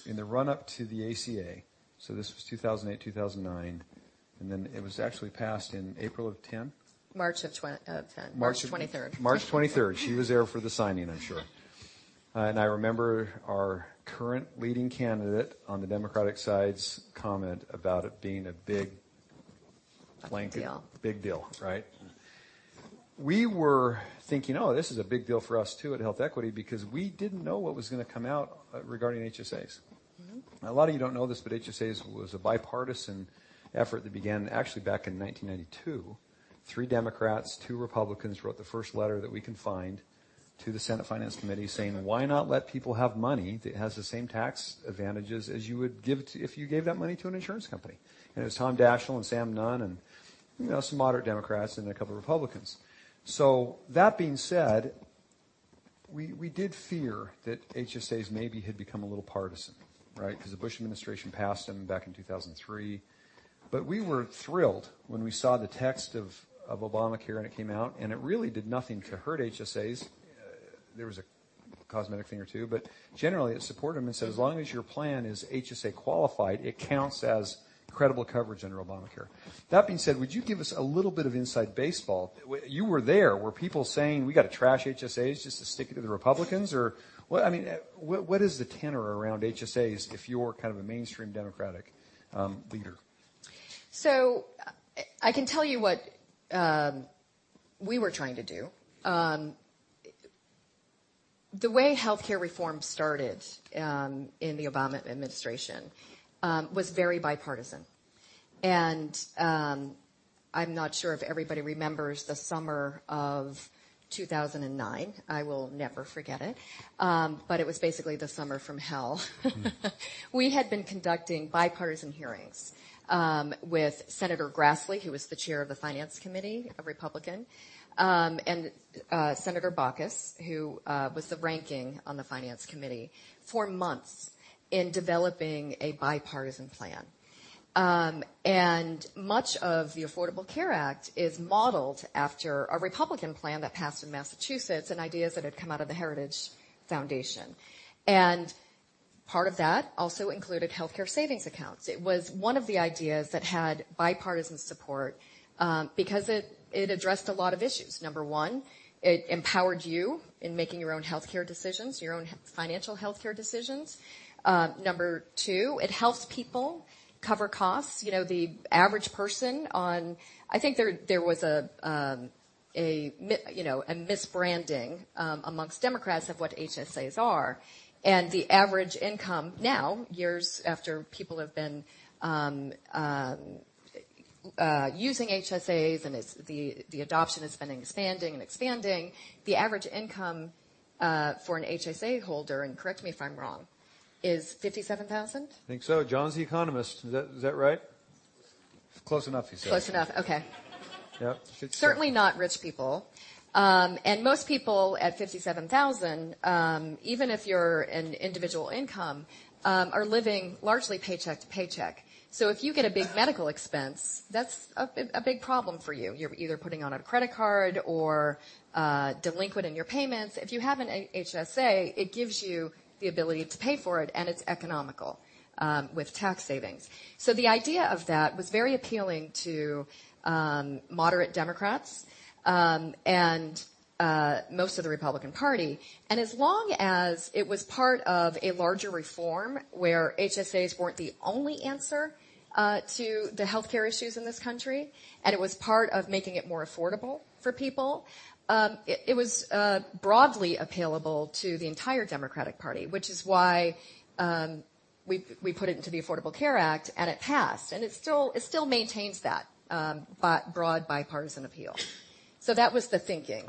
in the run-up to the ACA, this was 2008, 2009, and then it was actually passed in April of 2010? March of 2010. March 23rd. March 23rd. She was there for the signing, I'm sure. I remember our current leading candidate on the Democratic side's comment about it being a big blanket- A deal big deal. We were thinking, "Oh, this is a big deal for us, too, at HealthEquity," because we didn't know what was going to come out regarding HSAs. A lot of you don't know this, but HSAs was a bipartisan effort that began actually back in 1992. Three Democrats, two Republicans wrote the first letter that we can find to the Senate Finance Committee saying, "Why not let people have money that has the same tax advantages as you would give if you gave that money to an insurance company?" It was Tom Daschle and Sam Nunn and some moderate Democrats and a couple of Republicans. That being said, we did fear that HSAs maybe had become a little partisan. Because the Bush administration passed them back in 2003. We were thrilled when we saw the text of Obamacare, and it came out, and it really did nothing to hurt HSAs. There was a cosmetic thing or two, but generally, it supported them and said, as long as your plan is HSA qualified, it counts as credible coverage under Obamacare. That being said, would you give us a little bit of inside baseball? You were there. Were people saying, "We got to trash HSAs just to stick it to the Republicans?" What is the tenor around HSAs if you're a mainstream Democratic leader? I can tell you what we were trying to do. The way healthcare reform started in the Obama administration was very bipartisan. I'm not sure if everybody remembers the summer of 2009. I will never forget it. It was basically the summer from hell. We had been conducting bipartisan hearings with Senator Grassley, who was the chair of the Finance Committee, a Republican, and Senator Baucus, who was the ranking on the Finance Committee for months in developing a bipartisan plan. Much of the Affordable Care Act is modeled after a Republican plan that passed in Massachusetts and ideas that had come out of the Heritage Foundation. Part of that also included healthcare savings accounts. It was one of the ideas that had bipartisan support because it addressed a lot of issues. Number 1, it empowered you in making your own healthcare decisions, your own financial healthcare decisions. Number 2, it helps people cover costs. I think there was a misbranding amongst Democrats of what HSAs are. The average income now, years after people have been using HSAs, and the adoption has been expanding and expanding. The average income for an HSA holder, and correct me if I'm wrong, is 57,000? I think so. Jon's the economist. Is that right? It's close. Close enough, he says. Close enough. Okay. Yep. Certainly not rich people. Most people at $57,000, even if you're an individual income, are living largely paycheck to paycheck. If you get a big medical expense, that's a big problem for you. You're either putting it on a credit card or delinquent in your payments. If you have an HSA, it gives you the ability to pay for it, and it's economical with tax savings. The idea of that was very appealing to moderate Democrats, and most of the Republican Party. As long as it was part of a larger reform where HSAs weren't the only answer to the healthcare issues in this country, and it was part of making it more affordable for people, it was broadly appealable to the entire Democratic Party, which is why we put it into the Affordable Care Act, and it passed, and it still maintains that broad bipartisan appeal. That was the thinking.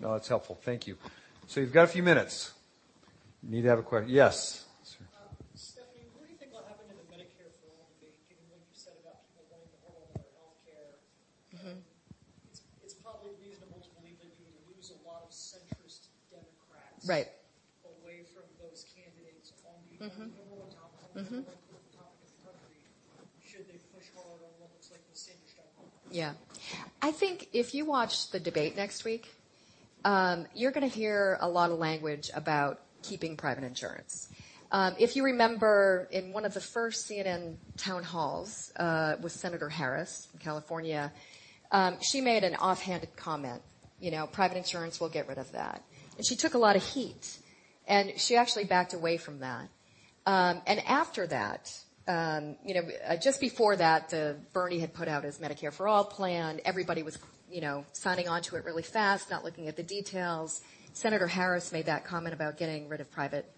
That's helpful. Thank you. You've got a few minutes. You need to have a question. Yes, sir. healthcare. It's probably reasonable to believe that you would lose a lot of centrist Democrats- Right away from those candidates on the- number one topic- number one topic of the country should they push hard on what looks like the Sanders platform. Yeah. I think if you watch the debate next week, you're going to hear a lot of language about keeping private insurance. If you remember, in one of the first CNN town halls, with Senator Harris from California, she made an offhand comment, "Private insurance, we'll get rid of that." She took a lot of heat, and she actually backed away from that. After that, just before that, Bernie had put out his Medicare-for-all plan. Everybody was signing on to it really fast, not looking at the details. Senator Harris made that comment about getting rid of private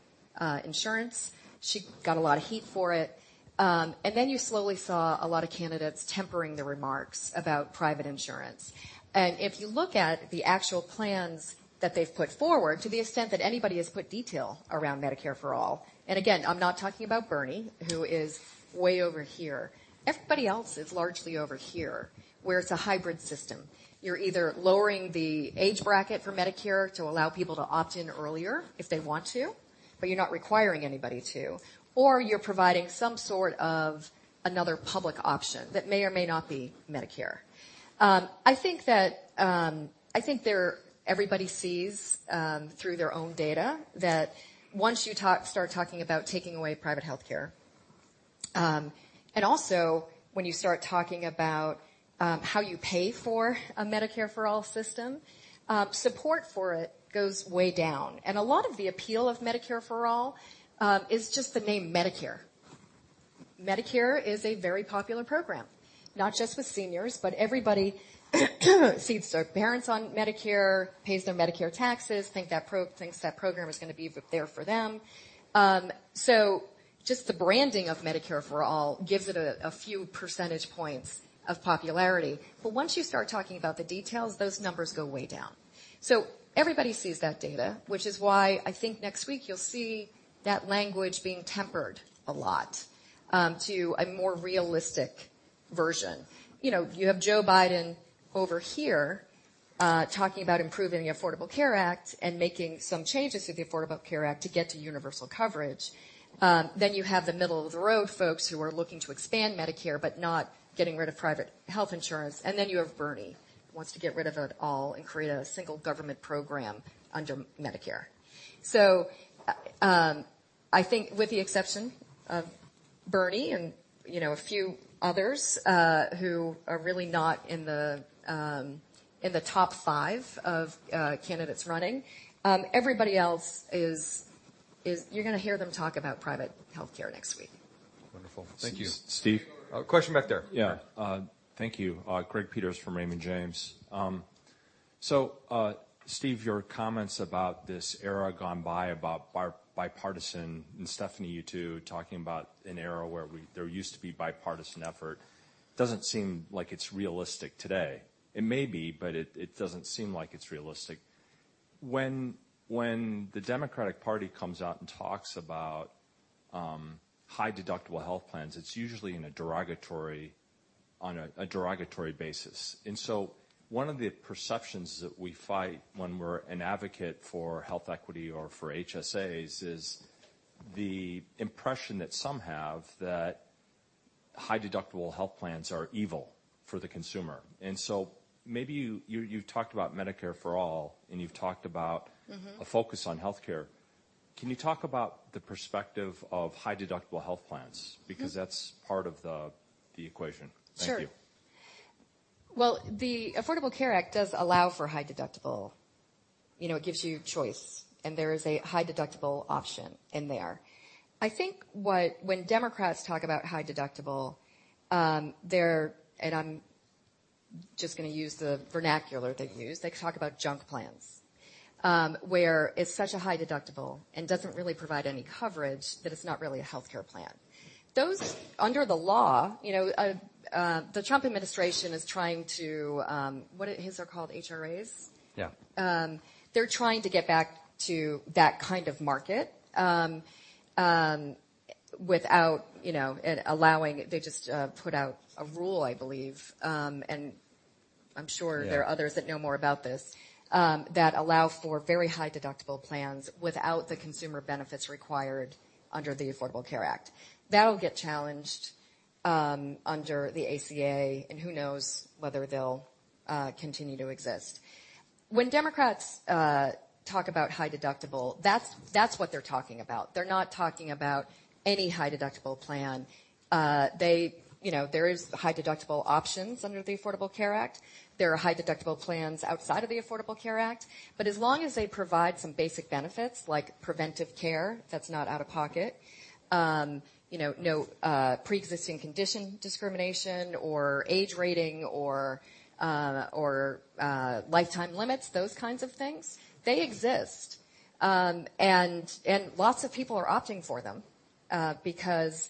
insurance. She got a lot of heat for it. You slowly saw a lot of candidates tempering the remarks about private insurance. If you look at the actual plans that they've put forward to the extent that anybody has put detail around Medicare-for-all, again, I'm not talking about Bernie, who is way over here. Everybody else is largely over here, where it's a hybrid system. You're either lowering the age bracket for Medicare to allow people to opt in earlier if they want to, but you're not requiring anybody to, or you're providing some sort of another public option that may or may not be Medicare. I think everybody sees through their own data that once you start talking about taking away private healthcare, also when you start talking about how you pay for a Medicare-for-all system, support for it goes way down. A lot of the appeal of Medicare-for-all is just the name Medicare. Medicare is a very popular program, not just with seniors, but everybody sees their parents on Medicare, pays their Medicare taxes, thinks that program is going to be there for them. Just the branding of Medicare-for-all gives it a few percentage points of popularity. Once you start talking about the details, those numbers go way down. Everybody sees that data, which is why I think next week you'll see that language being tempered a lot, to a more realistic version. You have Joe Biden over here, talking about improving the Affordable Care Act and making some changes to the Affordable Care Act to get to universal coverage. You have the middle-of-the-road folks who are looking to expand Medicare but not getting rid of private health insurance. You have Bernie, who wants to get rid of it all and create a single government program under Medicare. I think with the exception of Bernie and a few others who are really not in the top five of candidates running, you're going to hear them talk about private healthcare next week. Wonderful. Thank you. Steve? Question back there. Yeah. Thank you. Greg Peters from Raymond James. Steve, your comments about this era gone by about bipartisan, Stephanie, you too, talking about an era where there used to be bipartisan effort, doesn't seem like it's realistic today. It may be, it doesn't seem like it's realistic. When the Democratic Party comes out talks about high-deductible health plans, it's usually on a derogatory basis. One of the perceptions that we fight when we're an advocate for HealthEquity or for HSAs is the impression that some have that high-deductible health plans are evil for the consumer. Maybe you've talked about Medicare for all, you've talked about- a focus on healthcare. Can you talk about the perspective of high-deductible health plans? That's part of the equation. Sure. Thank you. Well, the Affordable Care Act does allow for high deductible. It gives you choice. There is a high deductible option in there. I think when Democrats talk about high deductible, they're, I'm just going to use the vernacular they've used. They talk about junk plans, where it's such a high deductible and doesn't really provide any coverage that it's not really a healthcare plan. Those under the law, the Trump administration is trying to, what his are called HRAs? Yeah. They're trying to get back to that kind of market. They just put out a rule, I believe, and I'm sure. Yeah There are others that know more about this, that allow for very high deductible plans without the consumer benefits required under the Affordable Care Act. That'll get challenged under the ACA, and who knows whether they'll continue to exist. When Democrats talk about high deductible, that's what they're talking about. They're not talking about any high deductible plan. There is high deductible options under the Affordable Care Act. There are high deductible plans outside of the Affordable Care Act. As long as they provide some basic benefits like preventive care that's not out of pocket, no preexisting condition discrimination or age rating or lifetime limits, those kinds of things, they exist. Lots of people are opting for them because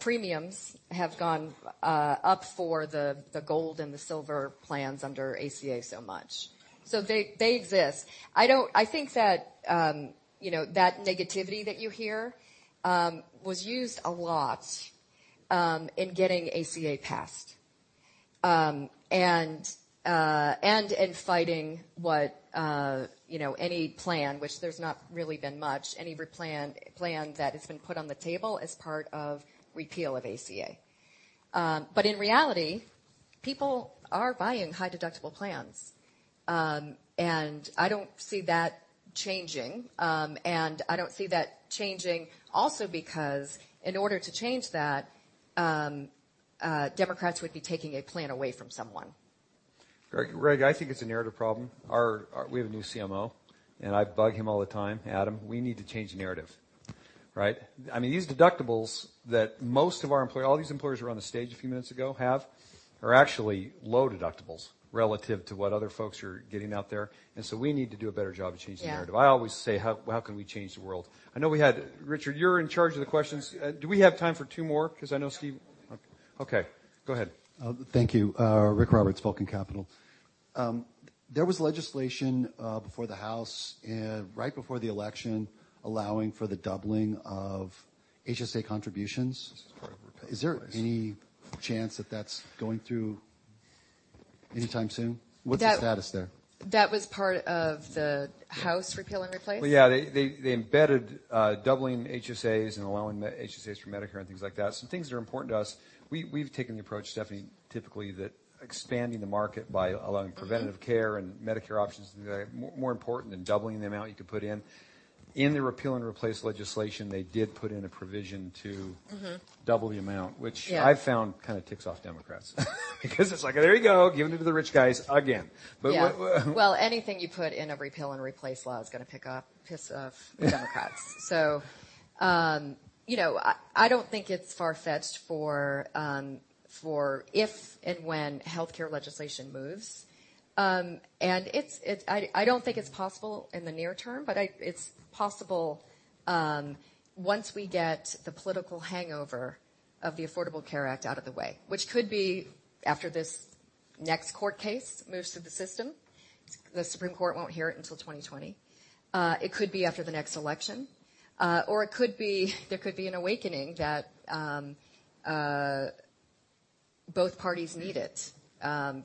premiums have gone up for the gold and the silver plans under ACA so much. They exist. I think that negativity that you hear was used a lot in getting ACA passed. In fighting any plan, which there's not really been much, any plan that has been put on the table as part of repeal of ACA. In reality, people are buying high-deductible plans. I don't see that changing. I don't see that changing also because in order to change that, Democrats would be taking a plan away from someone. Greg, I think it's a narrative problem. We have a new CMO, and I bug him all the time, Adam, we need to change the narrative. Right? These deductibles that most of our all these employers who were on the stage a few minutes ago have, are actually low deductibles relative to what other folks are getting out there. We need to do a better job of changing the narrative. Yeah. I always say, "How can we change the world?" I know we had Richard, you're in charge of the questions. Do we have time for two more? Because I know. Okay, go ahead. Thank you. Rick Roberts, Vulcan Capital. There was legislation before the House right before the election allowing for the doubling of HSA contributions. This is part of repeal and replace. Is there any chance that that's going through anytime soon? What's the status there? That was part of the House repeal and replace? Yeah. They embedded doubling HSAs and allowing HSAs for Medicare and things like that. Some things that are important to us. We've taken the approach, Stephanie, typically that expanding the market by allowing preventative care and Medicare options, more important than doubling the amount you can put in. In the repeal and replace legislation, they did put in a provision to- double the amount, which- Yeah I've found kind of ticks off Democrats because it's like, "There you go. Giving it to the rich guys again." What- Yeah. Well, anything you put in a repeal and replace law is going to piss off Democrats. I don't think it's far-fetched for if and when healthcare legislation moves. I don't think it's possible in the near term, but it's possible once we get the political hangover of the Affordable Care Act out of the way, which could be after this next court case moves through the system. The Supreme Court won't hear it until 2020. It could be after the next election. There could be an awakening that both parties need it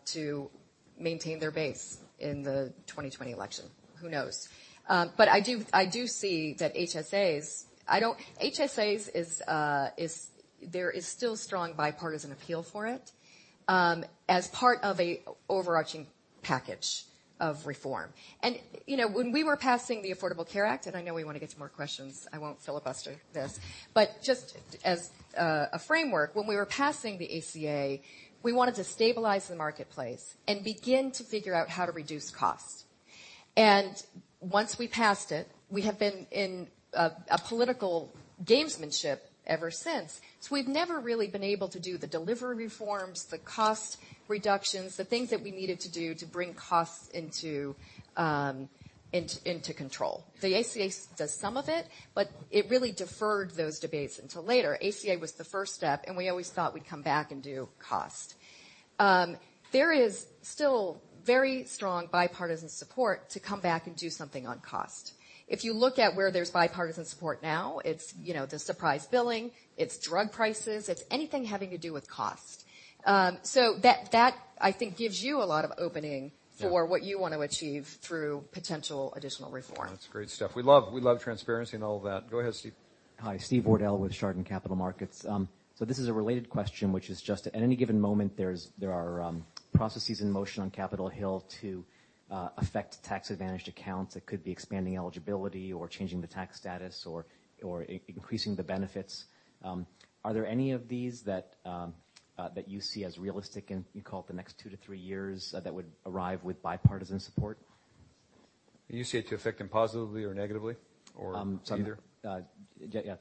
to maintain their base in the 2020 election. Who knows? I do see that HSAs, there is still strong bipartisan appeal for it as part of an overarching package of reform. When we were passing the Affordable Care Act, and I know we want to get some more questions, I won't filibuster this, but just as a framework, when we were passing the ACA, we wanted to stabilize the marketplace and begin to figure out how to reduce costs. Once we passed it, we have been in a political gamesmanship ever since. We've never really been able to do the delivery reforms, the cost reductions, the things that we needed to do to bring costs into control. The ACA does some of it, but it really deferred those debates until later. ACA was the first step, and we always thought we'd come back and do cost. There is still very strong bipartisan support to come back and do something on cost. If you look at where there's bipartisan support now, it's the surprise billing, it's drug prices, it's anything having to do with cost. That, I think gives you a lot of opening for what you want to achieve through potential additional reform. That's great stuff. We love transparency and all of that. Go ahead, Steve. Hi. Steven Wardell with Chardan Capital Markets. This is a related question, which is just at any given moment, there are processes in motion on Capitol Hill to affect tax-advantaged accounts. It could be expanding eligibility or changing the tax status or increasing the benefits. Are there any of these that you see as realistic in, you call it the next two to three years, that would arrive with bipartisan support? You see it to affect them positively or negatively? Or either? Yeah.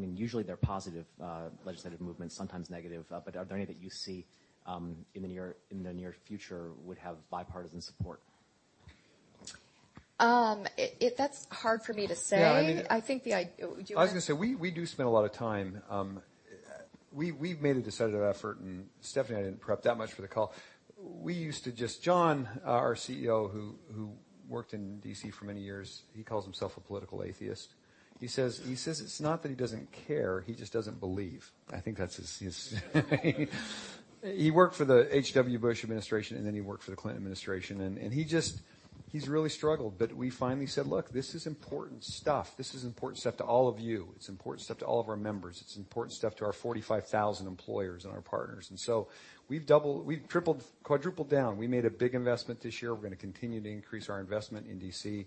Usually they're positive legislative movements, sometimes negative. Are there any that you see in the near future would have bipartisan support? That's hard for me to say. Yeah. I think. Do you want to? I was going to say, we do spend a lot of time. We've made a decided effort, Stephanie and I didn't prep that much for the call. John, our CEO, who worked in D.C. for many years, he calls himself a political atheist. He says it's not that he doesn't care, he just doesn't believe. He worked for the H.W. Bush administration, then he worked for the Clinton administration, and he's really struggled. We finally said, "Look, this is important stuff. This is important stuff to all of you. It's important stuff to all of our members. It's important stuff to our 45,000 employers and our partners." We've tripled, quadrupled down. We made a big investment this year. We're going to continue to increase our investment in D.C.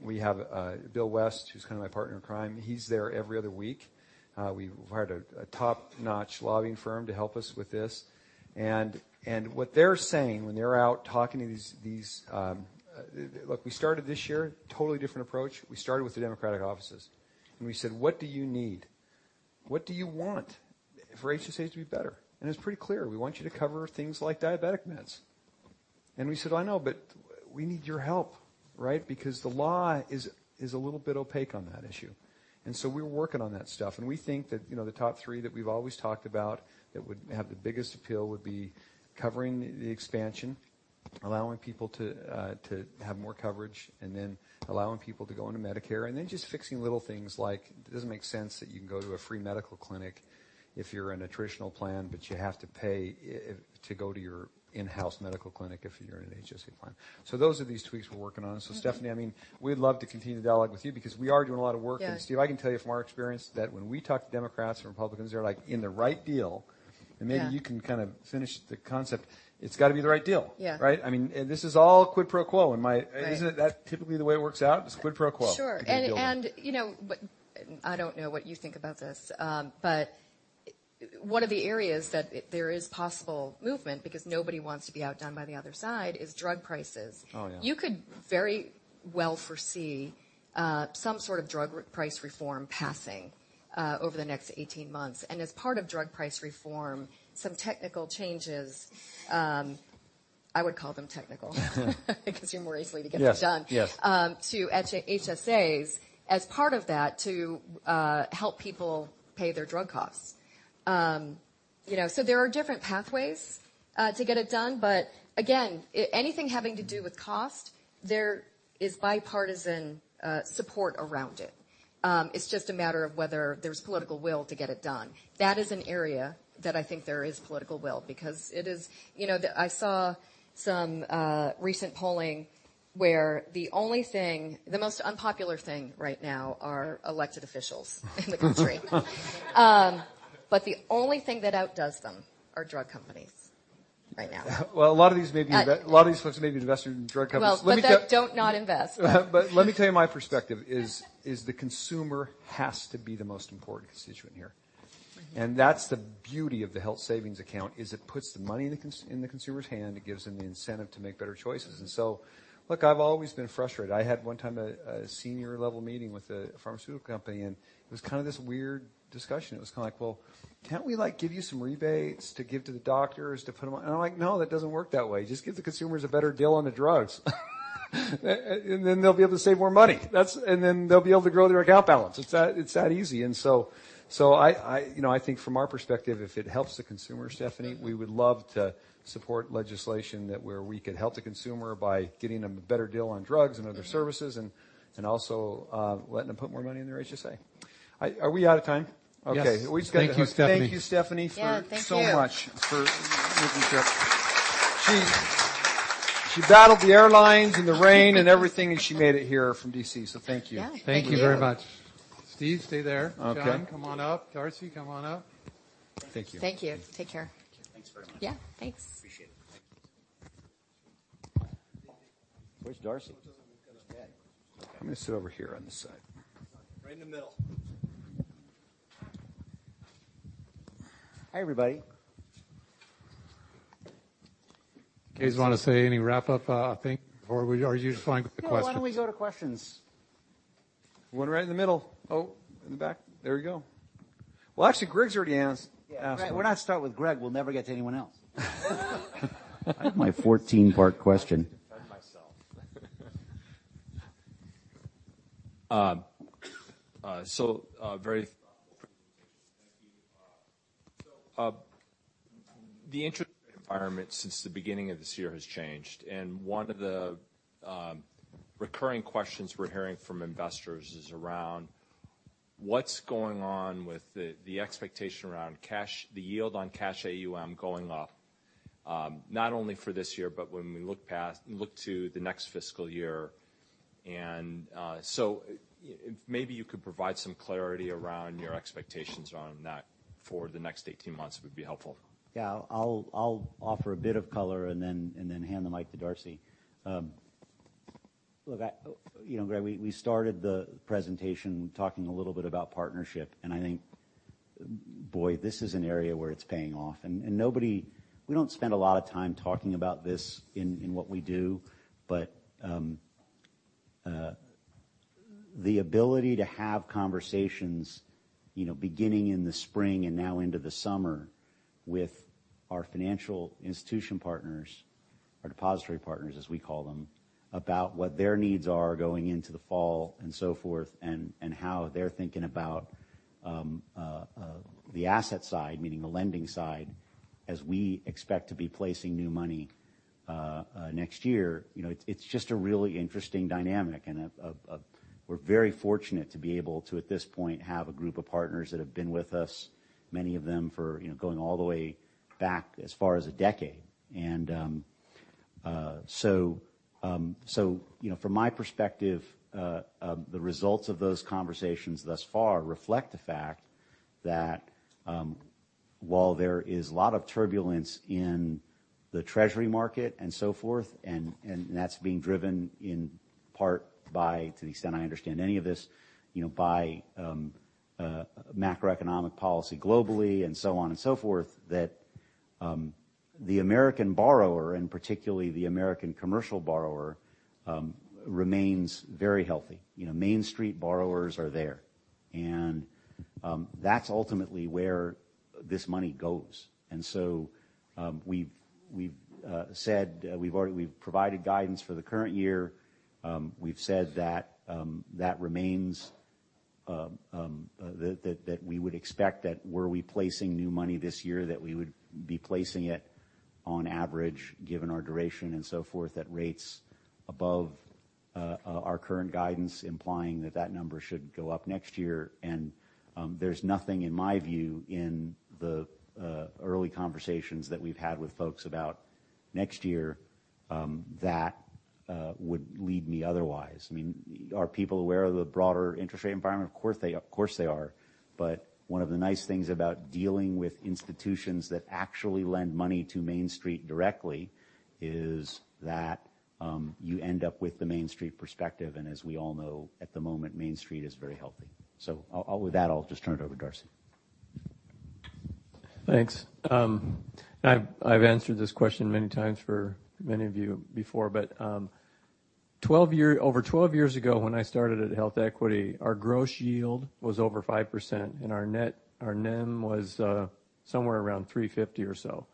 We have Bill West, who's kind of my partner in crime. He's there every other week. We've hired a top-notch lobbying firm to help us with this. What they're saying when they're out talking to these Look, we started this year, totally different approach. We started with the Democratic offices, we said, "What do you need? What do you want for HSAs to be better?" It's pretty clear. We want you to cover things like diabetic meds. We said, "I know, but we need your help, right?" Because the law is a little bit opaque on that issue. We're working on that stuff, and we think that the top three that we've always talked about that would have the biggest appeal would be covering the expansion, allowing people to have more coverage, then allowing people to go into Medicare, and then just fixing little things like it doesn't make sense that you can go to a free medical clinic if you're in a traditional plan, but you have to pay to go to your in-house medical clinic if you're in an HSA plan. Those are these tweaks we're working on. Stephanie, we'd love to continue to dialogue with you because we are doing a lot of work. Yeah. Steve, I can tell you from our experience that when we talk to Democrats or Republicans, they're like, "In the right deal," and maybe you can kind of finish the concept. It's got to be the right deal. Yeah. Right? This is all quid pro quo. Right. Isn't that typically the way it works out is quid pro quo? Sure. You get a deal with. I don't know what you think about this, but one of the areas that there is possible movement, because nobody wants to be outdone by the other side, is drug prices. Oh, yeah. You could very well foresee some sort of drug price reform passing over the next 18 months, as part of drug price reform, some technical changes, I would call them technical because you're more easily to get this done. Yes to HSAs as part of that to help people pay their drug costs. There are different pathways to get it done, again, anything having to do with cost, there is bipartisan support around it. It's just a matter of whether there's political will to get it done. That is an area that I think there is political will because it is I saw some recent polling where the most unpopular thing right now are elected officials in the country. The only thing that outdoes them are drug companies right now. Well, a lot of these folks may be invested in drug companies. Don't not invest. Let me tell you, my perspective is the consumer has to be the most important constituent here. That's the beauty of the Health Savings Account is it puts the money in the consumer's hand. It gives them the incentive to make better choices. Look, I've always been frustrated. I had one time a senior level meeting with a pharmaceutical company, and it was kind of this weird discussion. It was kind of like, "Well, can't we like give you some rebates to give to the doctors to put them on?" I'm like, "No, that doesn't work that way. Just give the consumers a better deal on the drugs, and then they'll be able to save more money. And then they'll be able to grow their account balance." It's that easy. I think from our perspective, if it helps the consumer, Stephanie, we would love to support legislation where we could help the consumer by getting them a better deal on drugs and other services and also letting them put more money in their HSA. Are we out of time? Yes. Okay. Thank you, Stephanie. Thank you, Stephanie for Yeah. Thank you Much for making the trip. She battled the airlines and the rain and everything, and she made it here from D.C., so thank you. Yeah. Thank you. Thank you very much. Steve, stay there. Okay. John, come on up. Darcy, come on up. Thank you. Thank you. Take care. Thank you. Thanks very much. Yeah, thanks. Appreciate it. Thank you. Where's Darcy? I'm going to sit over here on this side. Right in the middle. Hi, everybody. You guys want to say any wrap up thing, or are you just fine with the questions? No, why don't we go to questions? One right in the middle. Oh, in the back. There we go. Well, actually, Greg's already asked. Right. If we're going to start with Greg, we'll never get to anyone else. My 14-part question. I have to defend myself. The interest rate environment since the beginning of this year has changed, and one of the recurring questions we're hearing from investors is around what's going on with the expectation around the yield on cash AUM going up, not only for this year but when we look to the next fiscal year. Maybe you could provide some clarity around your expectations around that for the next 18 months, it would be helpful. Yeah. I'll offer a bit of color and then hand the mic to Darcy. Look, Greg, we started the presentation talking a little bit about partnership, and I think, boy, this is an area where it's paying off, and we don't spend a lot of time talking about this in what we do, but the ability to have conversations beginning in the spring and now into the summer with our financial institution partners, our depository partners, as we call them, about what their needs are going into the fall and so forth and how they're thinking about the asset side, meaning the lending side, as we expect to be placing new money next year. It's just a really interesting dynamic, and we're very fortunate to be able to, at this point, have a group of partners that have been with us, many of them going all the way back as far as a decade. From my perspective, the results of those conversations thus far reflect the fact that while there is a lot of turbulence in the treasury market and so forth, and that's being driven in part by, to the extent I understand any of this, by macroeconomic policy globally and so on and so forth, that the American borrower, and particularly the American commercial borrower, remains very healthy. Main Street borrowers are there, and that's ultimately where this money goes. We've provided guidance for the current year. We've said that remains That we would expect that were we placing new money this year, that we would be placing it on average, given our duration and so forth, at rates above our current guidance, implying that that number should go up next year. There's nothing in my view in the early conversations that we've had with folks about next year that would lead me otherwise. Are people aware of the broader interest rate environment? Of course they are. One of the nice things about dealing with institutions that actually lend money to Main Street directly is that you end up with the Main Street perspective, and as we all know, at the moment, Main Street is very healthy. With that, I'll just turn it over to Darcy. Thanks. I've answered this question many times for many of you before. Over 12 years ago when I started at HealthEquity, our gross yield was over 5%, and our NIM was somewhere around 350 or so.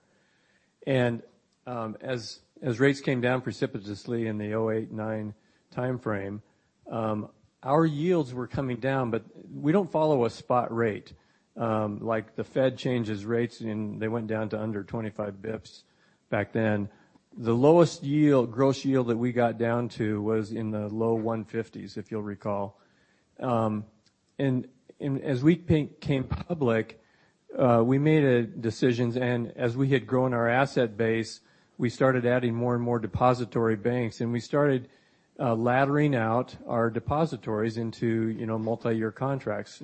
As rates came down precipitously in the 2008, 2009 timeframe, our yields were coming down, but we don't follow a spot rate. Like the Fed changes rates. They went down to under 25 basis points back then. The lowest gross yield that we got down to was in the low 150s, if you'll recall. As we became public, we made decisions. As we had grown our asset base, we started adding more and more depository banks, and we started laddering out our depositories into multi-year contracts.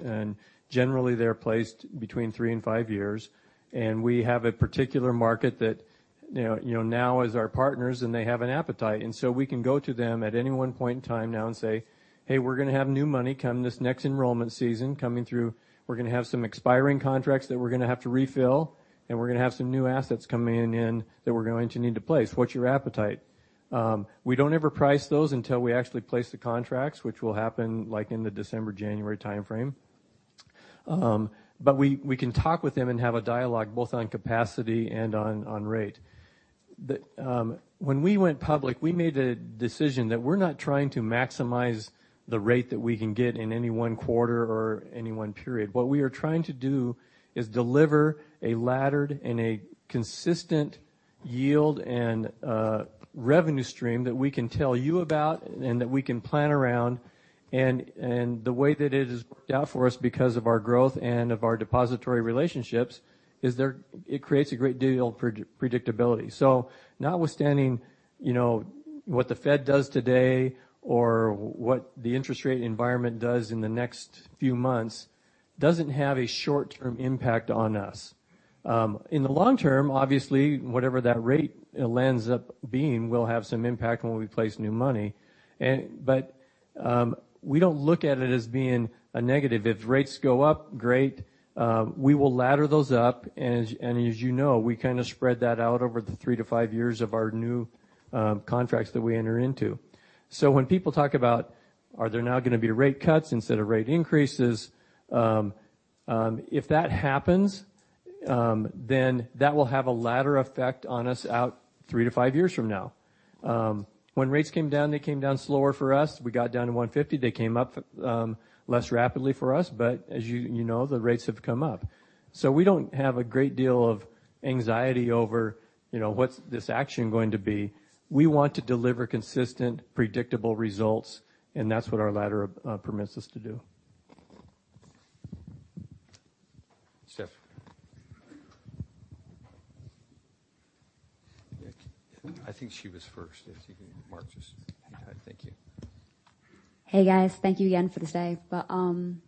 Generally, they're placed between three and five years, and we have a particular market that now is our partners, and they have an appetite. We can go to them at any one point in time now and say, "Hey, we're going to have new money come this next enrollment season coming through. We're going to have some expiring contracts that we're going to have to refill, and we're going to have some new assets coming in that we're going to need to place. What's your appetite?" We don't ever price those until we actually place the contracts, which will happen in the December, January timeframe. We can talk with them and have a dialogue both on capacity and on rate. When we went public, we made a decision that we're not trying to maximize the rate that we can get in any one quarter or any one period. What we are trying to do is deliver a laddered and a consistent yield and revenue stream that we can tell you about and that we can plan around. The way that it has worked out for us because of our growth and of our depository relationships is it creates a great deal of predictability. Notwithstanding what the Fed does today or what the interest rate environment does in the next few months doesn't have a short-term impact on us. In the long term, obviously, whatever that rate ends up being will have some impact when we place new money. We don't look at it as being a negative. If rates go up, great. We will ladder those up, as you know, we kind of spread that out over the 3 to 5 years of our new contracts that we enter into. When people talk about are there now going to be rate cuts instead of rate increases? If that happens, that will have a ladder effect on us out 3 to 5 years from now. When rates came down, they came down slower for us. We got down to 150. They came up less rapidly for us, but as you know, the rates have come up. We don't have a great deal of anxiety over what's this action going to be. We want to deliver consistent, predictable results, and that's what our ladder permits us to do. Steph. I think she was first. If you can mark just Thank you. Hey, guys. Thank you again for this day. When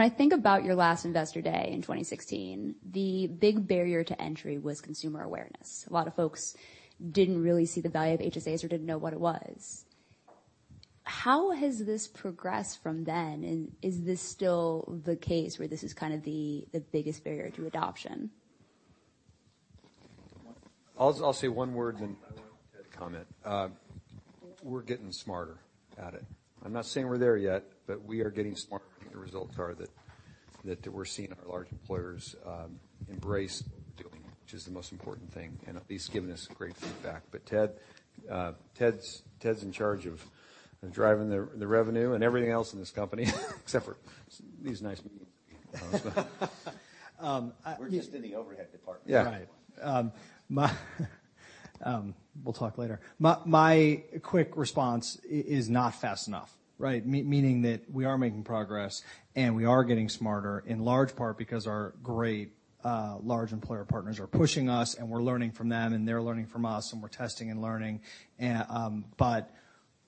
I think about your last Investor Day in 2016, the big barrier to entry was consumer awareness. A lot of folks didn't really see the value of HSAs or didn't know what it was. How has this progressed from then, and is this still the case where this is kind of the biggest barrier to adoption? I'll say one word, then I want Ted to comment. We're getting smarter at it. I'm not saying we're there yet, we are getting smarter. I think the results are that we're seeing our large employers embrace what we're doing, which is the most important thing, and at least giving us great feedback. Ted's in charge of driving the revenue and everything else in this company, except for these nice meetings. We're just in the overhead department. Yeah. Right. We'll talk later. My quick response is not fast enough. Right? Meaning that we are making progress, and we are getting smarter, in large part because our great large employer partners are pushing us, and we're learning from them, and they're learning from us, and we're testing and learning.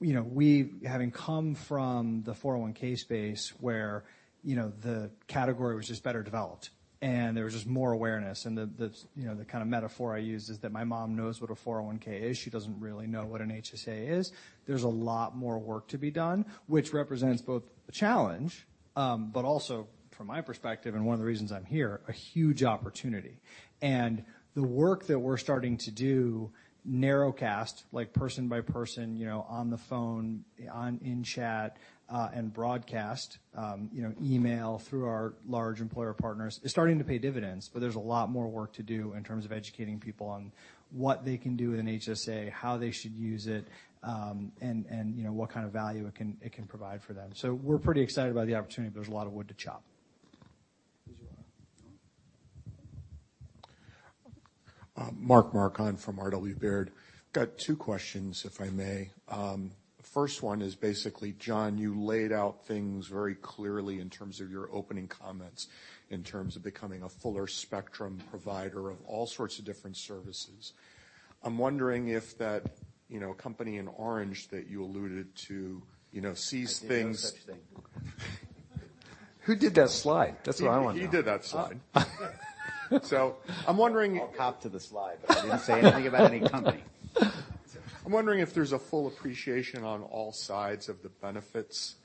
We, having come from the 401 space where the category was just better developed, and there was just more awareness, and the kind of metaphor I use is that my mom knows what a 401 is. She doesn't really know what an HSA is. There's a lot more work to be done, which represents both a challenge, but also from my perspective and one of the reasons I'm here, a huge opportunity. The work that we're starting to do narrowcast, like person by person, on the phone, in chat, and broadcast, email through our large employer partners, is starting to pay dividends, but there's a lot more work to do in terms of educating people on what they can do with an HSA, how they should use it, and what kind of value it can provide for them. We're pretty excited by the opportunity, but there's a lot of wood to chop. Mark Marcon from RW Baird. Got two questions, if I may. First one is basically, Jon, you laid out things very clearly in terms of your opening comments, in terms of becoming a fuller spectrum provider of all sorts of different services. I'm wondering if that company in orange that you alluded to sees things- I did no such thing. Okay. Who did that slide? That's what I want to know. He did that slide. Oh. I'm wondering. I'll cop to the slide, but I didn't say anything about any company. I'm wondering if there's a full appreciation on all sides of the benefits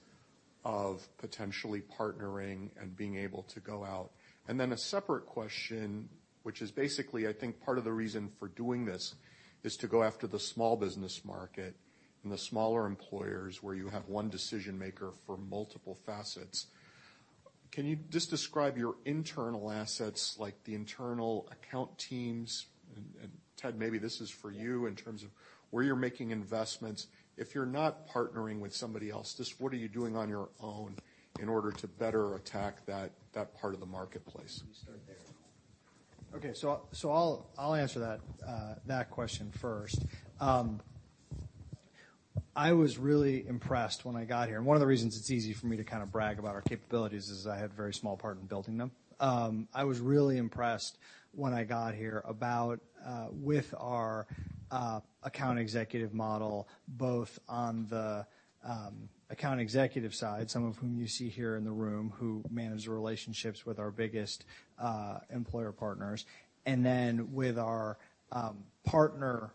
of potentially partnering and being able to go out. A separate question, which is basically, I think part of the reason for doing this is to go after the small business market and the smaller employers where you have one decision-maker for multiple facets. Can you just describe your internal assets, like the internal account teams? Ted, maybe this is for you in terms of where you're making investments. If you're not partnering with somebody else, just what are you doing on your own in order to better attack that part of the marketplace? Can you start there? I'll answer that question first. I was really impressed when I got here, and one of the reasons it's easy for me to brag about our capabilities is I had a very small part in building them. I was really impressed when I got here with our account executive model, both on the account executive side, some of whom you see here in the room, who manage the relationships with our biggest employer partners, and then with our partner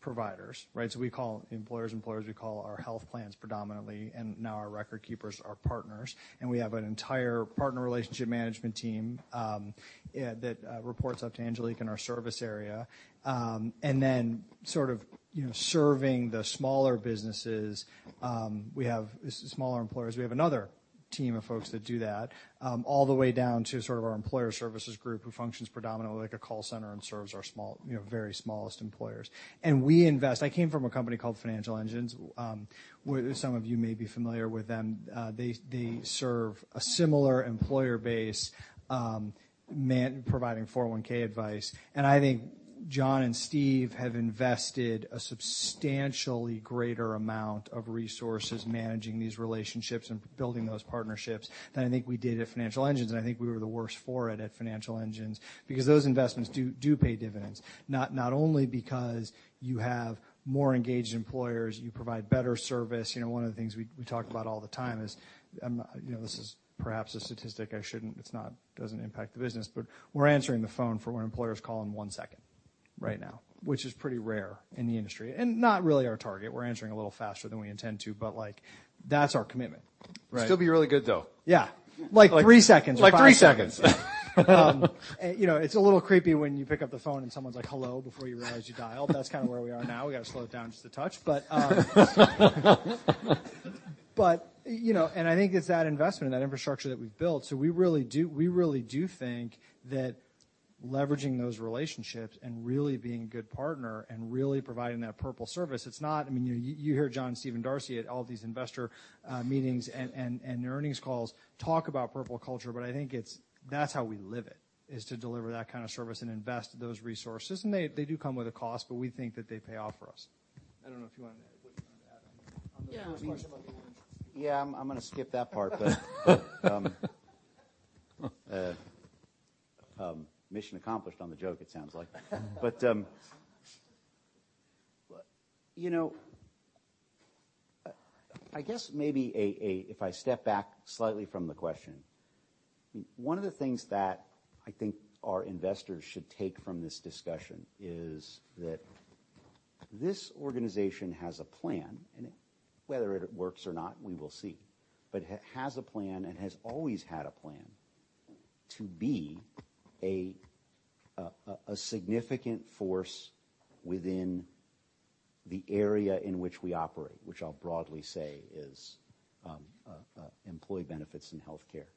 providers, right? We call employers. We call our health plans predominantly and now our record keepers our partners, and we have an entire partner relationship management team that reports up to Angelique in our service area. Sort of serving the smaller businesses, we have smaller employers. We have another team of folks that do that all the way down to our employer services group who functions predominantly like a call center and serves our very smallest employers. We invest. I came from a company called Financial Engines, some of you may be familiar with them. They serve a similar employer base providing 401K advice, and I think Jon and Steve have invested a substantially greater amount of resources managing these relationships and building those partnerships than I think we did at Financial Engines, and I think we were the worst for it at Financial Engines because those investments do pay dividends, not only because you have more engaged employers, you provide better service. One of the things we talk about all the time is, this is perhaps a statistic I shouldn't, it doesn't impact the business, but we're answering the phone for when employers call in one second right now, which is pretty rare in the industry and not really our target. We're answering a little faster than we intend to, but that's our commitment. Right? Still be really good, though. Yeah, like three seconds or five seconds. Like three seconds. It's a little creepy when you pick up the phone and someone's like, "Hello," before you realize you dialed. That's kind of where we are now. We've got to slow it down just to touch. I think it's that investment and that infrastructure that we've built. We really do think that leveraging those relationships and really being a good partner and really providing that purple service. You hear Jon, Steve, and Darcy at all these investor meetings and the earnings calls talk about purple culture, but I think that's how we live it, is to deliver that kind of service and invest those resources. They do come with a cost, but we think that they pay off for us. I don't know if you want to add what you want to add on the first part about the. Yeah. - Yeah, I'm going to skip that part, but mission accomplished on the joke it sounds like. I guess maybe if I step back slightly from the question, one of the things that I think our investors should take from this discussion is that this organization has a plan, and whether it works or not, we will see, but has a plan and has always had a plan to be a significant force within the area in which we operate, which I'll broadly say is employee benefits and healthcare.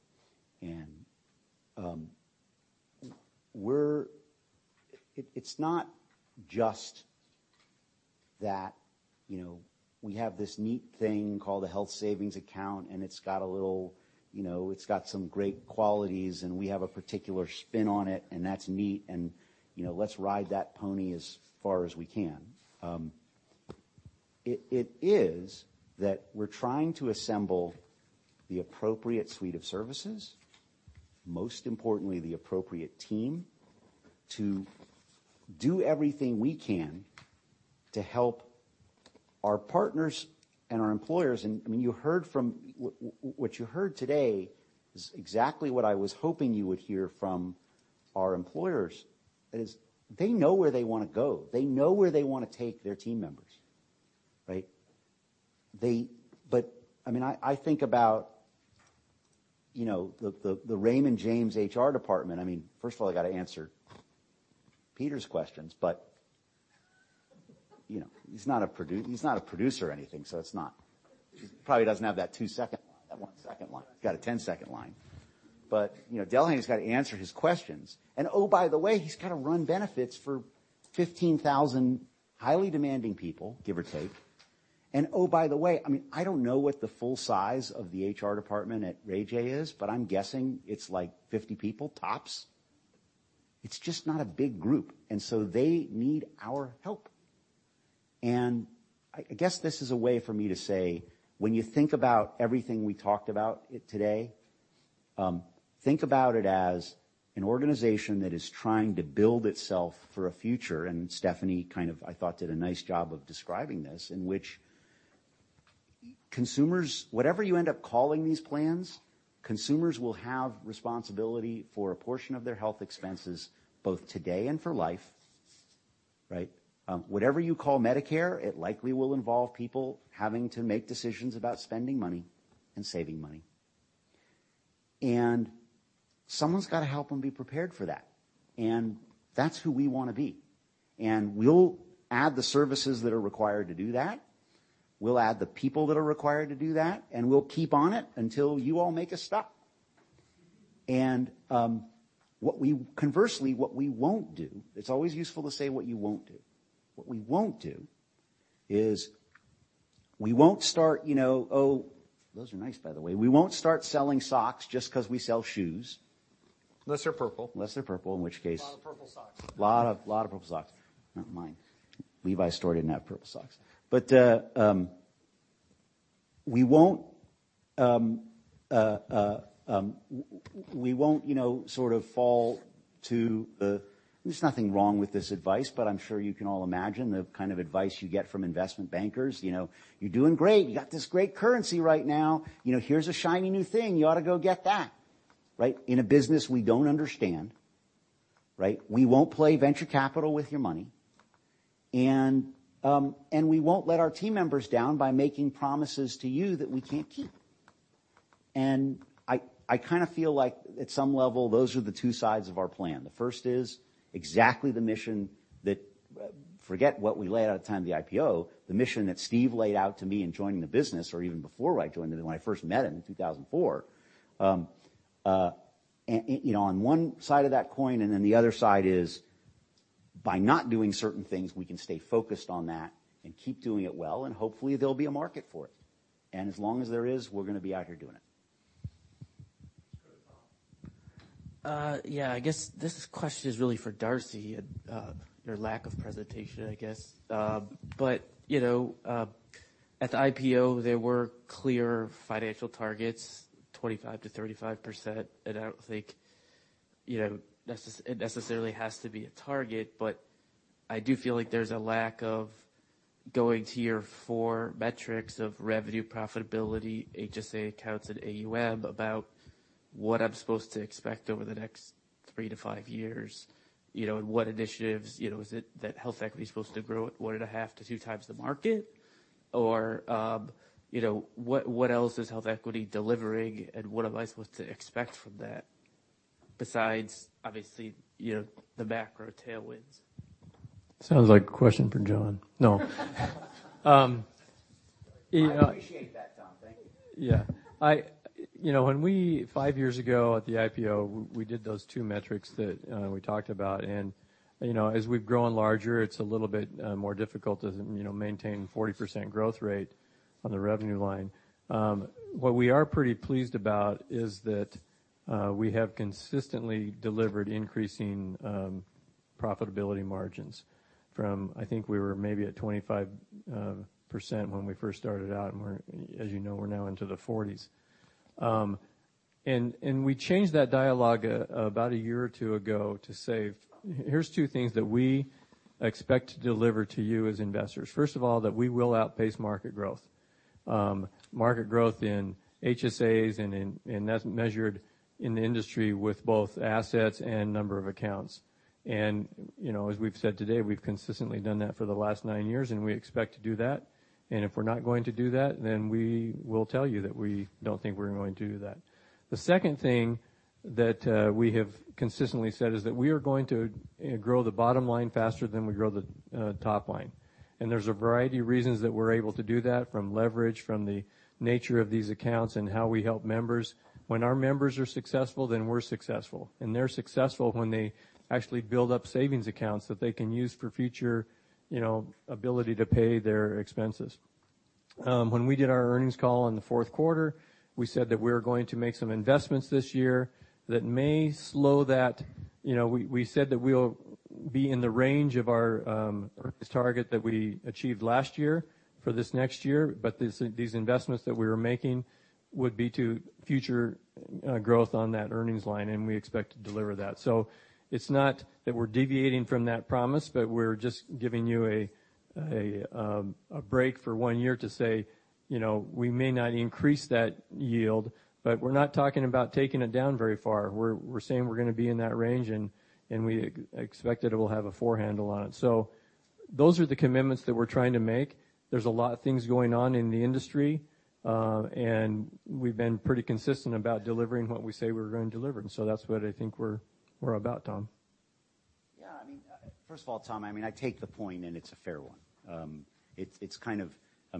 It's not just that we have this neat thing called a Health Savings Account, and it's got some great qualities, and we have a particular spin on it, and that's neat, and let's ride that pony as far as we can. It is that we're trying to assemble the appropriate suite of services, most importantly, the appropriate team, to do everything we can to help our partners and our employers. What you heard today is exactly what I was hoping you would hear from our employers, is they know where they want to go. They know where they want to take their team members. Right? I think about the Raymond James HR department. First of all, I got to answer Peter's questions, but he's not a producer or anything, so he probably doesn't have that one-second line. He's got a 10-second line. Delhaas has got to answer his questions. Oh, by the way, he's got to run benefits for 15,000 highly demanding people, give or take. Oh, by the way, I don't know what the full size of the HR department at Raymond James is, but I'm guessing it's like 50 people tops. It's just not a big group. They need our help. I guess this is a way for me to say, when you think about everything we talked about today, think about it as an organization that is trying to build itself for a future. Stephanie, I thought, did a nice job of describing this, in which consumers, whatever you end up calling these plans, consumers will have responsibility for a portion of their health expenses, both today and for life. Right? Whatever you call Medicare, it likely will involve people having to make decisions about spending money and saving money. Someone's got to help them be prepared for that, and that's who we want to be. We'll add the services that are required to do that. We'll add the people that are required to do that, we'll keep on it until you all make us stop. Conversely, what we won't do, it's always useful to say what you won't do. What we won't do is we won't start. Oh, those are nice by the way. We won't start selling socks just because we sell shoes. Unless they're purple. Unless they're purple. A lot of purple socks. A lot of purple socks. Not mine. Levi's Store didn't have purple socks. There's nothing wrong with this advice, I'm sure you can all imagine the kind of advice you get from investment bankers. "You're doing great. You got this great currency right now. Here's a shiny new thing. You ought to go get that." Right? In a business we don't understand, right? We won't play venture capital with your money. We won't let our team members down by making promises to you that we can't keep. I kind of feel like at some level, those are the two sides of our plan. The first is exactly the mission that, forget what we laid out at the time of the IPO, the mission that Steve laid out to me in joining the business, or even before I joined it, when I first met him in 2004. On one side of that coin, the other side is by not doing certain things, we can stay focused on that and keep doing it well, hopefully there'll be a market for it. As long as there is, we're going to be out here doing it. Let's go to Tom. Yeah, I guess this question is really for Darcy, your lack of presentation, I guess. At the IPO, there were clear financial targets, 25%-35%, and I don't think it necessarily has to be a target, but I do feel like there's a lack of going to your four metrics of revenue profitability, HSA accounts, and AUM about what I'm supposed to expect over the next three to five years, and what initiatives. Is it that HealthEquity is supposed to grow at one and a half to two times the market? What else is HealthEquity delivering, and what am I supposed to expect from that besides, obviously, the macro tailwinds? Sounds like a question for Jon. No. I appreciate that, Tom. Thank you. Yeah. When we, five years ago at the IPO, we did those two metrics that we talked about, and as we've grown larger, it's a little bit more difficult to maintain 40% growth rate on the revenue line. What we are pretty pleased about is that we have consistently delivered increasing profitability margins from, I think we were maybe at 25% when we first started out, and as you know, we're now into the 40s. We changed that dialogue about a year or two ago to say, here's two things that we expect to deliver to you as investors. First of all, that we will outpace market growth. Market growth in HSAs, that's measured in the industry with both assets and number of accounts. As we've said today, we've consistently done that for the last nine years, we expect to do that, if we're not going to do that, then we will tell you that we don't think we're going to do that. The second thing that we have consistently said is that we are going to grow the bottom line faster than we grow the top line. There's a variety of reasons that we're able to do that, from leverage, from the nature of these accounts and how we help members. When our members are successful, then we're successful, and they're successful when they actually build up savings accounts that they can use for future ability to pay their expenses. When we did our earnings call in the fourth quarter, we said that we're going to make some investments this year that may slow that. We said that we'll be in the range of our target that we achieved last year for this next year, but these investments that we were making would be to future growth on that earnings line, and we expect to deliver that. It's not that we're deviating from that promise, but we're just giving you a break for one year to say, we may not increase that yield, but we're not talking about taking it down very far. We're saying we're going to be in that range, and we expect that it will have a forehandle on it. Those are the commitments that we're trying to make. There's a lot of things going on in the industry, and we've been pretty consistent about delivering what we say we're going to deliver, that's what I think we're about, Tom. Yeah. First of all, Tom, I take the point, and it's a fair one. It's kind of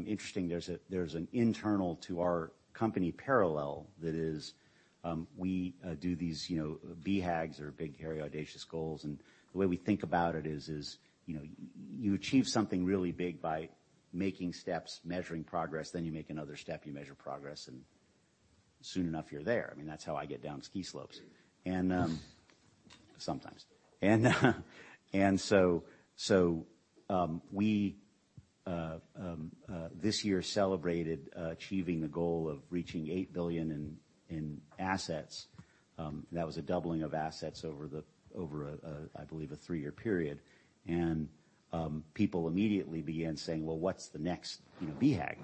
interesting. There's an internal to our company parallel that is, we do these BHAGs or big, hairy, audacious goals, and the way we think about it is you achieve something really big by making steps, measuring progress, then you make another step, you measure progress, and Soon enough you're there. That's how I get down ski slopes, sometimes. We this year celebrated achieving the goal of reaching $8 billion in assets. That was a doubling of assets over, I believe, a three-year period. People immediately began saying, "Well, what's the next BHAG?"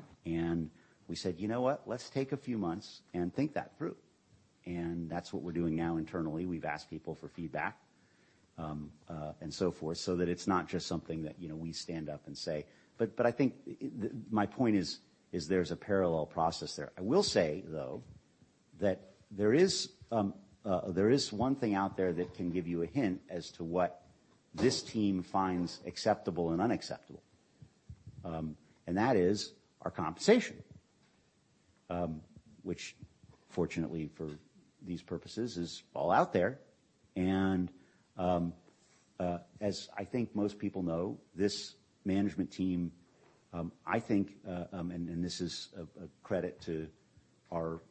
We said, "You know what? Let's take a few months and think that through." That's what we're doing now internally. We've asked people for feedback, and so forth, so that it's not just something that we stand up and say. I think my point is there's a parallel process there. I will say, though, that there is one thing out there that can give you a hint as to what this team finds acceptable and unacceptable. That is our compensation, which fortunately for these purposes is all out there. As I think most people know, this management team, I think, and this is a credit to our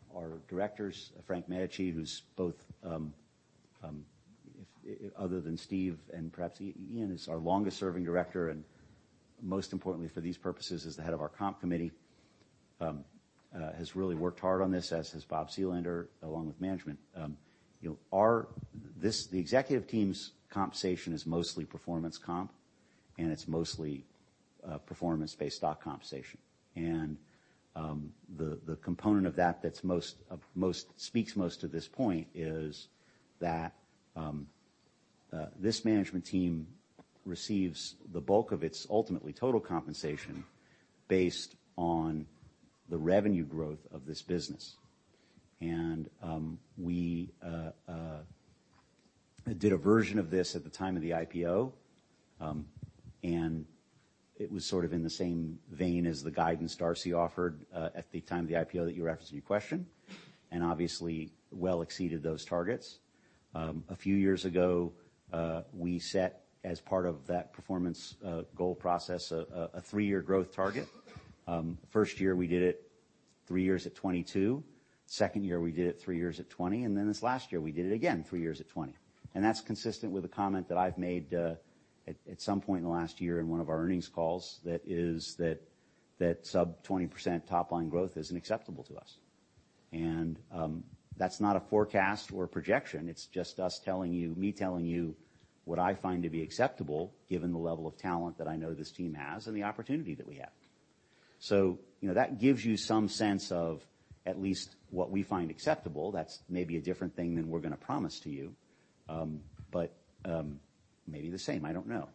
directors, Frank Medici, who's both other than Steve and perhaps Ian, is our longest-serving director and most importantly for these purposes is the head of our comp committee, has really worked hard on this, as has Bob Selander, along with management. The executive team's compensation is mostly performance comp, and it's mostly performance-based stock compensation. The component of that that speaks most to this point is that this management team receives the bulk of its ultimately total compensation based on the revenue growth of this business. We did a version of this at the time of the IPO, and it was sort of in the same vein as the guidance Darcy offered at the time of the IPO that you referenced in your question, and obviously well exceeded those targets. A few years ago, we set as part of that performance goal process a three-year growth target. First year, we did it three years at 22. Second year, we did it three years at 20, this last year we did it again three years at 20. That's consistent with a comment that I've made at some point in the last year in one of our earnings calls, that is that sub 20% top line growth isn't acceptable to us. That's not a forecast or a projection, it's just me telling you what I find to be acceptable given the level of talent that I know this team has and the opportunity that we have. That gives you some sense of at least what we find acceptable. That's maybe a different thing than we're going to promise to you, but maybe the same, I don't know.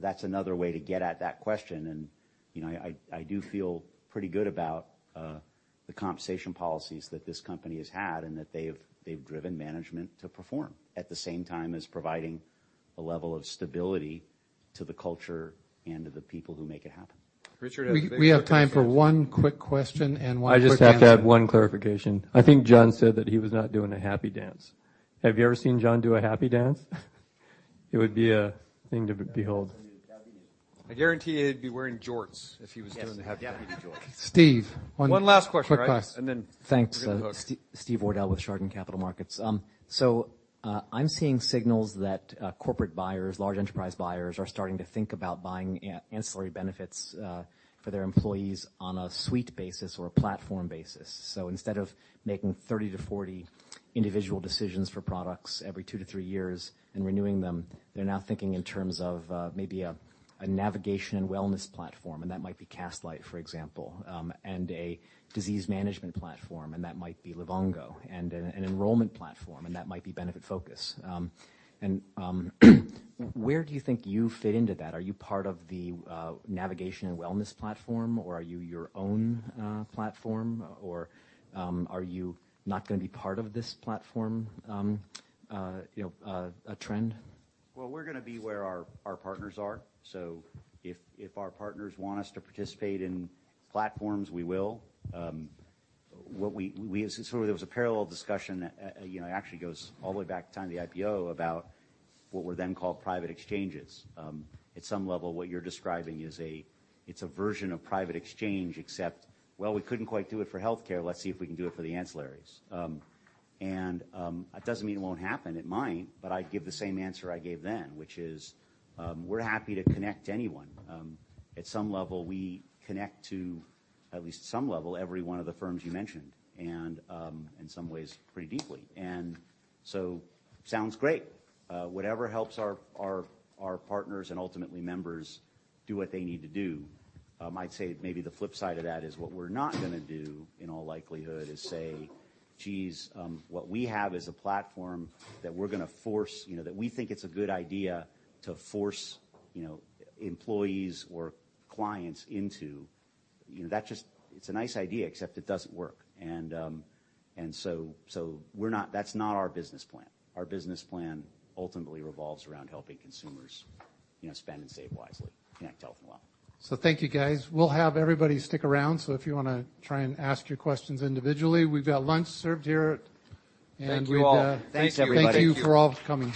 That's another way to get at that question, and I do feel pretty good about the compensation policies that this company has had and that they've driven management to perform at the same time as providing a level of stability to the culture and to the people who make it happen. Richard, I think- We have time for one quick question and one quick answer. I just have to add one clarification. I think Jon said that he was not doing a happy dance. Have you ever seen Jon do a happy dance? It would be a thing to behold. I guarantee you he'd be wearing jorts if he was doing the happy dance. Yes. Stephen, One last question, right? Quick last. And then- Thanks. Steven Wardell with Chardan Capital Markets. I'm seeing signals that corporate buyers, large enterprise buyers, are starting to think about buying ancillary benefits for their employees on a suite basis or a platform basis. Instead of making 30 to 40 individual decisions for products every 2 to 3 years and renewing them, they're now thinking in terms of maybe a navigation and wellness platform, and that might be Castlight, for example, and a disease management platform, and that might be Livongo, and an enrollment platform, and that might be Benefitfocus. Where do you think you fit into that? Are you part of the navigation and wellness platform, or are you your own platform, or are you not going to be part of this platform trend? Well, we're going to be where our partners are. If our partners want us to participate in platforms, we will. There was a parallel discussion, it actually goes all the way back to the time of the IPO, about what were then called private exchanges. At some level, what you're describing, it's a version of private exchange except, well, we couldn't quite do it for healthcare, let's see if we can do it for the ancillaries. That doesn't mean it won't happen. It might, but I give the same answer I gave then, which is we're happy to connect anyone. At some level, we connect to at least some level every one of the firms you mentioned, and in some ways pretty deeply. Sounds great. Whatever helps our partners and ultimately members do what they need to do. I'd say maybe the flip side of that is what we're not going to do in all likelihood is say, geez, what we have is a platform that we think it's a good idea to force employees or clients into. It's a nice idea, except it doesn't work. That's not our business plan. Our business plan ultimately revolves around helping consumers spend and save wisely, connect health and wealth. Thank you guys. We'll have everybody stick around, so if you want to try and ask your questions individually. We've got lunch served here. Thank you all. Thanks everybody. Thank you for all for coming.